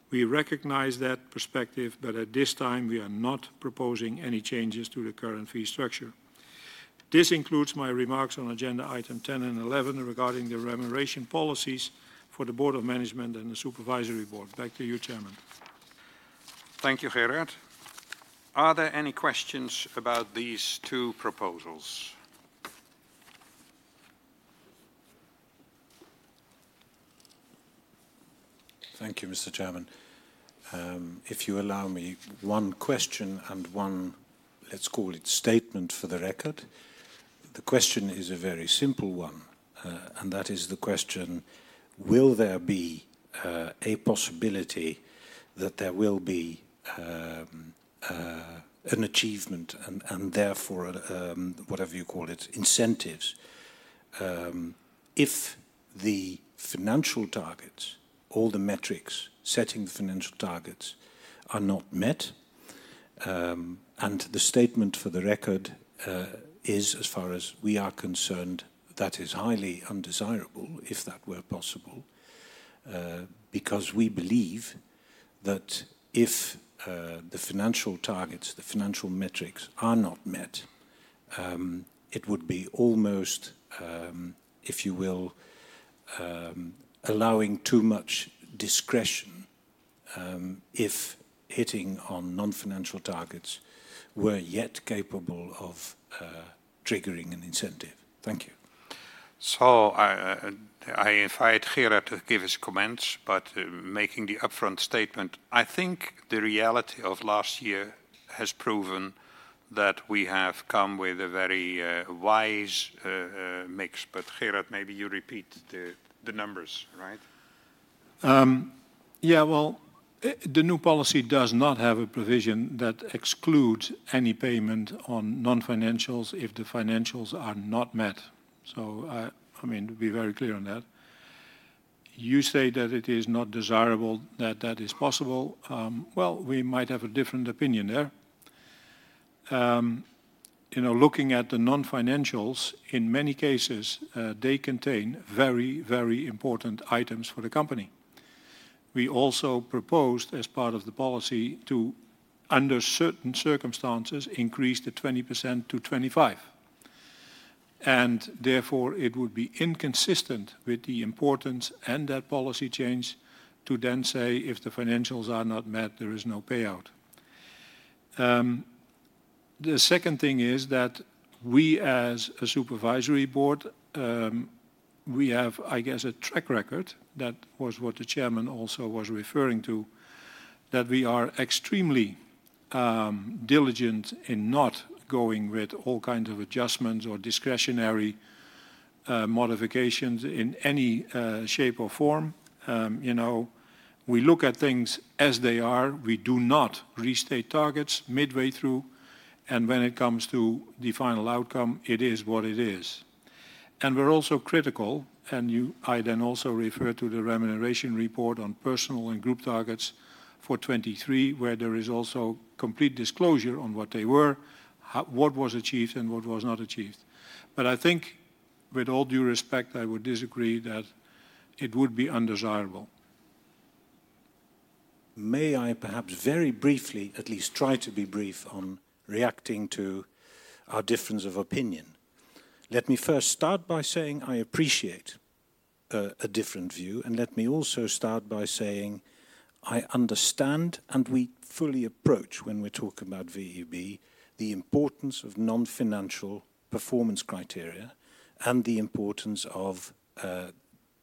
We recognize that perspective, but at this time, we are not proposing any changes to the current fee structure. This includes my remarks on agenda item 10 and 11 regarding the remuneration policies for the board of management and the supervisory board. Back to you, Chairman. Thank you, Gerard. Are there any questions about these two proposals? Thank you, Mr. Chairman. If you allow me, one question and one, let's call it, statement for the record. The question is a very simple one, and that is the question: will there be a possibility that there will be an achievement and therefore whatever you call it, incentives? If the financial targets, all the metrics setting the financial targets, are not met, and the statement for the record is, as far as we are concerned, that is highly undesirable, if that were possible, because we believe that if the financial targets, the financial metrics, are not met, it would be almost, if you will, allowing too much discretion if hitting on non-financial targets were yet capable of triggering an incentive. Thank you. So I invite Gerard to give his comments, but making the upfront statement, I think the reality of last year has proven that we have come with a very wise mix. But Gerard, maybe you repeat the numbers, right? Yeah, well, the new policy does not have a provision that excludes any payment on non-financials if the financials are not met. So I mean, be very clear on that. You say that it is not desirable that that is possible. Well, we might have a different opinion there. Looking at the non-financials, in many cases, they contain very, very important items for the company. We also proposed, as part of the policy, to, under certain circumstances, increase the 20%-25%. And therefore, it would be inconsistent with the importance and that policy change to then say, if the financials are not met, there is no payout. The second thing is that we, as a supervisory board, we have, I guess, a track record that was what the Chairman also was referring to, that we are extremely diligent in not going with all kinds of adjustments or discretionary modifications in any shape or form. We look at things as they are. We do not restate targets midway through. And when it comes to the final outcome, it is what it is. And we're also critical, and I then also refer to the remuneration report on personal and group targets for 2023, where there is also complete disclosure on what they were, what was achieved, and what was not achieved. But I think, with all due respect, I would disagree that it would be undesirable. May I perhaps very briefly, at least try to be brief, on reacting to our difference of opinion? Let me first start by saying I appreciate a different view, and let me also start by saying I understand, and we fully approach, when we're talking about VEB, the importance of non-financial performance criteria and the importance of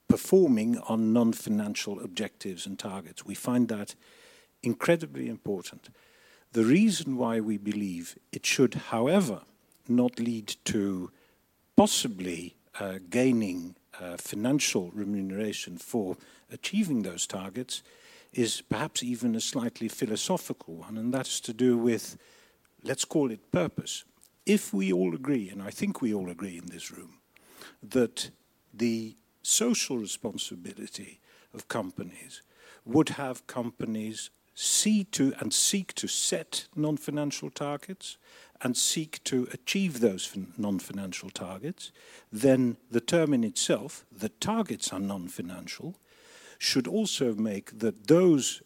performing on non-financial objectives and targets. We find that incredibly important. The reason why we believe it should, however, not lead to possibly gaining financial remuneration for achieving those targets is perhaps even a slightly philosophical one, and that has to do with, let's call it, purpose. If we all agree, and I think we all agree in this room, that the social responsibility of companies would have companies see to and seek to set non-financial targets and seek to achieve those non-financial targets, then the term in itself, the targets are non-financial, should also make that those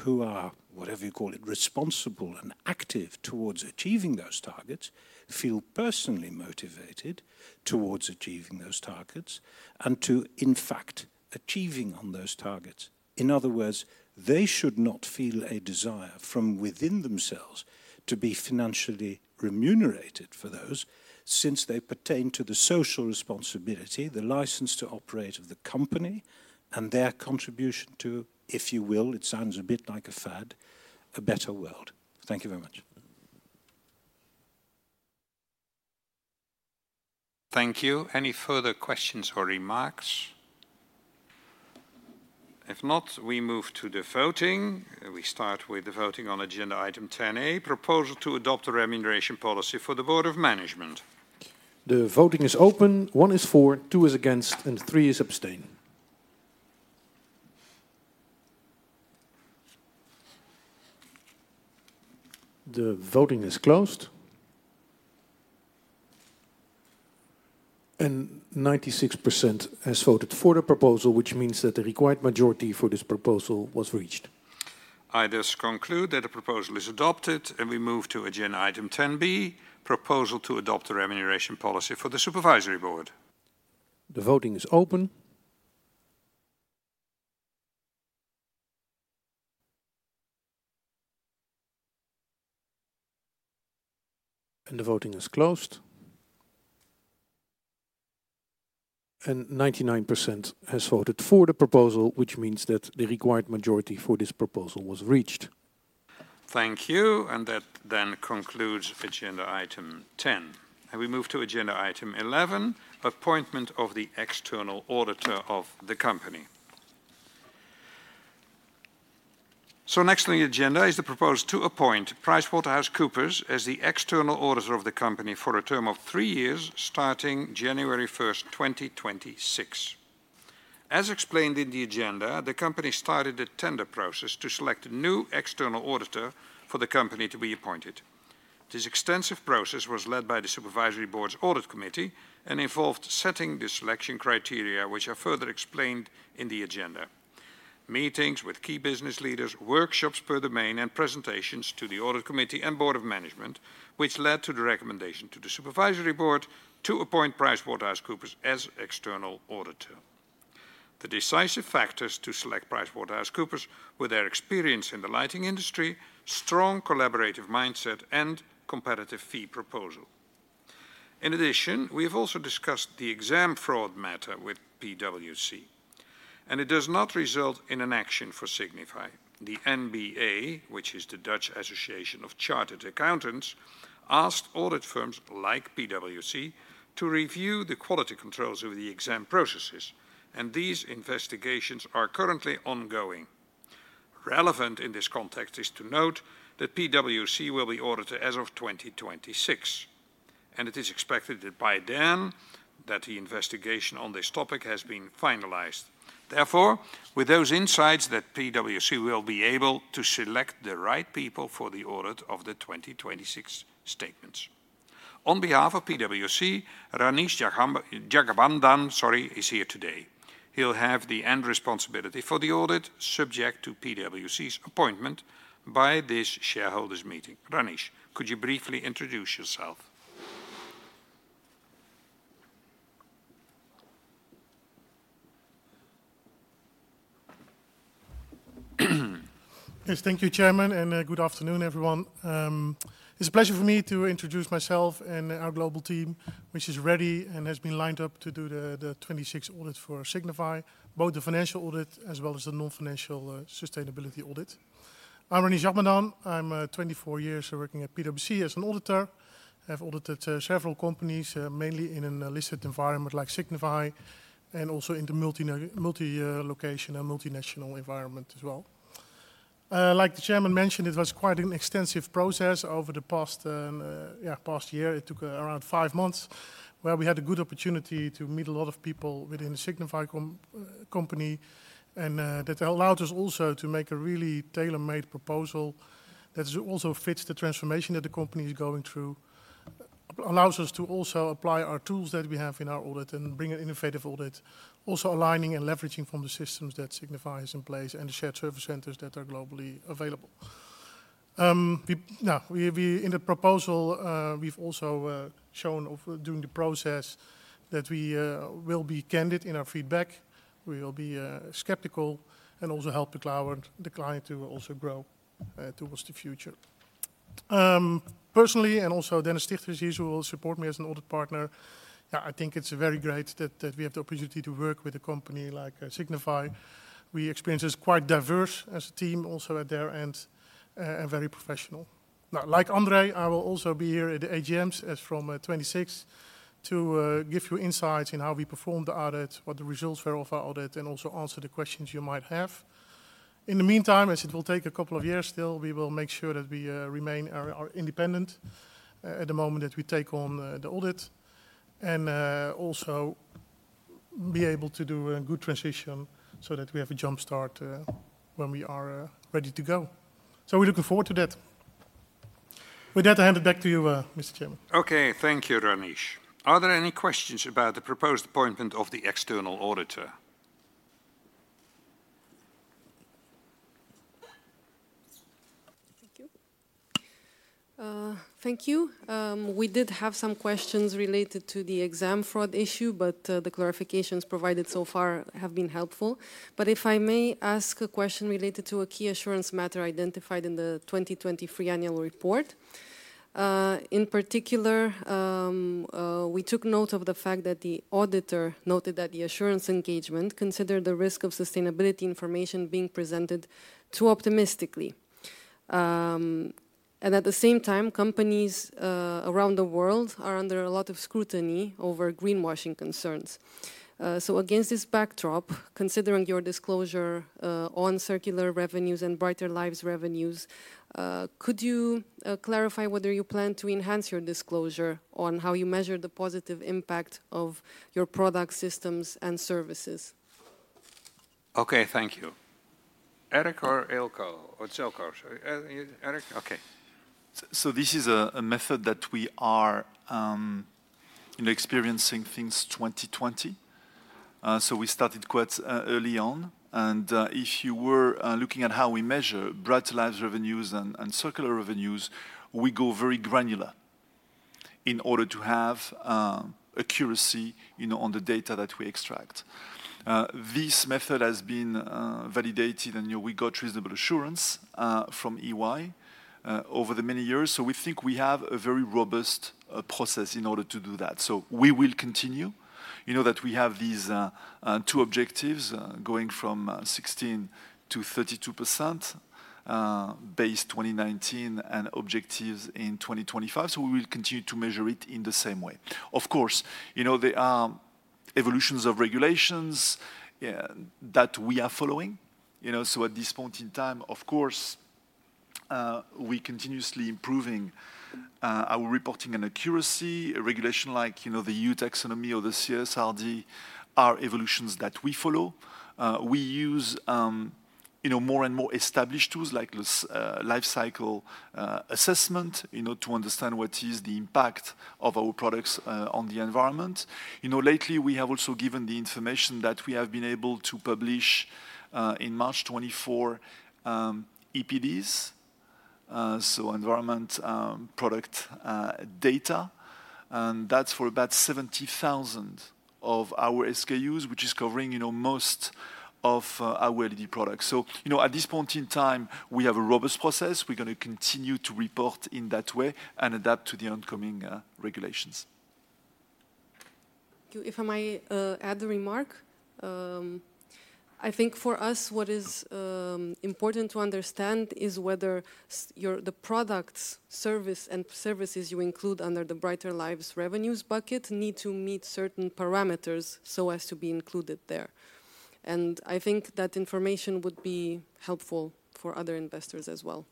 who are, whatever you call it, responsible and active towards achieving those targets feel personally motivated towards achieving those targets and to, in fact, achieving on those targets. In other words, they should not feel a desire from within themselves to be financially remunerated for those since they pertain to the social responsibility, the license to operate of the company, and their contribution to, if you will, it sounds a bit like a fad, a better world. Thank you very much. Thank you. Any further questions or remarks? If not, we move to the voting. We start with the voting on agenda item 10A, proposal to adopt a remuneration policy for the board of management. The voting is open. One is for, two is against, and three is abstain. The voting is closed. 96% has voted for the proposal, which means that the required majority for this proposal was reached. I thus conclude that the proposal is adopted, and we move to agenda item 10B, proposal to adopt a remuneration policy for the supervisory board. The voting is open. The voting is closed. 99% has voted for the proposal, which means that the required majority for this proposal was reached. Thank you. That then concludes agenda item 10. We move to agenda item 11, appointment of the external auditor of the company. So next on the agenda is the proposal to appoint PricewaterhouseCoopers as the external auditor of the company for a term of three years starting January 1st, 2026. As explained in the agenda, the company started the tender process to select a new external auditor for the company to be appointed. This extensive process was led by the supervisory board's audit committee and involved setting the selection criteria, which are further explained in the agenda: meetings with key business leaders, workshops per domain, and presentations to the audit committee and board of management, which led to the recommendation to the supervisory board to appoint PricewaterhouseCoopers as external auditor. The decisive factors to select PricewaterhouseCoopers were their experience in the lighting industry, strong collaborative mindset, and competitive fee proposal. In addition, we have also discussed the exam fraud matter with PwC. It does not result in an action for Signify. The NBA, which is the Dutch Association of Chartered Accountants, asked audit firms like PwC to review the quality controls of the exam processes, and these investigations are currently ongoing. Relevant in this context is to note that PwC will be audited as of 2026. It is expected that by then the investigation on this topic has been finalised. Therefore, with those insights, PwC will be able to select the right people for the audit of the 2026 statements. On behalf of PwC, Rinesh Dwarkasing is here today. He'll have the end responsibility for the audit, subject to PwC's appointment by this shareholders' meeting. Rinesh, could you briefly introduce yourself? Yes, thank you, Chairman, and good afternoon, everyone. It's a pleasure for me to introduce myself and our global team, which is ready and has been lined up to do the 2026 audit for Signify, both the financial audit as well as the non-financial sustainability audit. I'm Rinesh Dwarkasing. I'm 24 years working at PwC as an auditor. I have audited several companies, mainly in a listed environment like Signify and also in the multilocation and multinational environment as well. Like the Chairman mentioned, it was quite an extensive process over the past year. It took around five months where we had a good opportunity to meet a lot of people within the Signify company and that allowed us also to make a really tailor-made proposal that also fits the transformation that the company is going through, allows us to also apply our tools that we have in our audit and bring an innovative audit, also aligning and leveraging from the systems that Signify has in place and the shared service centers that are globally available. In the proposal, we've also shown during the process that we will be candid in our feedback. We will be skeptical and also help the client to also grow towards the future. Personally, and also Dennis Stichter is here who will support me as an audit partner, I think it's very great that we have the opportunity to work with a company like Signify. We experience as quite diverse as a team also at their end and very professional. Now, like André, I will also be here at the AGMs from 2026 to give you insights in how we performed the audit, what the results were of our audit, and also answer the questions you might have. In the meantime, as it will take a couple of years still, we will make sure that we remain independent at the moment that we take on the audit and also be able to do a good transition so that we have a jump-start when we are ready to go. So we're looking forward to that. With that, I hand it back to you, Mr. Chairman. Okay. Thank you, Rinesh. Are there any questions about the proposed appointment of the external auditor? Thank you. Thank you. We did have some questions related to the exam fraud issue, but the clarifications provided so far have been helpful. But if I may ask a question related to a key assurance matter identified in the 2023 annual report, in particular, we took note of the fact that the auditor noted that the assurance engagement considered the risk of sustainability information being presented too optimistically. At the same time, companies around the world are under a lot of scrutiny over greenwashing concerns. Against this backdrop, considering your disclosure on circular revenues and Brighter Lives revenues, could you clarify whether you plan to enhance your disclosure on how you measure the positive impact of your products, systems, and services? Okay. Thank you. Eric or Eelco or Željko? Eric? Okay. This is a method that we are experiencing since 2020. We started quite early on. If you were looking at how we measure Brighter Lives revenues and circular revenues, we go very granular in order to have accuracy on the data that we extract. This method has been validated, and we got reasonable assurance from EY over the many years. We think we have a very robust process in order to do that. We will continue that we have these two objectives going from 16%-32% based 2019 and objectives in 2025. We will continue to measure it in the same way. Of course, there are evolutions of regulations that we are following. At this point in time, of course, we're continuously improving. Our reporting and accuracy, regulation like the EU taxonomy or the CSRD are evolutions that we follow. We use more and more established tools like the lifecycle assessment to understand what is the impact of our products on the environment. Lately, we have also given the information that we have been able to publish in March 2024 EPDs, so environment product data. And that's for about 70,000 of our SKUs, which is covering most of our LED products. So at this point in time, we have a robust process. We're going to continue to report in that way and adapt to the oncoming regulations. Thank you. If I may add a remark, I think for us, what is important to understand is whether the products, service, and services you include under the Brighter Lives revenues bucket need to meet certain parameters so as to be included there. And I think that information would be helpful for other investors as well.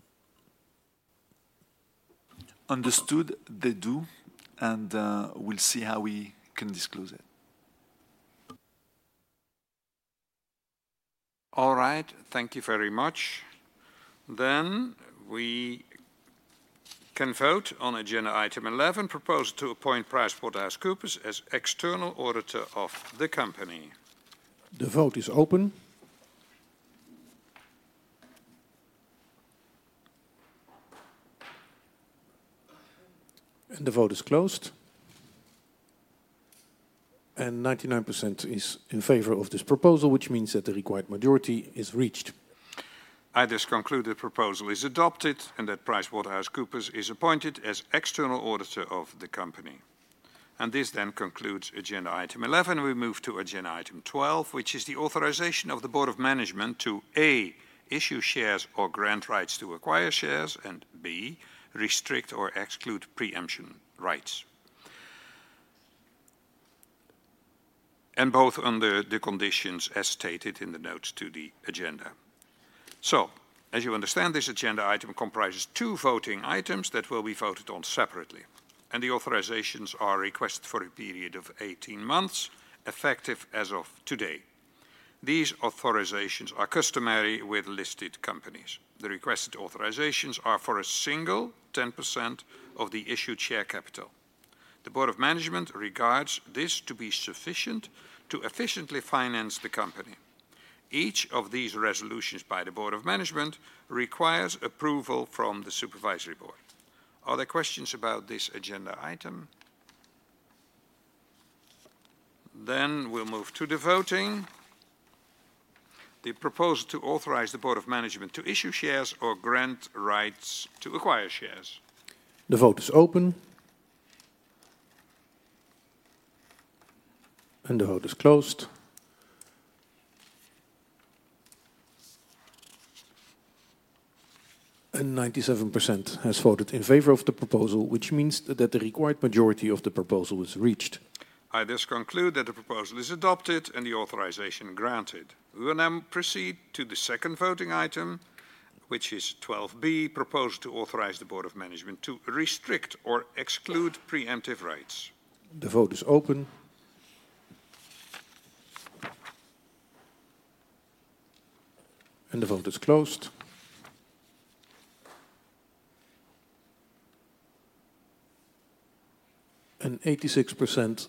Understood. They do. We'll see how we can disclose it. All right. Thank you very much. Then we can vote on agenda item 11, proposal to appoint PricewaterhouseCoopers as external auditor of the company. The vote is open. And the vote is closed. And 99% is in favor of this proposal, which means that the required majority is reached. I thus conclude the proposal is adopted and that PricewaterhouseCoopers is appointed as external auditor of the company. And this then concludes agenda item 11. We move to agenda item 12, which is the authorization of the board of management to: a) issue shares or grant rights to acquire shares and b) restrict or exclude preemption rights. And both under the conditions as stated in the notes to the agenda. So, as you understand, this agenda item comprises two voting items that will be voted on separately. The authorisations are requested for a period of 18 months, effective as of today. These authorisations are customary with listed companies. The requested authorisations are for a single 10% of the issued share capital. The board of management regards this to be sufficient to efficiently finance the company. Each of these resolutions by the board of management requires approval from the supervisory board. Are there questions about this agenda item? We'll move to the voting. The proposal to authorize the board of management to issue shares or grant rights to acquire shares. The vote is open. The vote is closed. 97% has voted in favor of the proposal, which means that the required majority of the proposal was reached. I thus conclude that the proposal is adopted and the authorization granted. We will now proceed to the second voting item, which is 12B, proposal to authorize the board of management to restrict or exclude preemptive rights. The vote is open. The vote is closed. 86%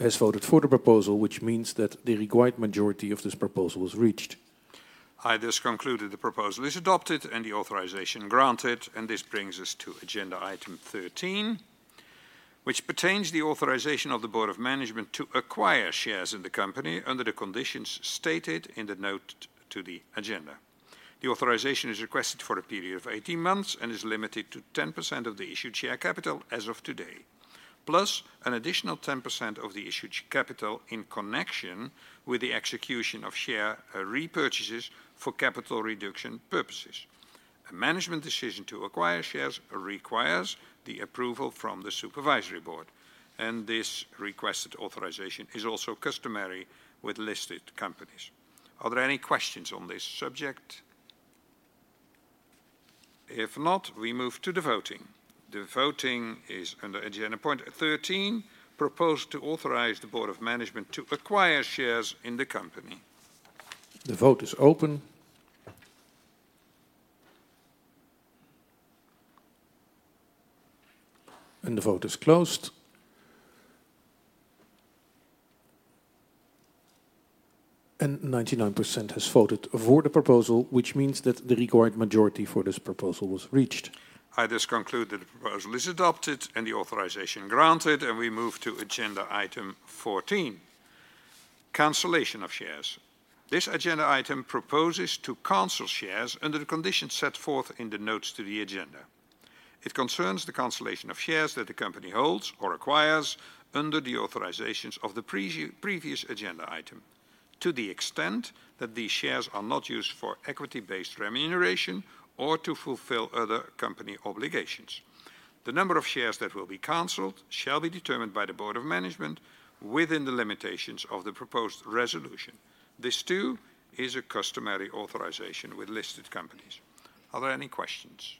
has voted for the proposal, which means that the required majority of this proposal was reached. I thus conclude that the proposal is adopted and the authorization granted. This brings us to agenda item 13, which pertains to the authorization of the board of management to acquire shares in the company under the conditions stated in the note to the agenda. The authorization is requested for a period of 18 months and is limited to 10% of the issued share capital as of today, plus an additional 10% of the issued capital in connection with the execution of share repurchases for capital reduction purposes. A management decision to acquire shares requires the approval from the supervisory board. This requested authorization is also customary with listed companies. Are there any questions on this subject? If not, we move to the voting. The voting is under agenda point 13, proposal to authorize the board of management to acquire shares in the company. The vote is open. The vote is closed. 99% has voted for the proposal, which means that the required majority for this proposal was reached. I thus conclude that the proposal is adopted and the authorization granted. We move to agenda item 14, cancellation of shares. This agenda item proposes to cancel shares under the conditions set forth in the notes to the agenda. It concerns the cancellation of shares that the company holds or acquires under the authorizations of the previous agenda item, to the extent that these shares are not used for equity-based remuneration or to fulfill other company obligations. The number of shares that will be canceled shall be determined by the board of management within the limitations of the proposed resolution. This, too, is a customary authorization with listed companies. Are there any questions?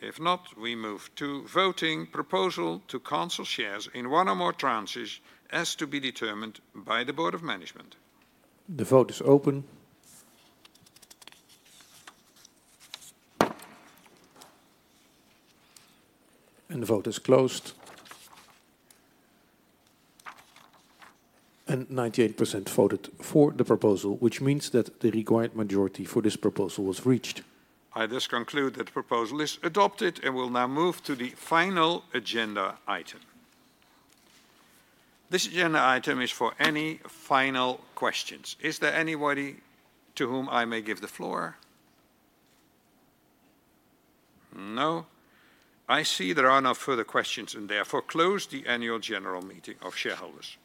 If not, we move to voting proposal to cancel shares in one or more tranches as to be determined by the board of management. The vote is open. The vote is closed. 98% voted for the proposal, which means that the required majority for this proposal was reached. I thus conclude that the proposal is adopted and will now move to the final agenda item. This agenda item is for any final questions. Is there anybody to whom I may give the floor? No? I see there are no further questions and therefore close the annual general meeting of shareholders.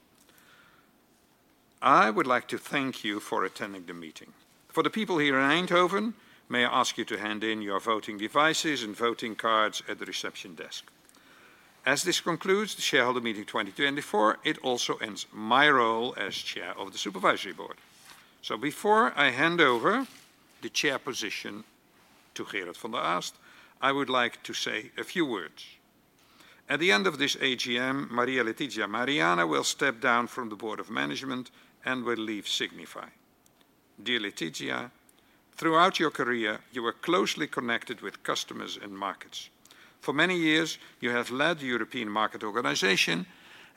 I would like to thank you for attending the meeting. For the people here in Eindhoven, may I ask you to hand in your voting devices and voting cards at the reception desk. As this concludes the shareholder meeting 2024, it also ends my role as Chair of the Supervisory Board. Before I hand over the Chair position to Gerard van de Aast, I would like to say a few words. At the end of this AGM, Maria Letizia Mariani will step down from the board of management and will leave Signify. Dear Letizia, throughout your career, you were closely connected with customers and markets. For many years, you have led the European Market Organisation.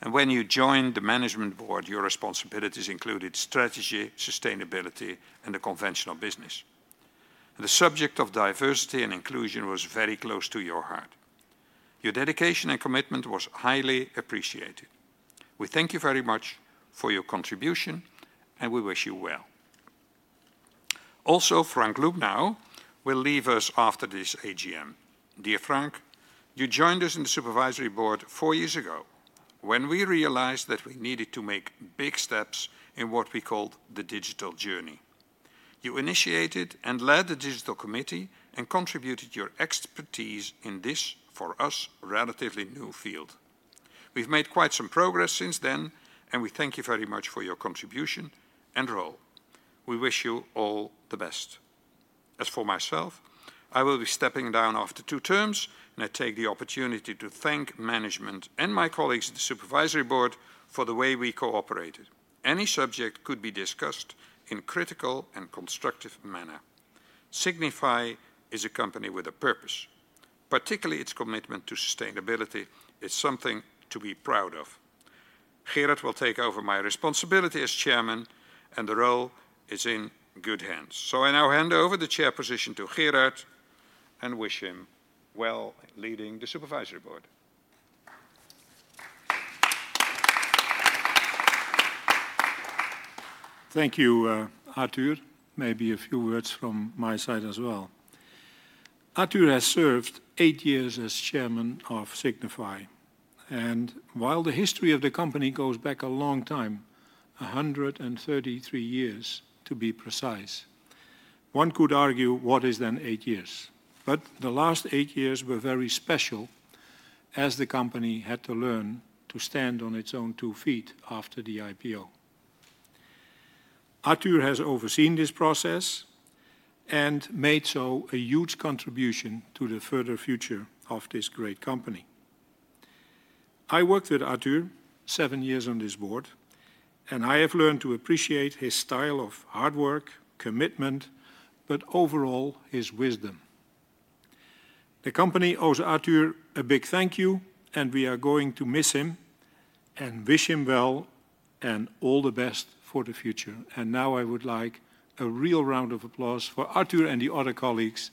When you joined the management board, your responsibilities included strategy, sustainability, and the conventional business. The subject of diversity and inclusion was very close to your heart. Your dedication and commitment was highly appreciated. We thank you very much for your contribution and we wish you well. Also, Frank Lubnau will leave us after this AGM. Dear Frank, you joined us in the Supervisory Board four years ago when we realized that we needed to make big steps in what we called the digital journey. You initiated and led the Digital Committee and contributed your expertise in this, for us, relatively new field. We've made quite some progress since then. We thank you very much for your contribution and role. We wish you all the best. As for myself, I will be stepping down after two terms. I take the opportunity to thank management and my colleagues in the Supervisory Board for the way we cooperated. Any subject could be discussed in a critical and constructive manner. Signify is a company with a purpose. Particularly, its commitment to sustainability is something to be proud of. Gerard will take over my responsibility as Chairman. The role is in good hands. So I now hand over the Chair position to Gerard and wish him well leading the Supervisory Board. Thank you, Arthur. Maybe a few words from my side as well. Arthur has served eight years as Chairman of Signify. While the history of the company goes back a long time, 133 years to be precise, one could argue what is then eight years. The last eight years were very special as the company had to learn to stand on its own two feet after the IPO. Arthur has overseen this process and made such a huge contribution to the further future of this great company. I worked with Arthur seven years on this board. I have learned to appreciate his style of hard work, commitment, but overall, his wisdom. The company owes Arthur a big thank you. We are going to miss him and wish him well and all the best for the future. Now I would like a real round of applause for Arthur and the other colleagues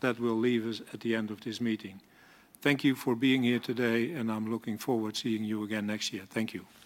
that will leave us at the end of this meeting. Thank you for being here today. I'm looking forward to seeing you again next year. Thank you.